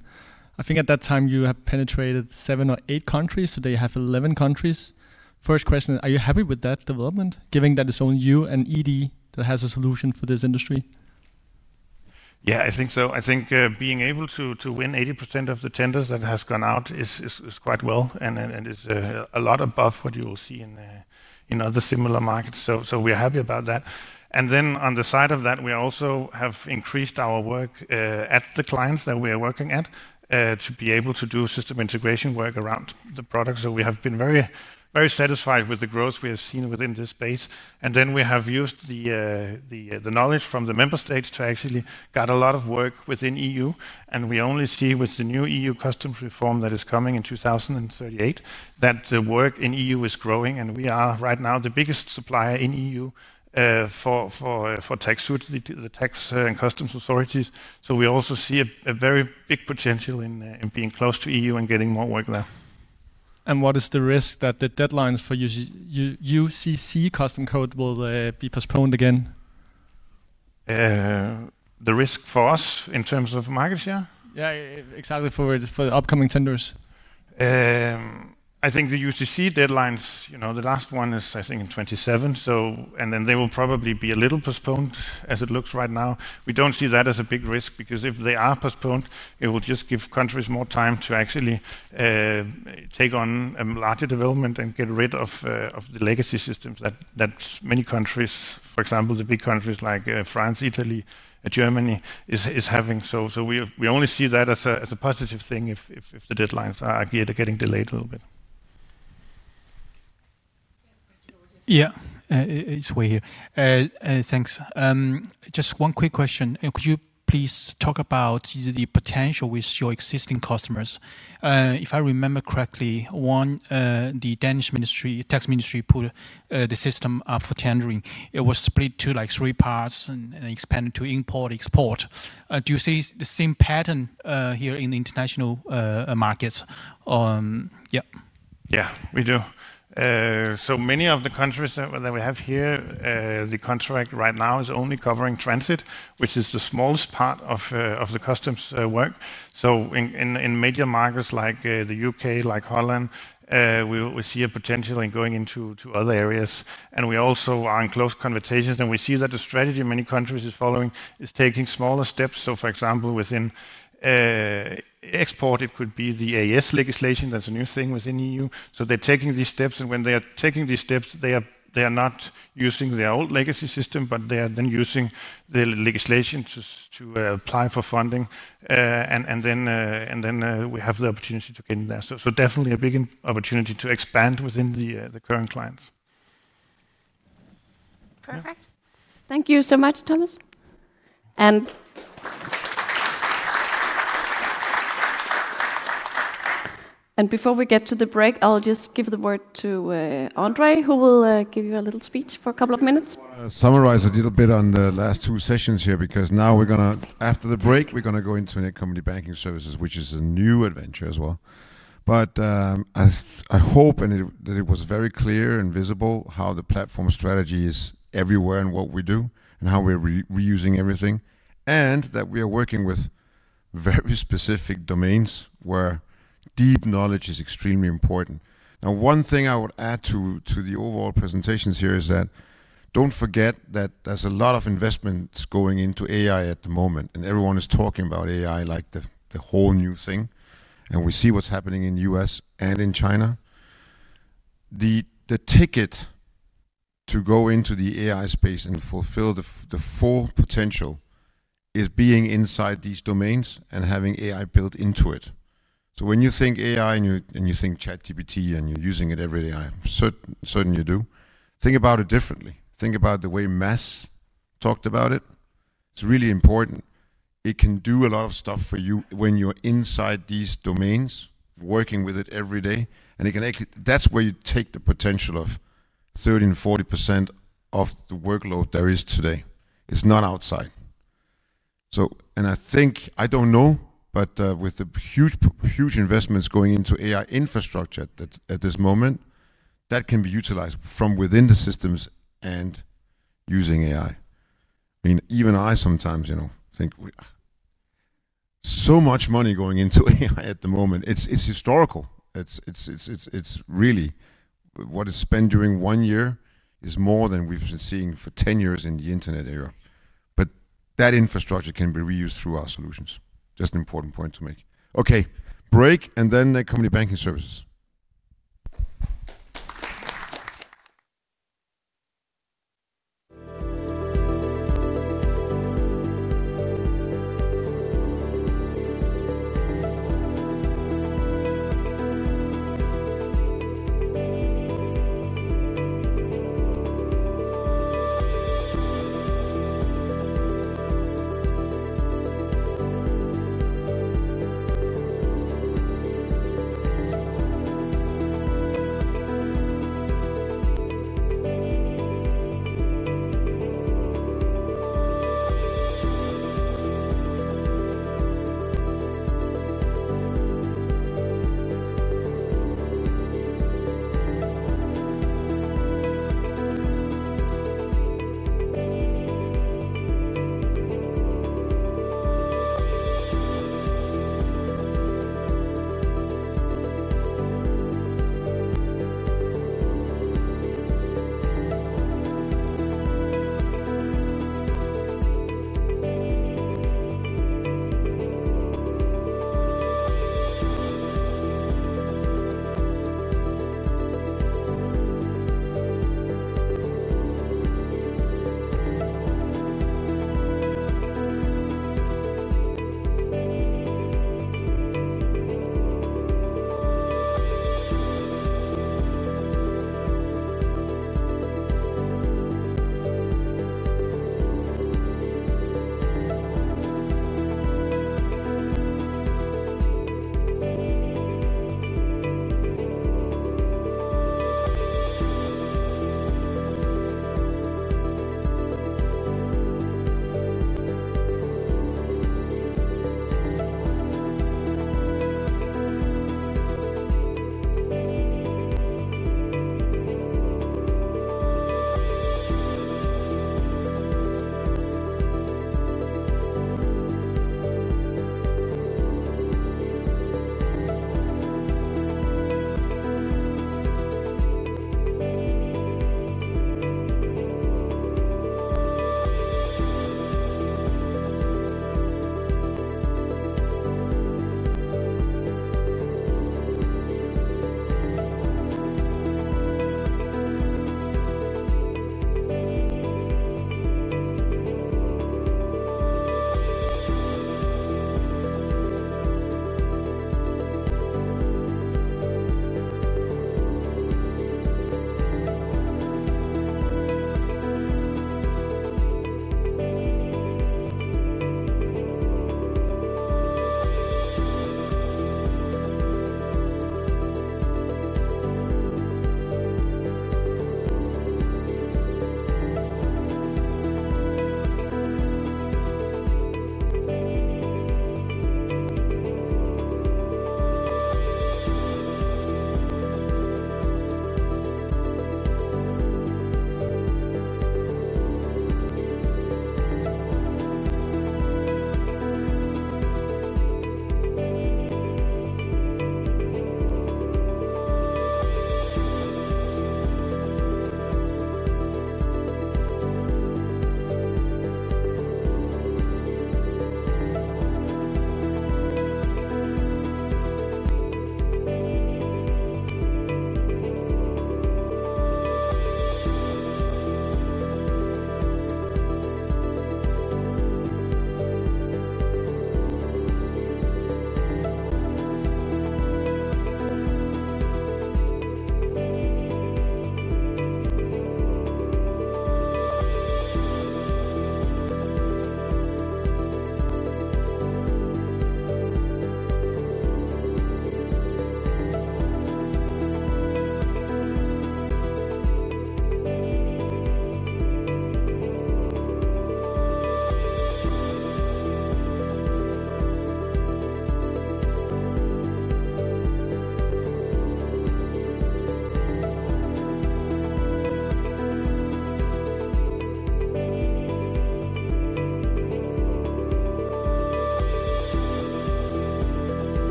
I think at that time you have penetrated seven or eight countries. Today you have 11 countries. First question, are you happy with that development, given that it's only you and ED that has a solution for this industry? Yeah, I think so. I think being able to win 80% of the tenders that have gone out is quite well and is a lot above what you will see in other similar markets. We are happy about that. On the side of that, we also have increased our work at the clients that we are working at to be able to do system integration work around the product. We have been very satisfied with the growth we have seen within this space. We have used the knowledge from the member states to actually get a lot of work within EU. We only see with the new EU customs reform that is coming in 2038 that the work in EU is growing. We are right now the biggest supplier in EU for tax and customs authorities. We also see a very big potential in being close to EU and getting more work there. What is the risk that the deadlines for UCC customs code will be postponed again? The risk for us in terms of market share? Yeah, exactly, for the upcoming tenders. I think the UCC deadlines, you know, the last one is, I think, in 2027. They will probably be a little postponed as it looks right now. We don't see that as a big risk because if they are postponed, it will just give countries more time to actually take on a larger development and get rid of the legacy systems that many countries, for example, the big countries like France, Italy, Germany, are having. We only see that as a positive thing if the deadlines are getting delayed a little bit. Yeah, it's way here. Thanks. Just one quick question. Could you please talk about the potential with your existing customers? If I remember correctly, one, the Danish tax ministry put the system up for tendering. It was split to like three parts and expanded to import, export. Do you see the same pattern here in the international markets? Yeah. Yeah, we do. Many of the countries that we have here, the contract right now is only covering transit, which is the smallest part of the customs work. In major markets like the U.K., like Holland, we see a potential in going into other areas. We also are in close conversations. We see that the strategy many countries are following is taking smaller steps. For example, within export, it could be the AES legislation. That's a new thing within the EU. They're taking these steps. When they are taking these steps, they are not using their old legacy system, but they are then using the legislation to apply for funding. We have the opportunity to get in there. Definitely a big opportunity to expand within the current clients. Perfect. Thank you so much, Thomas. Before we get to the break, I'll just give the word to André, who will give you a little speech for a couple of minutes. I want to summarize a little bit on the last two sessions here because now we're going to, after the break, we're going to go into Netcompany Banking Services, which is a new adventure as well. I hope that it was very clear and visible how the platform strategy is everywhere in what we do and how we're reusing everything, and that we are working with very specific domains where deep knowledge is extremely important. One thing I would add to the overall presentation here is that don't forget that there's a lot of investments going into AI at the moment, and everyone is talking about AI like the whole new thing. We see what's happening in the U.S. and in China. The ticket to go into the AI space and fulfill the full potential is being inside these domains and having AI built into it. When you think AI and you think ChatGPT and you're using it every day, I certainly do, think about it differently. Think about the way Mads talked about it. It's really important. It can do a lot of stuff for you when you're inside these domains, working with it every day. That's where you take the potential of 30% and 40% of the workload there is today. It's not outside. I think, I don't know, but with the huge investments going into AI infrastructure at this moment, that can be utilized from within the systems and using AI. I mean, even I sometimes think so much money going into AI at the moment. It's historical. What is spent during one year is more than we've been seeing for 10 years in the internet era. That infrastructure can be reused through our solutions. Just an important point to make. Okay, break, and then Netcompany Banking Services.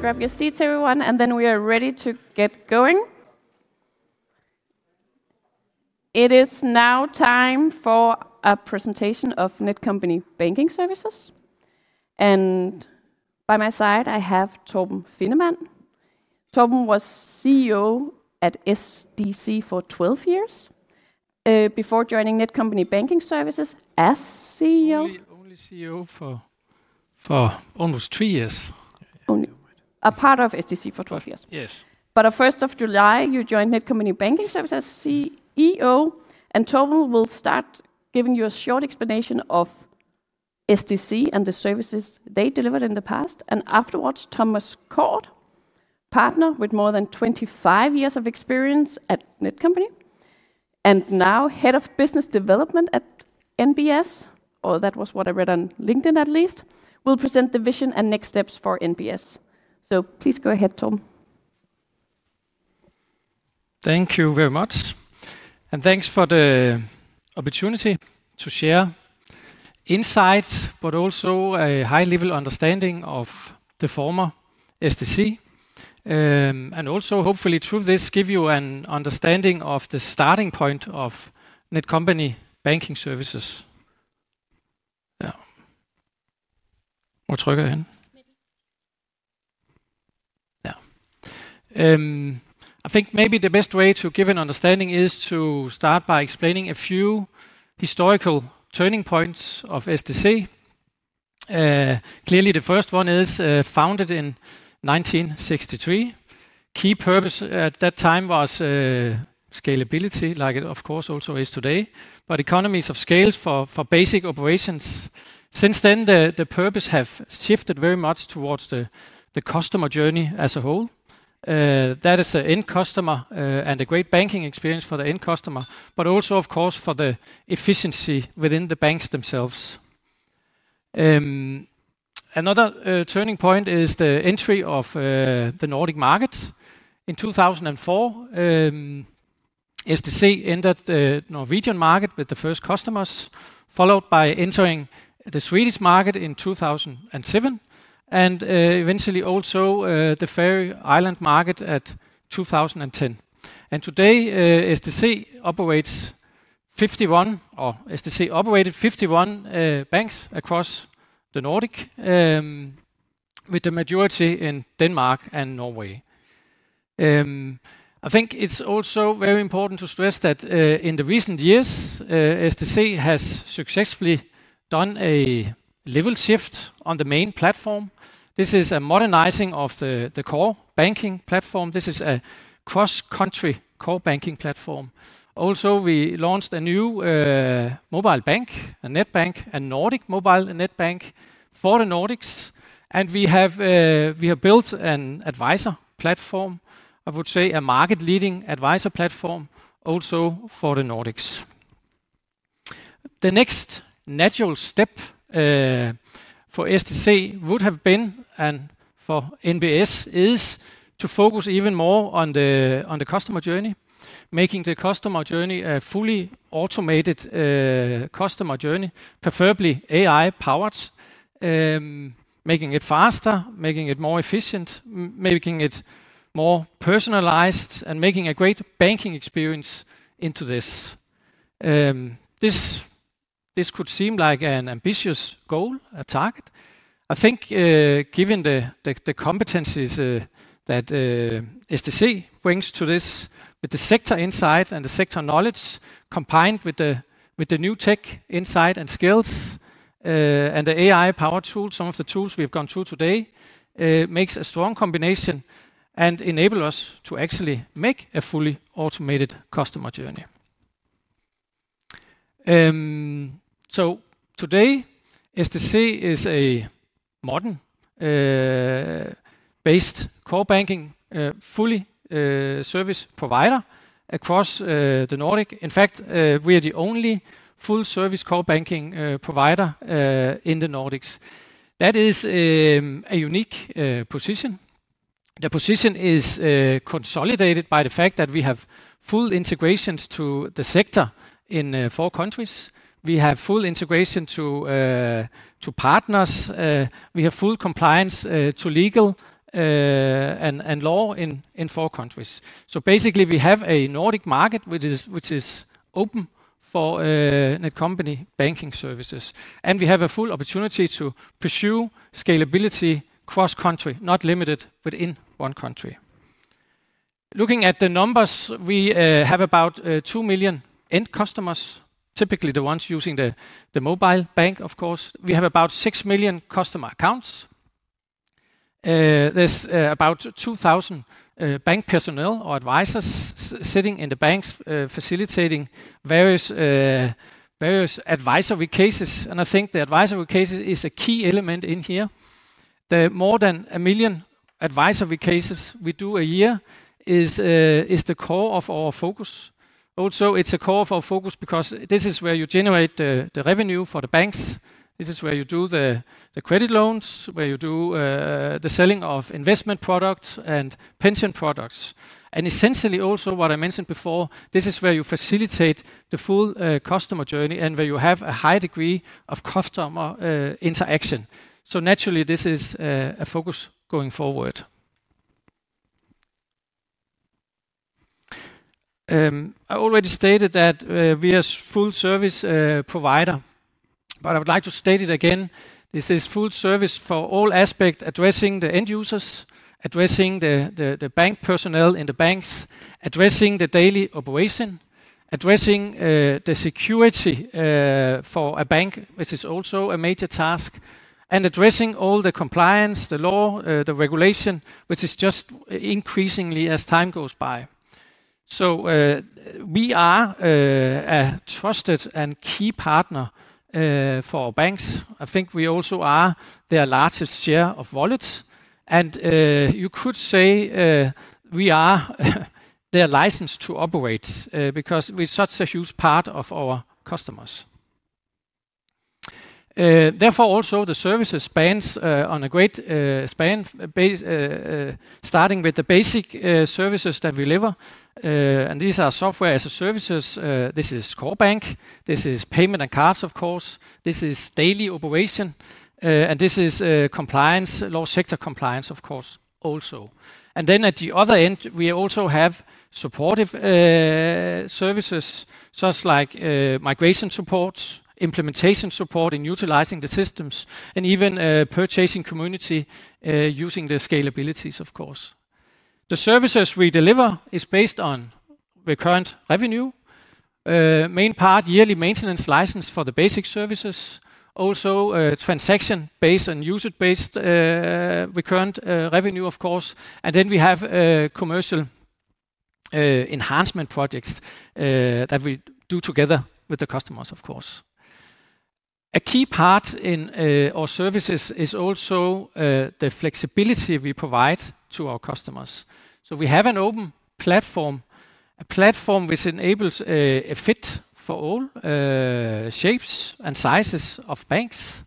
Please grab your seats, everyone, and then we are ready to get going. It is now time for a presentation of Netcompany Banking Services. By my side, I have Torben Finnemann. Torben was CEO at SDC for 12 years before joining Netcompany Banking Services as CEO. Only CEO for almost three years. Only a part of SDC for 12 years? Yes. On 1st of July, you joined Netcompany Banking Services as CEO, and Torben will start giving you a short explanation of SDC and the services they delivered in the past. Afterwards, Thomas Cordth, partner with more than 25 years of experience at Netcompany and now Head of Business Development at NBS, or that was what I read on LinkedIn at least, will present the vision and next steps for NBS. Please go ahead, Torben. Thank you very much. Thanks for the opportunity to share insights, but also a high-level understanding of the former SDC. Hopefully, through this, give you an understanding of the starting point of Netcompany Banking Services. I think maybe the best way to give an understanding is to start by explaining a few historical turning points of SDC. Clearly, the first one is founded in 1963. Key purpose at that time was scalability, like it, of course, also is today, but economies of scale for basic operations. Since then, the purpose has shifted very much towards the customer journey as a whole. That is an end customer and a great banking experience for the end customer, but also, of course, for the efficiency within the banks themselves. Another turning point is the entry of the Nordic market. In 2004, SDC entered the Norwegian market with the first customers, followed by entering the Swedish market in 2007, and eventually also the Faroe Island market in 2010. Today, SDC operated 51 banks across the Nordics, with the majority in Denmark and Norway. I think it's also very important to stress that in recent years, SDC has successfully done a level shift on the main platform. This is a modernizing of the core banking platform. This is a cross-country core banking platform. Also, we launched a new mobile bank, a net bank, a Nordic mobile net bank for the Nordics. We have built an advisor platform, I would say a market-leading advisor platform, also for the Nordics. The next natural step for SDC would have been, and for NBS, is to focus even more on the customer journey, making the customer journey a fully automated customer journey, preferably AI-powered. Making it faster, making it more efficient, making it more personalized, and making a great banking experience into this. This could seem like an ambitious goal, a target. I think given the competencies that SDC brings to this with the sector insight and the sector knowledge combined with the new tech insight and skills, and the AI-powered tools, some of the tools we've gone through today, make a strong combination and enable us to actually make a fully automated customer journey. Today, SDC is a modern-based core banking fully service provider across the Nordics. In fact, we are the only full-service core banking provider in the Nordics. That is a unique position. The position is consolidated by the fact that we have full integrations to the sector in four countries. We have full integration to partners. We have full compliance to legal and law in four countries. Basically, we have a Nordic market which is open for Netcompany Banking Services, and we have a full opportunity to pursue scalability cross-country, not limited within one country. Looking at the numbers, we have about 2 million end customers, typically the ones using the mobile bank, of course. We have about 6 million customer accounts. There's about 2,000 bank personnel or advisors sitting in the banks, facilitating various advisory cases. I think the advisory cases is a key element in here. The more than 1 million advisory cases we do a year is the core of our focus. Also, it's a core of our focus because this is where you generate the revenue for the banks. This is where you do the credit loans, where you do the selling of investment products and pension products. Essentially, also what I mentioned before, this is where you facilitate the full customer journey and where you have a high degree of customer interaction. Naturally, this is a focus going forward. I already stated that we are a full-service provider, but I would like to state it again. This is full service for all aspects: addressing the end users, addressing the bank personnel in the banks, addressing the daily operation, addressing the security for a bank, which is also a major task, and addressing all the compliance, the law, the regulation, which is just increasingly as time goes by. We are a trusted and key partner for our banks. I think we also are their largest share of wallets. You could say we are their license to operate because we are such a huge part of our customers. Therefore, also, the service spans on a great span. Starting with the basic services that we deliver, these are software as a services. This is core bank. This is payment and cards, of course. This is daily operation. This is compliance, law sector compliance, of course, also. At the other end, we also have supportive services such as migration support, implementation support in utilizing the systems, and even a purchasing community using the scalabilities, of course. The services we deliver are based on recurrent revenue. Main part, yearly maintenance license for the basic services. Also, transaction based on usage-based recurrent revenue, of course. We have commercial enhancement projects that we do together with the customers, of course. A key part in our services is also the flexibility we provide to our customers. We have an open platform, a platform which enables a fit for all shapes and sizes of banks.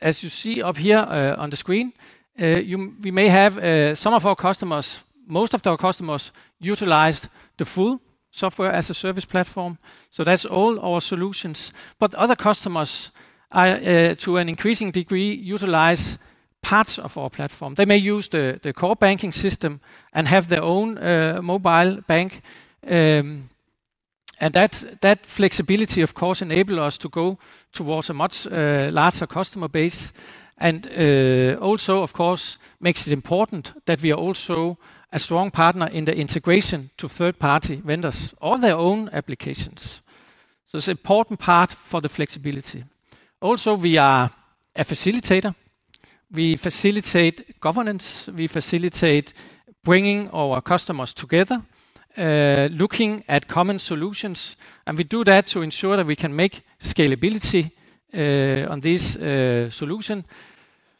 As you see up here on the screen, we may have some of our customers, most of our customers, utilize the full software as a service platform, so that's all our solutions. Other customers are to an increasing degree utilizing parts of our platform. They may use the core banking system and have their own mobile bank, and that flexibility, of course, enables us to go towards a much larger customer base. It also makes it important that we are a strong partner in the integration to third-party vendors or their own applications. It's an important part for the flexibility. We are a facilitator. We facilitate governance. We facilitate bringing our customers together, looking at common solutions. We do that to ensure that we can make scalability on this solution,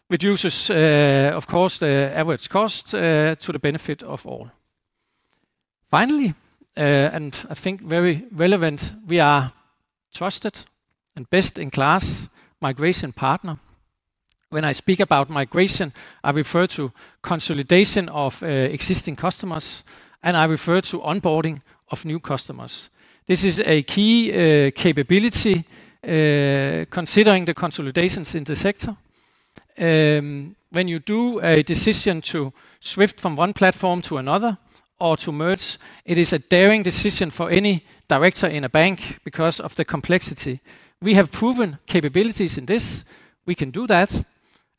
which uses, of course, the average cost to the benefit of all. Finally, and I think very relevant, we are trusted and best-in-class migration partner. When I speak about migration, I refer to consolidation of existing customers, and I refer to onboarding of new customers. This is a key capability considering the consolidations in the sector. When you do a decision to switch from one platform to another or to merge, it is a daring decision for any director in a bank because of the complexity. We have proven capabilities in this. We can do that,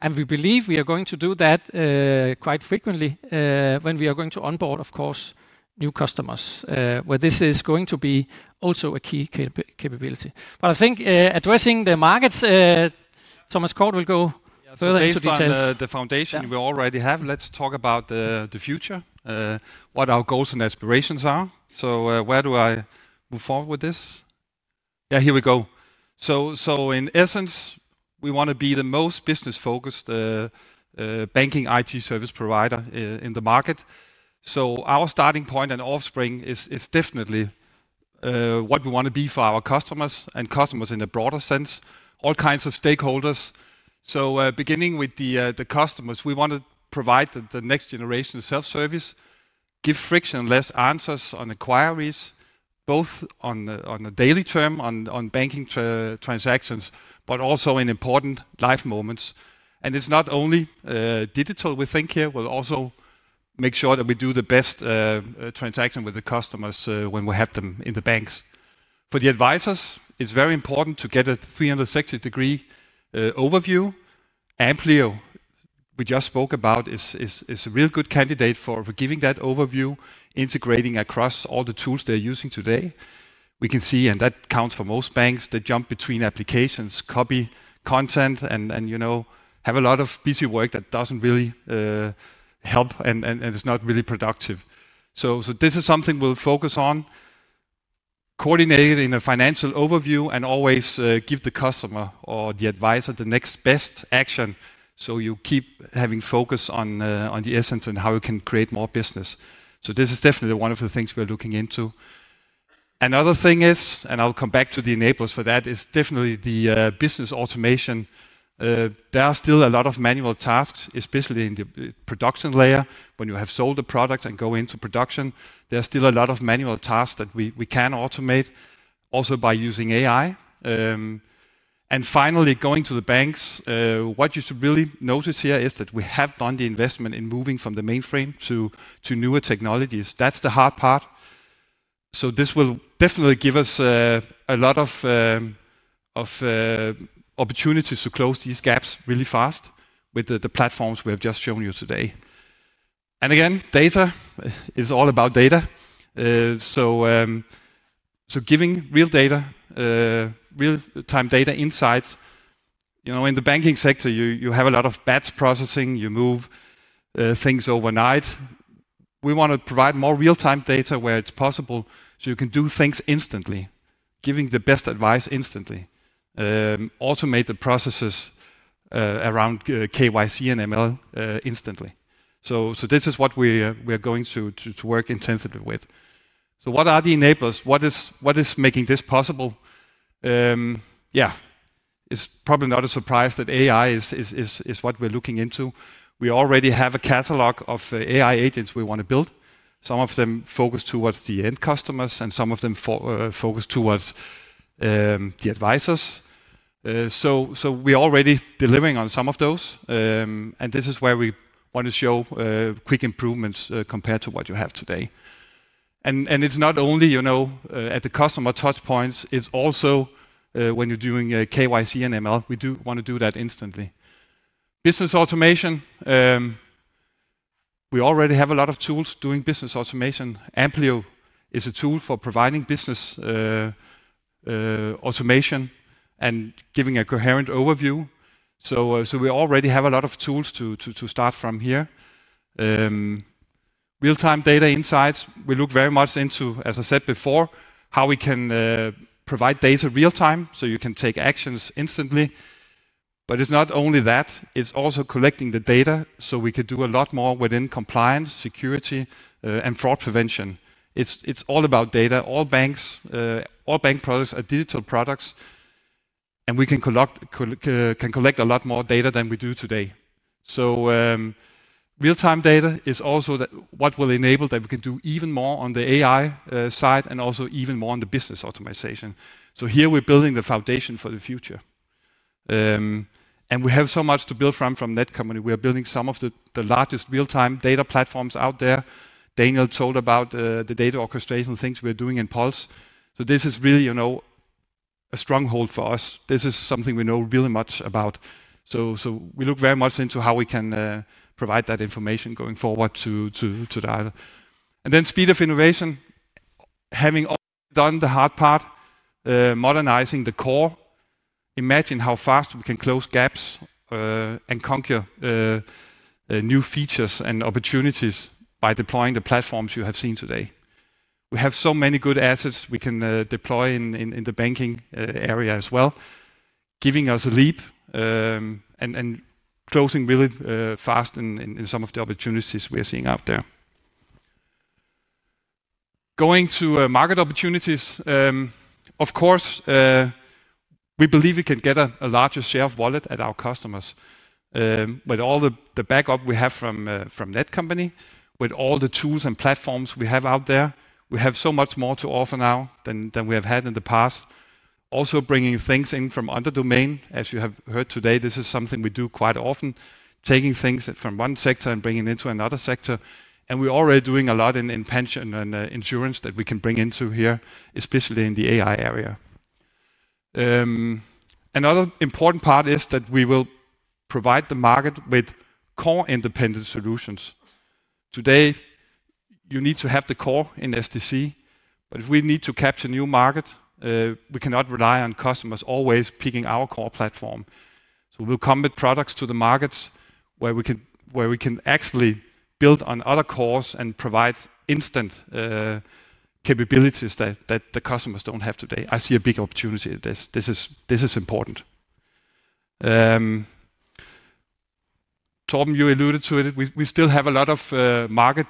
and we believe we are going to do that quite frequently when we are going to onboard, of course, new customers, where this is going to be also a key capability. I think addressing the markets, Thomas Cordth will go further into details. Based on the foundation we already have, let's talk about the future, what our goals and aspirations are. Where do I move forward with this? Here we go. In essence, we want to be the most business-focused banking IT service provider in the market. Our starting point and offspring is definitely what we want to be for our customers and customers in a broader sense, all kinds of stakeholders. Beginning with the customers, we want to provide the next generation of self-service, give frictionless answers on inquiries, both on a daily term, on banking transactions, but also in important life moments. It's not only digital we think here, but also making sure that we do the best transaction with the customers when we have them in the banks. For the advisors, it's very important to get a 360-degree overview. AMPLIO, we just spoke about, is a real good candidate for giving that overview, integrating across all the tools they're using today. We can see, and that counts for most banks, they jump between applications, copy content, and have a lot of busy work that doesn't really help and is not really productive. This is something we'll focus on, coordinated in a financial overview, and always give the customer or the advisor the next best action so you keep having focus on the essence and how you can create more business. This is definitely one of the things we're looking into. Another thing is, and I'll come back to the enablers for that, definitely the business automation. There are still a lot of manual tasks, especially in the production layer. When you have sold the product and go into production, there are still a lot of manual tasks that we can automate also by using AI. Finally, going to the banks, what you should really notice here is that we have done the investment in moving from the mainframe to newer technologies. That's the hard part. This will definitely give us a lot of opportunities to close these gaps really fast with the platforms we have just shown you today. Data is all about data. Giving real data, real-time data insights. In the banking sector, you have a lot of batch processing. You move things overnight. We want to provide more real-time data where it's possible so you can do things instantly, giving the best advice instantly. Automate the processes around KYC and ML instantly. This is what we are going to work intensively with. What are the enablers? What is making this possible? It's probably not a surprise that AI is what we're looking into. We already have a catalog of AI agents we want to build. Some of them focus towards the end customers and some of them focus towards the advisors. We're already delivering on some of those, and this is where we want to show quick improvements compared to what you have today. It's not only at the customer touchpoints. It's also when you're doing KYC and ML. We do want to do that instantly. Business automation. We already have a lot of tools doing business automation. AMPLIO is a tool for providing business. Automation and giving a coherent overview. We already have a lot of tools to start from here. Real-time data insights. We look very much into, as I said before, how we can provide data real-time so you can take actions instantly. It's not only that. It's also collecting the data so we can do a lot more within compliance, security, and fraud prevention. It's all about data. All banks. All bank products are digital products. We can collect a lot more data than we do today. Real-time data is also what will enable that we can do even more on the AI side and also even more on the business automation. Here we're building the foundation for the future. We have so much to build from at Netcompany. We are building some of the largest real-time data platforms out there. Daniel told about the data orchestration things we're doing in PULSE. This is really a stronghold for us. This is something we know really much about. We look very much into how we can provide that information going forward to that. Then speed of innovation. Having done the hard part, modernizing the core, imagine how fast we can close gaps and conquer new features and opportunities by deploying the platforms you have seen today. We have so many good assets we can deploy in the banking area as well, giving us a leap and closing really fast in some of the opportunities we are seeing out there. Going to market opportunities. Of course, we believe we can get a larger share of wallet at our customers. With all the backup we have from Netcompany, with all the tools and platforms we have out there, we have so much more to offer now than we have had in the past. Also bringing things in from other domains. As you have heard today, this is something we do quite often, taking things from one sector and bringing it into another sector. We're already doing a lot in pension and insurance that we can bring into here, especially in the AI area. Another important part is that we will provide the market with core independent solutions. Today, you need to have the core in SDC, but if we need to capture a new market, we cannot rely on customers always picking our core platform. We will come with products to the markets where we can actually build on other cores and provide instant capabilities that the customers don't have today. I see a big opportunity in this. This is important. Tom, you alluded to it. We still have a lot of market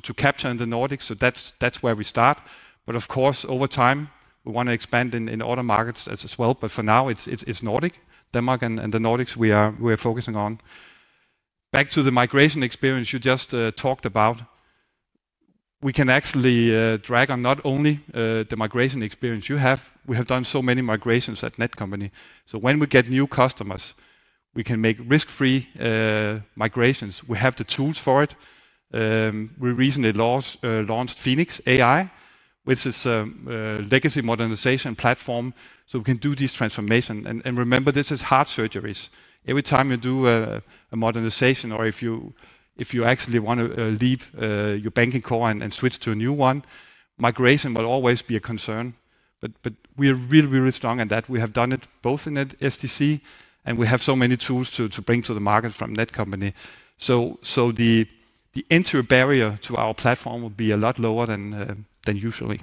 to capture in the Nordics, so that's where we start. Of course, over time, we want to expand in other markets as well. For now, it's Nordic, Denmark, and the Nordics we are focusing on. Back to the migration experience you just talked about. We can actually drag on not only the migration experience you have. We have done so many migrations at Netcompany. When we get new customers, we can make risk-free migrations. We have the tools for it. We recently launched Phoenix AI, which is a legacy modernization platform. We can do this transformation. Remember, this is heart surgeries. Every time you do a modernization or if you actually want to leave your banking core and switch to a new one, migration will always be a concern. We are really, really strong in that. We have done it both in SDC, and we have so many tools to bring to the market from Netcompany. The interior barrier to our platform will be a lot lower than usually.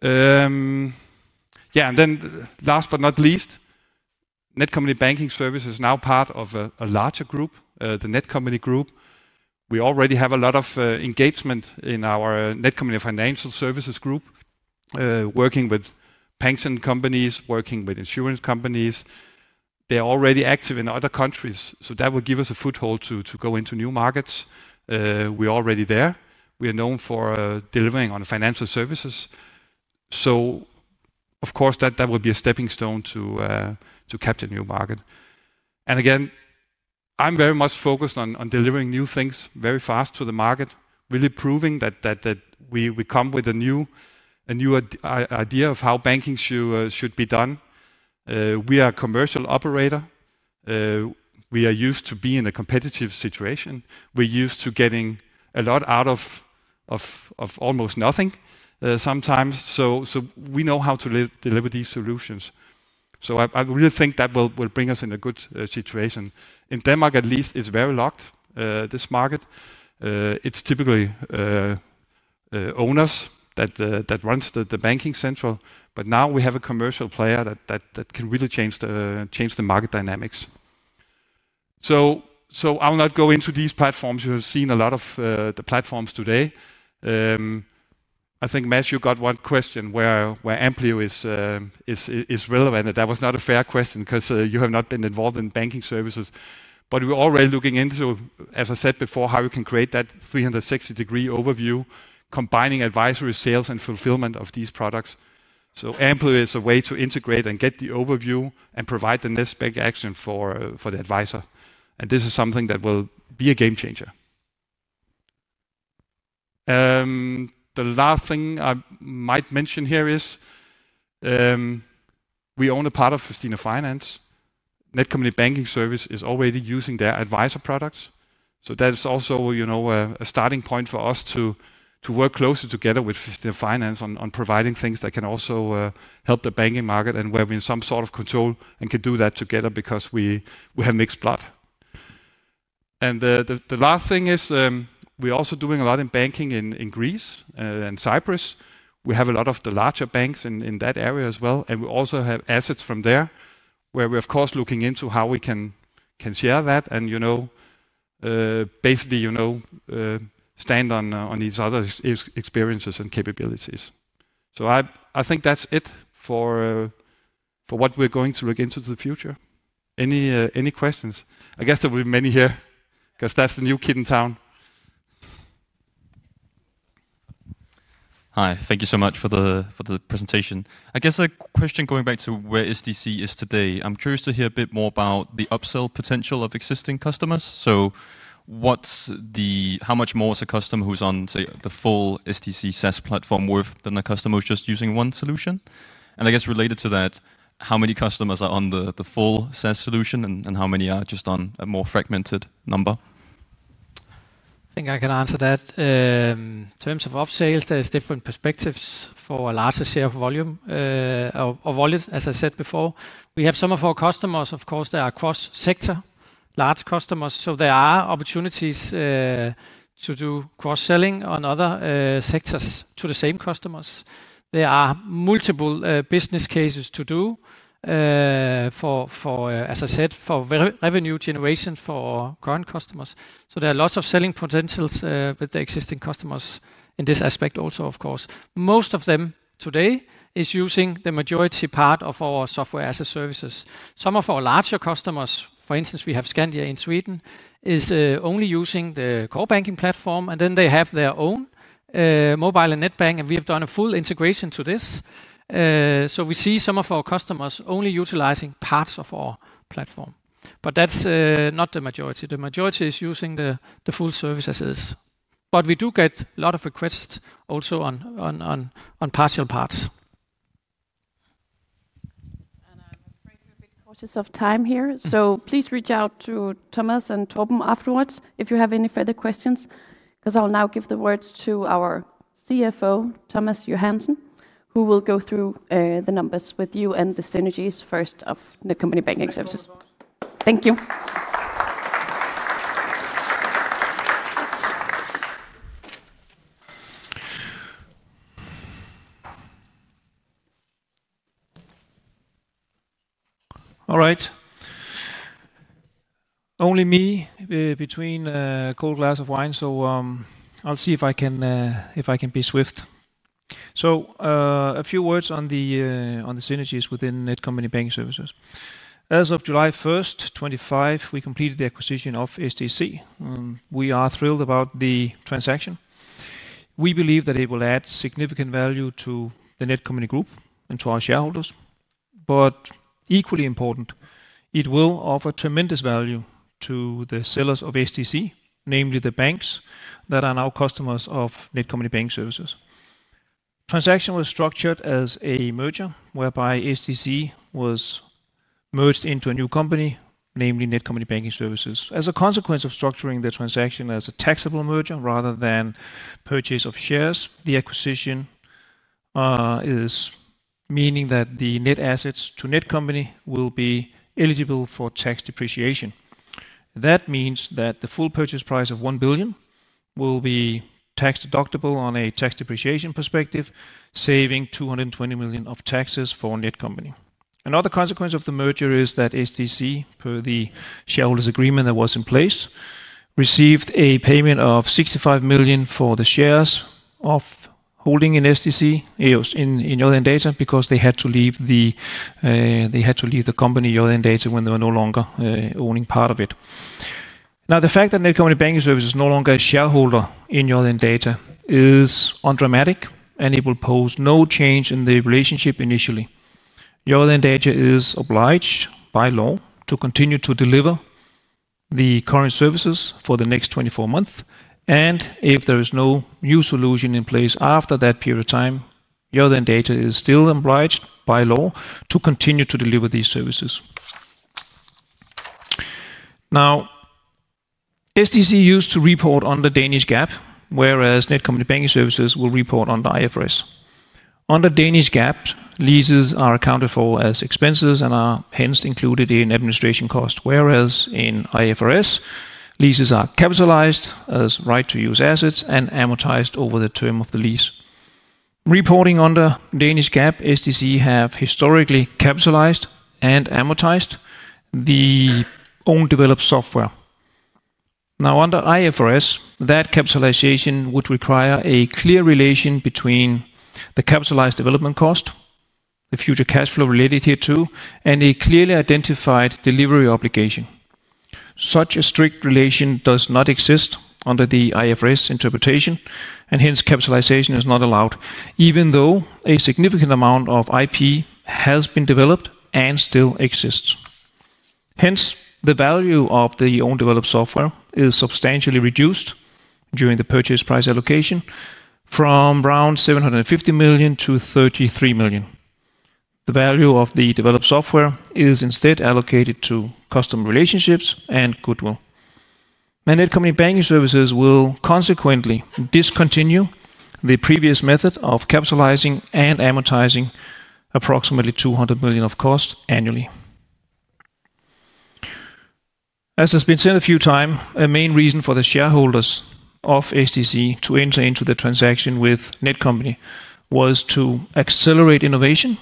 Last but not least, Netcompany Banking Services is now part of a larger group, the Netcompany Group. We already have a lot of engagement in our Netcompany Financial Services Group, working with pension companies, working with insurance companies. They're already active in other countries, so that will give us a foothold to go into new markets. We're already there. We are known for delivering on financial services. That will be a stepping stone to capture a new market. Again, I'm very much focused on delivering new things very fast to the market, really proving that. We come with a new idea of how banking should be done. We are a commercial operator. We are used to being in a competitive situation. We're used to getting a lot out of almost nothing sometimes. We know how to deliver these solutions. I really think that will bring us in a good situation. In Denmark, at least, it's very locked, this market. It's typically owners that run the banking central. Now we have a commercial player that can really change the market dynamics. I will not go into these platforms. You have seen a lot of the platforms today. I think, Matt, you got one question where AMPLIO is relevant. That was not a fair question because you have not been involved in banking services. We're already looking into, as I said before, how we can create that 360-degree overview, combining advisory sales and fulfillment of these products. AMPLIO is a way to integrate and get the overview and provide the best back action for the advisor. This is something that will be a game changer. The last thing I might mention here is we own a part of Festina Finance. Netcompany Banking Services is already using their advisor products. That's also a starting point for us to work closely together with Festina Finance on providing things that can also help the banking market and where we have some sort of control and can do that together because we have mixed blood. The last thing is we're also doing a lot in banking in Greece and Cyprus. We have a lot of the larger banks in that area as well. We also have assets from there where we're, of course, looking into how we can share that and basically stand on these other experiences and capabilities. I think that's it for what we're going to look into the future. Any questions? I guess there will be many here because that's the new kid in town. Hi, thank you so much for the presentation. I guess a question going back to where SDC is today. I'm curious to hear a bit more about the upsell potential of existing customers. How much more is a customer who's on, say, the full SDC SaaS platform worth than a customer who's just using one solution? Related to that, how many customers are on the full SaaS solution and how many are just on a more fragmented number? I think I can answer that. In terms of upsales, there's different perspectives for a larger share of volume. Or volume, as I said before. We have some of our customers, of course, that are cross-sector, large customers. There are opportunities to do cross-selling on other sectors to the same customers. There are multiple business cases to do, as I said, for revenue generation for current customers. There are lots of selling potentials with the existing customers in this aspect also, of course. Most of them today are using the majority part of our software as a services. Some of our larger customers, for instance, we have Scandia in Sweden, are only using the core banking platform, and then they have their own mobile and net bank, and we have done a full integration to this. We see some of our customers only utilizing parts of our platform, but that's not the majority. The majority is using the full service as is. We do get a lot of requests also on partial parts. I'm afraid we're a bit cautious of time here. Please reach out to Thomas and Tom afterwards if you have any further questions. I'll now give the words to our CFO, Thomas Johansen, who will go through the numbers with you and the synergies first of Netcompany Banking Services. Thank you. All right. Only me between a cold glass of wine, so I'll see if I can be swift. A few words on the synergies within Netcompany Banking Services. As of July 1, 2025, we completed the acquisition of SDC. We are thrilled about the transaction. We believe that it will add significant value to the Netcompany Group and to our shareholders. Equally important, it will offer tremendous value to the sellers of SDC, namely the banks that are now customers of Netcompany Banking Services. The transaction was structured as a merger whereby SDC was merged into a new company, namely Netcompany Banking Services. As a consequence of structuring the transaction as a taxable merger rather than purchase of shares, the acquisition is meaning that the net assets to Netcompany will be eligible for tax depreciation. That means that the full purchase price of 1 billion will be tax deductible on a tax depreciation perspective, saving 220 million of taxes for Netcompany. Another consequence of the merger is that SDC, per the shareholders' agreement that was in place, received a payment of 65 million for the shares of holding in SDC in your own data because they had to leave the company your own data when they were no longer owning part of it. The fact that Netcompany Banking Services is no longer a shareholder in your own data is undramatic, and it will pose no change in the relationship initially. Your own data is obliged by law to continue to deliver the current services for the next 24 months. If there is no new solution in place after that period of time, your own data is still obliged by law to continue to deliver these services. SDC used to report under Danish GAAP, whereas Netcompany Banking Services will report under IFRS. Under Danish GAAP, leases are accounted for as expenses and are hence included in administration costs, whereas in IFRS, leases are capitalized as right-to-use assets and amortized over the term of the lease. Reporting under Danish GAAP, SDC have historically capitalized and amortized the own-developed software. Now, under IFRS, that capitalization would require a clear relation between the capitalized development cost, the future cash flow related hereto, and a clearly identified delivery obligation. Such a strict relation does not exist under the IFRS interpretation, and hence capitalization is not allowed, even though a significant amount of IP has been developed and still exists. Hence, the value of the own-developed software is substantially reduced during the purchase price allocation from around 750 million to 33 million. The value of the developed software is instead allocated to customer relationships and goodwill. Netcompany Banking Services will consequently discontinue the previous method of capitalizing and amortizing approximately 200 million of cost annually. As has been said a few times, a main reason for the shareholders of SDC to enter into the transaction with Netcompany was to accelerate innovation,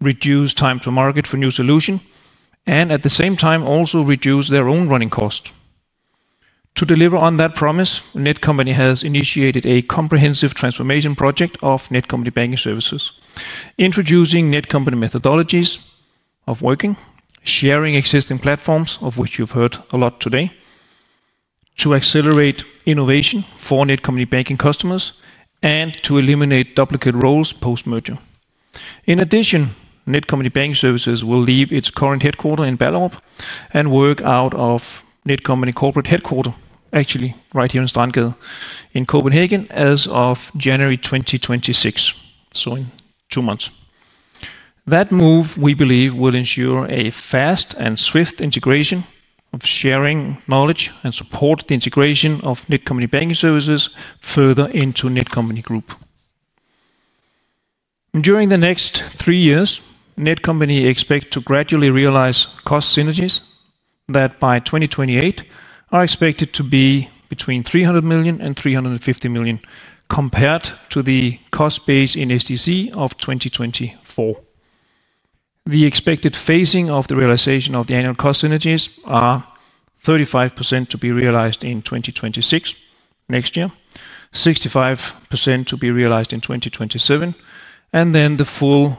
reduce time to market for new solutions, and at the same time, also reduce their own running costs. To deliver on that promise, Netcompany has initiated a comprehensive transformation project of Netcompany Banking Services, introducing Netcompany methodologies of working, sharing existing platforms, of which you've heard a lot today, to accelerate innovation for Netcompany Banking customers and to eliminate duplicate roles post-merger. In addition, Netcompany Banking Services will leave its current headquarter in Ballerup and work out of Netcompany Corporate Headquarter, actually right here in Strandgade in Copenhagen as of January 2026, so in two months. That move, we believe, will ensure a fast and swift integration of sharing knowledge and support the integration of Netcompany Banking Services further into Netcompany Group. During the next three years, Netcompany expects to gradually realize cost synergies that by 2028 are expected to be between 300 million and 350 million compared to the cost base in SDC of 2024. The expected phasing of the realization of the annual cost synergies is 35% to be realized in 2026, next year, 65% to be realized in 2027, and then the full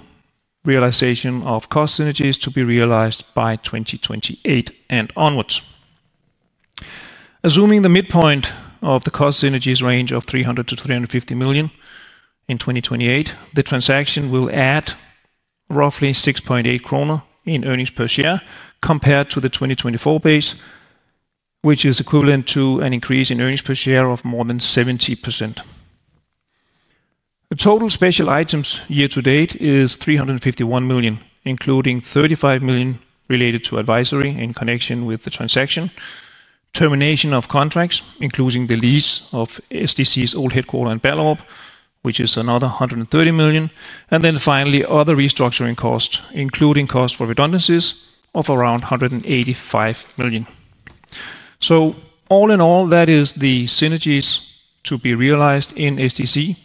realization of cost synergies to be realized by 2028 and onwards. Assuming the midpoint of the cost synergies range of 300 million to 350 million in 2028, the transaction will add roughly 6.8 kroner in earnings per share compared to the 2024 base, which is equivalent to an increase in earnings per share of more than 70%. The total special items year to date is $351 million, including $35 million related to advisory in connection with the transaction, termination of contracts, including the lease of SDC's old headquarter in Ballerup, which is another $130 million, and then finally other restructuring costs, including costs for redundancies of around $185 million. All in all, that is the synergies to be realized in SDC,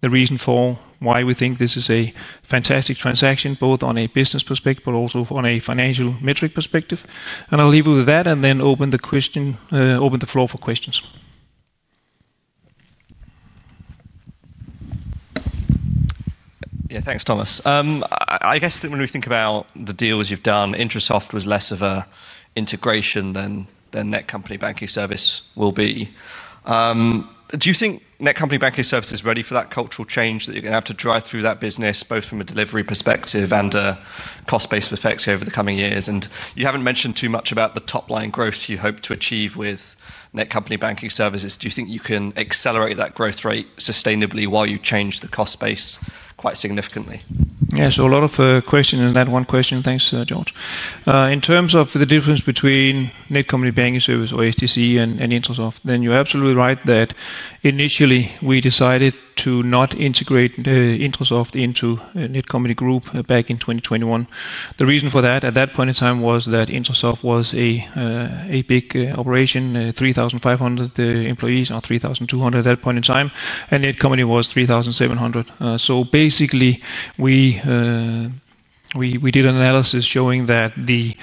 the reason for why we think this is a fantastic transaction, both on a business perspective but also on a financial metric perspective. I'll leave you with that and then open the floor for questions. Yeah, thanks, Thomas. I guess when we think about the deals you've done, Intrasoft was less of an integration than Netcompany Banking Services will be. Do you think Netcompany Banking Services is ready for that cultural change that you're going to have to drive through that business, both from a delivery perspective and a cost-based perspective over the coming years? You haven't mentioned too much about the top-line growth you hope to achieve with Netcompany Banking Services. Do you think you can accelerate that growth rate sustainably while you change the cost base quite significantly? Yeah, a lot of questions in that one question. Thanks, George. In terms of the difference between Netcompany Banking Services or SDC and Intrasoft, you're absolutely right that initially we decided to not integrate Intrasoft into Netcompany Group back in 2021. The reason for that at that point in time was that Intrasoft was a big operation, 3,500 employees or 3,200 at that point in time, and Netcompany was 3,700. Basically, we did an analysis showing that the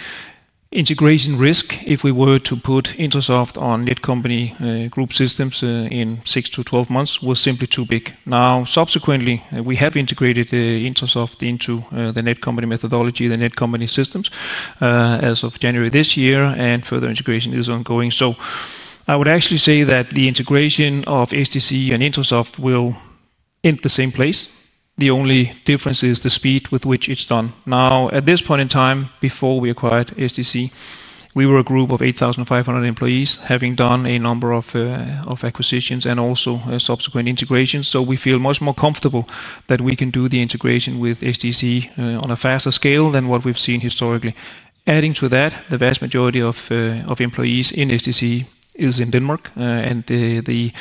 integration risk, if we were to put Intrasoft on Netcompany Group systems in 6 to 12 months, was simply too big. Subsequently, we have integrated Intrasoft into the Netcompany methodology, the Netcompany systems as of January this year, and further integration is ongoing. I would actually say that the integration of SDC and Intrasoft will end at the same place. The only difference is the speed with which it's done. At this point in time, before we acquired SDC, we were a group of 8,500 employees, having done a number of acquisitions and also subsequent integrations. We feel much more comfortable that we can do the integration with SDC on a faster scale than what we've seen historically. Adding to that, the vast majority of employees in SDC is in Denmark, and the.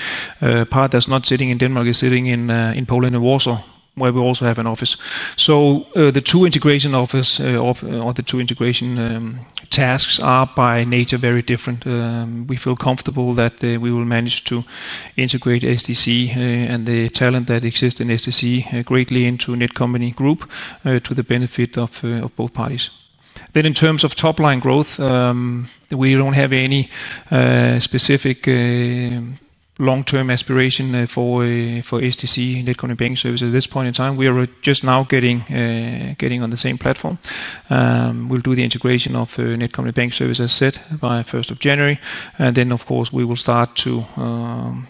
Part that's not sitting in Denmark is sitting in Poland and Warsaw, where we also have an office. The two integration office or the two integration tasks are by nature very different. We feel comfortable that we will manage to integrate SDC and the talent that exists in SDC greatly into Netcompany Group to the benefit of both parties. In terms of top-line growth, we don't have any specific long-term aspiration for SDC, Netcompany Banking Services at this point in time. We are just now getting on the same platform. We'll do the integration of Netcompany Banking Services, as said, by January 1. Of course, we will start to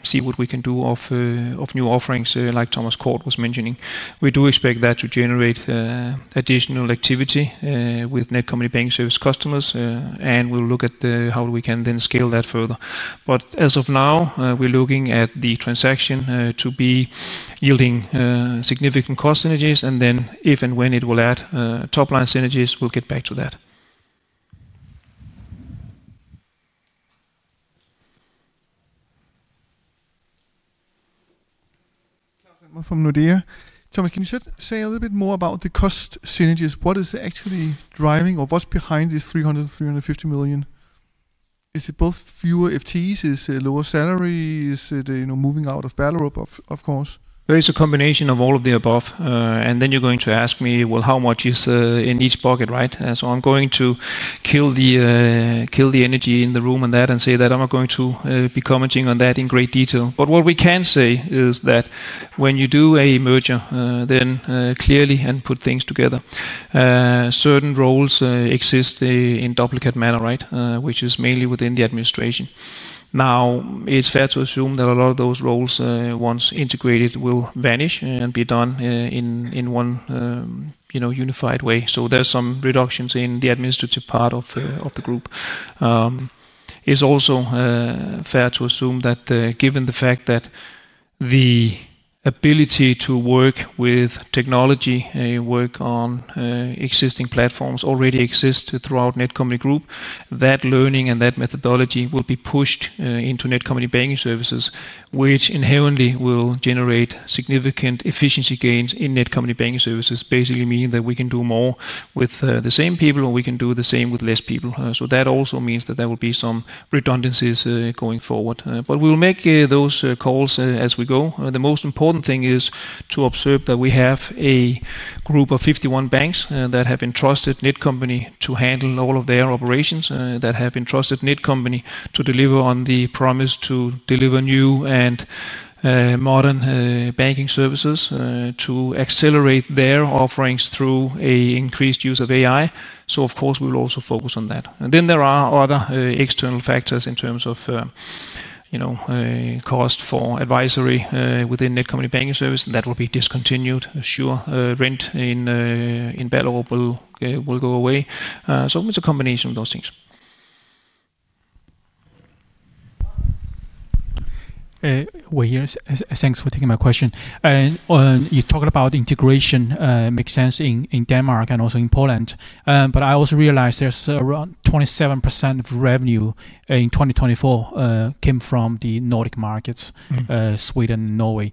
see what we can do of new offerings, like Thomas Johansen was mentioning. We do expect that to generate additional activity with Netcompany Banking Services customers, and we'll look at how we can then scale that further. As of now, we're looking at the transaction to be yielding significant cost synergies, and if and when it will add top-line synergies, we'll get back to that. Thomas from Nordea. Thomas, can you say a little bit more about the cost synergies? What is actually driving or what's behind this $300 million, $350 million? Is it both fewer FTEs? Is it lower salaries? Is it moving out of Ballerup, of course? There is a combination of all of the above. You're going to ask me how much is in each pocket, right? I'm going to kill the energy in the room on that and say that I'm not going to be commenting on that in great detail. What we can say is that when you do a merger and put things together, certain roles exist in duplicate manner, which is mainly within the administration. It's fair to assume that a lot of those roles, once integrated, will vanish and be done in one unified way. There's some reductions in the administrative part of the group. It's also fair to assume that given the fact that the ability to work with technology, work on existing platforms already exist throughout Netcompany Group, that learning and that methodology will be pushed into Netcompany Banking Services, which inherently will generate significant efficiency gains in Netcompany Banking Services, basically meaning that we can do more with the same people or we can do the same with less people. That also means that there will be some redundancies going forward. We will make those calls as we go. The most important thing is to observe that we have a group of 51 banks that have entrusted Netcompany to handle all of their operations, that have entrusted Netcompany to deliver on the promise to deliver new and modern banking services to accelerate their offerings through an increased use of AI. Of course, we will also focus on that. There are other external factors in terms of cost for advisory, Within Netcompany Banking Services, that will be discontinued. Rent in Belo will go away. It's a combination of those things. Yes, thanks for taking my question. You talked about integration, makes sense in Denmark and also in Poland. I also realize there's around 27% of revenue in 2024 came from the Nordic markets, Sweden and Norway.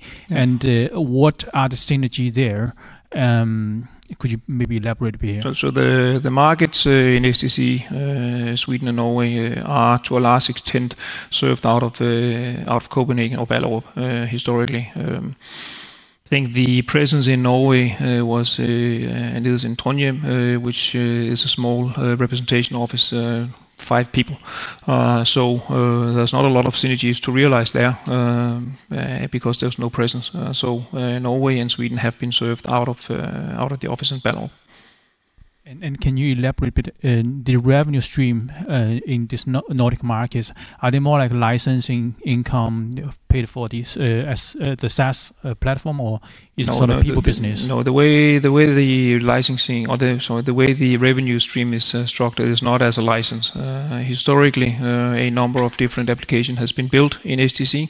What are the synergies there? Could you maybe elaborate a bit here? The markets in SDC, Sweden, and Norway are, to a large extent, served out of Copenhagen or Ballerup historically. I think the presence in Norway was, and it is in Trondheim, which is a small representation office, five people. There's not a lot of synergies to realize there because there's no presence. Norway and Sweden have been served out of the office in Ballerup. Can you elaborate a bit, the revenue stream, in this non-Nordic markets, are they more like licensing income paid for this, as the SaaS platform, or is it sort of people business? No, the way the revenue stream is structured is not as a license. Historically, a number of different applications have been built in SDC,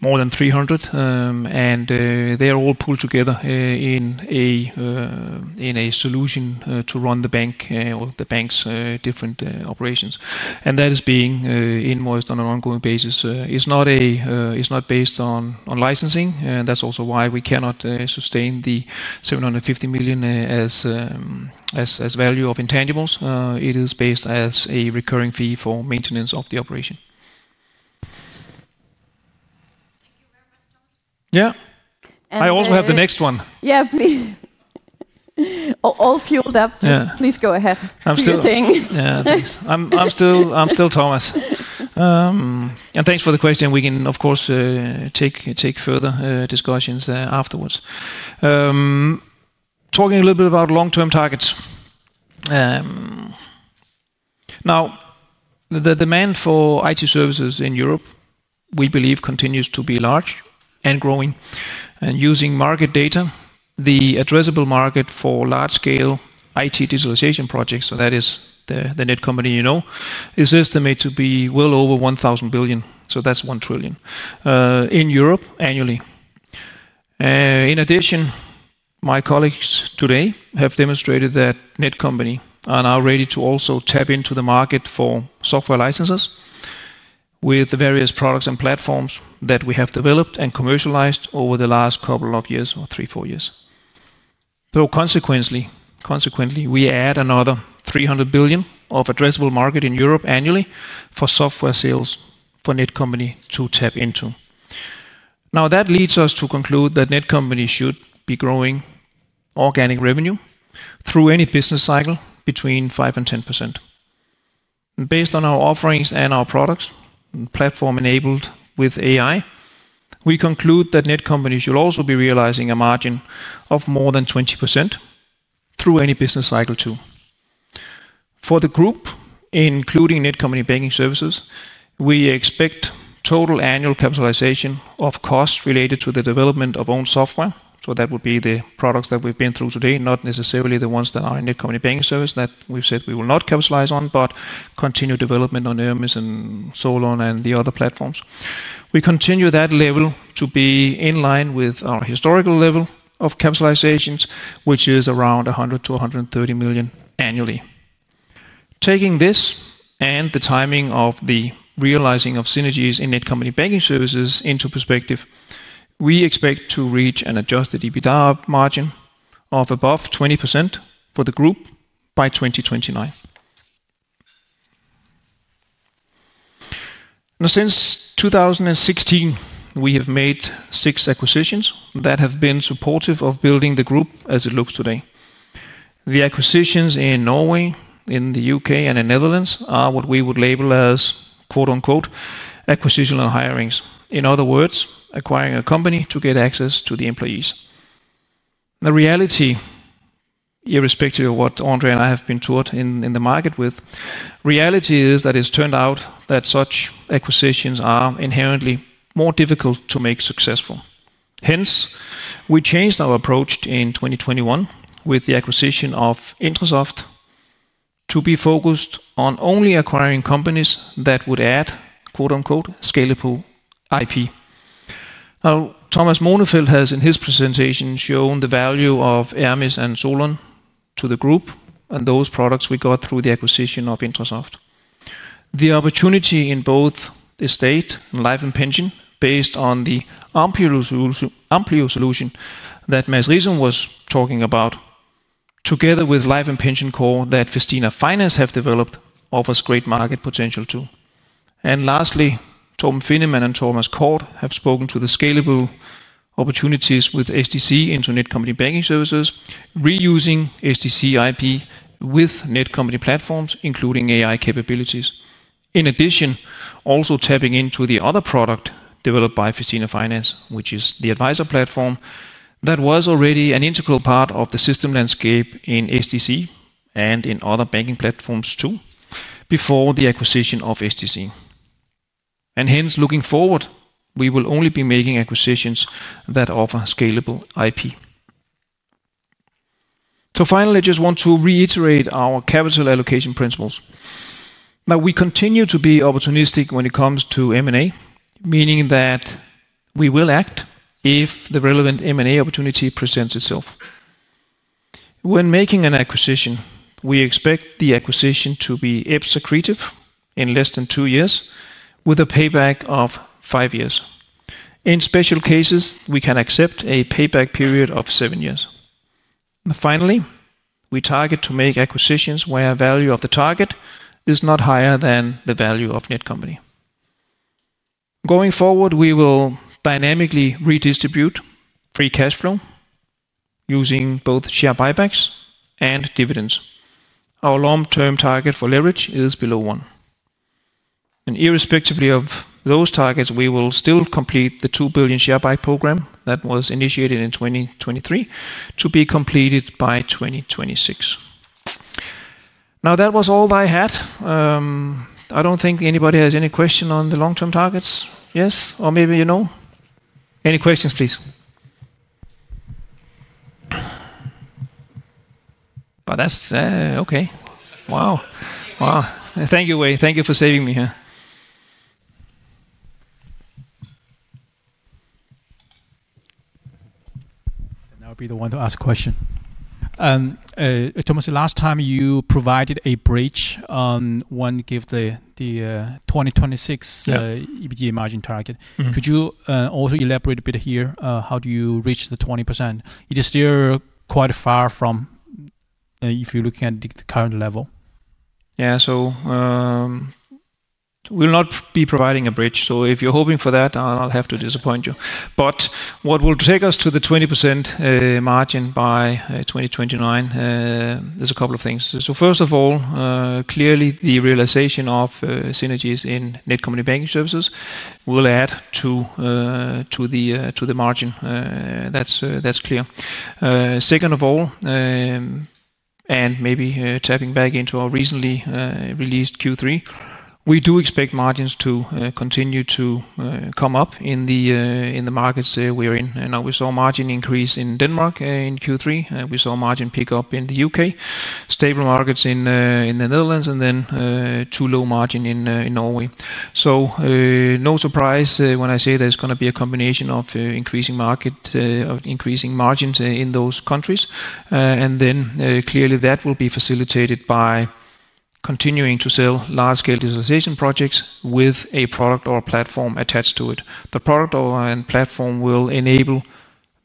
more than 300, and they are all pulled together in a solution to run the bank or the bank's different operations. That is being invoiced on an ongoing basis. It's not based on licensing. That's also why we cannot sustain the 750 million as value of intangibles. It is based as a recurring fee for maintenance of the operation. Thank you very much, Thomas. Yeah, I also have the next one. Yeah, please. All fueled up. Yeah. Please go ahead. I'm still. Fuel thing. Yeah, thanks. I'm still Thomas, and thanks for the question. We can, of course, take further discussions afterwards. Talking a little bit about long-term targets now. The demand for IT services in Europe, we believe, continues to be large and growing. Using market data, the addressable market for large-scale IT digitalization projects, that is the Netcompany you know, is estimated to be well over 1,000 billion. That's 1 trillion in Europe annually. In addition, my colleagues today have demonstrated that Netcompany are now ready to also tap into the market for software licenses with the various products and platforms that we have developed and commercialized over the last couple of years, or three, four years. Consequently, we add another 300 billion of addressable market in Europe annually for software sales for Netcompany to tap into. That leads us to conclude that Netcompany should be growing organic revenue through any business cycle between 5% and 10%. Based on our offerings and our products and platform enabled with AI, we conclude that Netcompany should also be realizing a margin of more than 20% through any business cycle too. For the group, including Netcompany Banking Services, we expect total annual capitalization of costs related to the development of owned software. That would be the products that we've been through today, not necessarily the ones that are in Netcompany Banking Services that we've said we will not capitalize on, but continue development on ERMIS and SOLON and the other platforms. We continue that level to be in line with our historical level of capitalizations, which is around 100 to 130 million annually. Taking this and the timing of the realizing of synergies in Netcompany Banking Services into perspective, we expect to reach an adjusted EBITDA margin of above 20% for the group by 2029. Since 2016, we have made six acquisitions that have been supportive of building the group as it looks today. The acquisitions in Norway, in the U.K., and in Netherlands are what we would label as, quote-unquote, "acquisition and hirings." In other words, acquiring a company to get access to the employees. The reality, irrespective of what André and I have been taught in the market with, the reality is that it's turned out that such acquisitions are inherently more difficult to make successful. Hence, we changed our approach in 2021 with the acquisition of Intrasoft. To be focused on only acquiring companies that would add, quote-unquote, "scalable IP." Now, Thomas Monefeldt has, in his presentation, shown the value of ERMIS and SOLON to the group and those products we got through the acquisition of Intrasoft. The opportunity in both estate and life and pension, based on the AMPLIO solution that Mads Riisom was talking about. Together with Life & Pension Corps that Festina Finance have developed, offers great market potential too. Lastly, Torben Finnemann and Thomas Cordth have spoken to the scalable opportunities with SDC into Netcompany Banking Services, reusing SDC IP with Netcompany platforms, including AI capabilities. In addition, also tapping into the other product developed by Festina Finance, which is the advisor platform that was already an integral part of the system landscape in SDC and in other banking platforms too, before the acquisition of SDC. Hence, looking forward, we will only be making acquisitions that offer scalable IP. Finally, I just want to reiterate our capital allocation principles. We continue to be opportunistic when it comes to M&A, meaning that we will act if the relevant M&A opportunity presents itself. When making an acquisition, we expect the acquisition to be executed in less than two years, with a payback of five years. In special cases, we can accept a payback period of seven years. Finally, we target to make acquisitions where the value of the target is not higher than the value of Netcompany. Going forward, we will dynamically redistribute free cash flow using both share buybacks and dividends. Our long-term target for leverage is below one. Irrespectively of those targets, we will still complete the 2 billion share buyback program that was initiated in 2023 to be completed by 2026. That was all that I had. I don't think anybody has any question on the long-term targets. Yes? Maybe, you know? Any questions, please? That's okay. Wow. Wow. Thank you. Thank you for saving me here. I'll be the one to ask a question. Thomas, the last time you provided a bridge on one, the 2026 EBITDA margin target. Mm-hmm. Could you also elaborate a bit here, how do you reach the 20%? It is still quite far from, if you're looking at the current level. Yeah. We'll not be providing a bridge. If you're hoping for that, I'll have to disappoint you. What will take us to the 20% margin by 2029, there's a couple of things. First of all, clearly the realization of synergies in Netcompany Banking Services will add to the margin. That's clear. Second of all, maybe tapping back into our recently released Q3, we do expect margins to continue to come up in the markets we are in. We saw margin increase in Denmark in Q3. We saw margin pick up in the U.K., stable markets in the Netherlands, and then too low margin in Norway. No surprise when I say there's going to be a combination of increasing margins in those countries. Clearly that will be facilitated by continuing to sell large-scale digitalization projects with a product or a platform attached to it. The product or platform will enable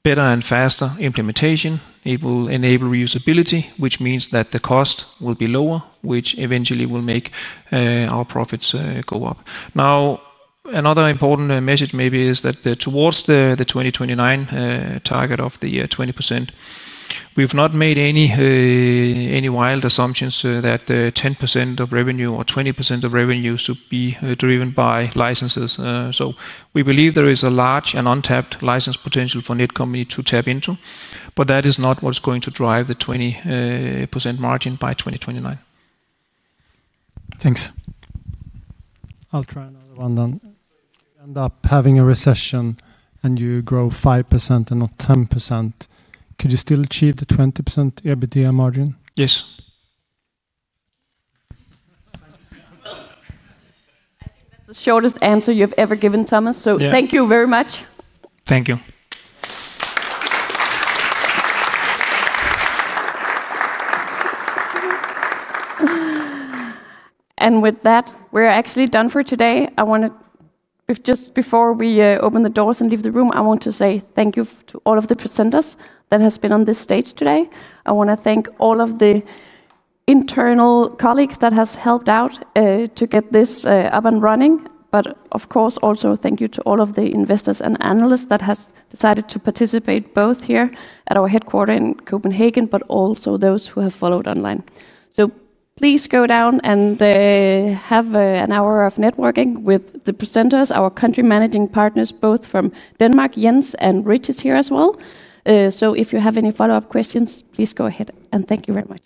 better and faster implementation. It will enable reusability, which means that the cost will be lower, which eventually will make our profits go up. Another important message maybe is that towards the 2029 target of the 20%, we've not made any wild assumptions that 10% of revenue or 20% of revenue should be driven by licenses. We believe there is a large and untapped license potential for Netcompany to tap into, but that is not what's going to drive the 20% margin by 2029. Thanks. I'll try another one then. If you end up having a recession and you grow 5% and not 10%, could you still achieve the 20% EBITDA margin? Yes. I think that's the shortest answer you've ever given, Thomas. Yeah. Thank you very much. Thank you. With that, we're actually done for today. Just before we open the doors and leave the room, I want to say thank you to all of the presenters that have been on this stage today. I want to thank all of the internal colleagues that have helped out to get this up and running. Of course, also thank you to all of the investors and analysts that have decided to participate both here at our headquarter in Copenhagen, but also those who have followed online. Please go down and have an hour of networking with the presenters, our Country Managing Partners, both from Denmark, Jens, and [Ritches] here as well. If you have any follow-up questions, please go ahead. Thank you very much.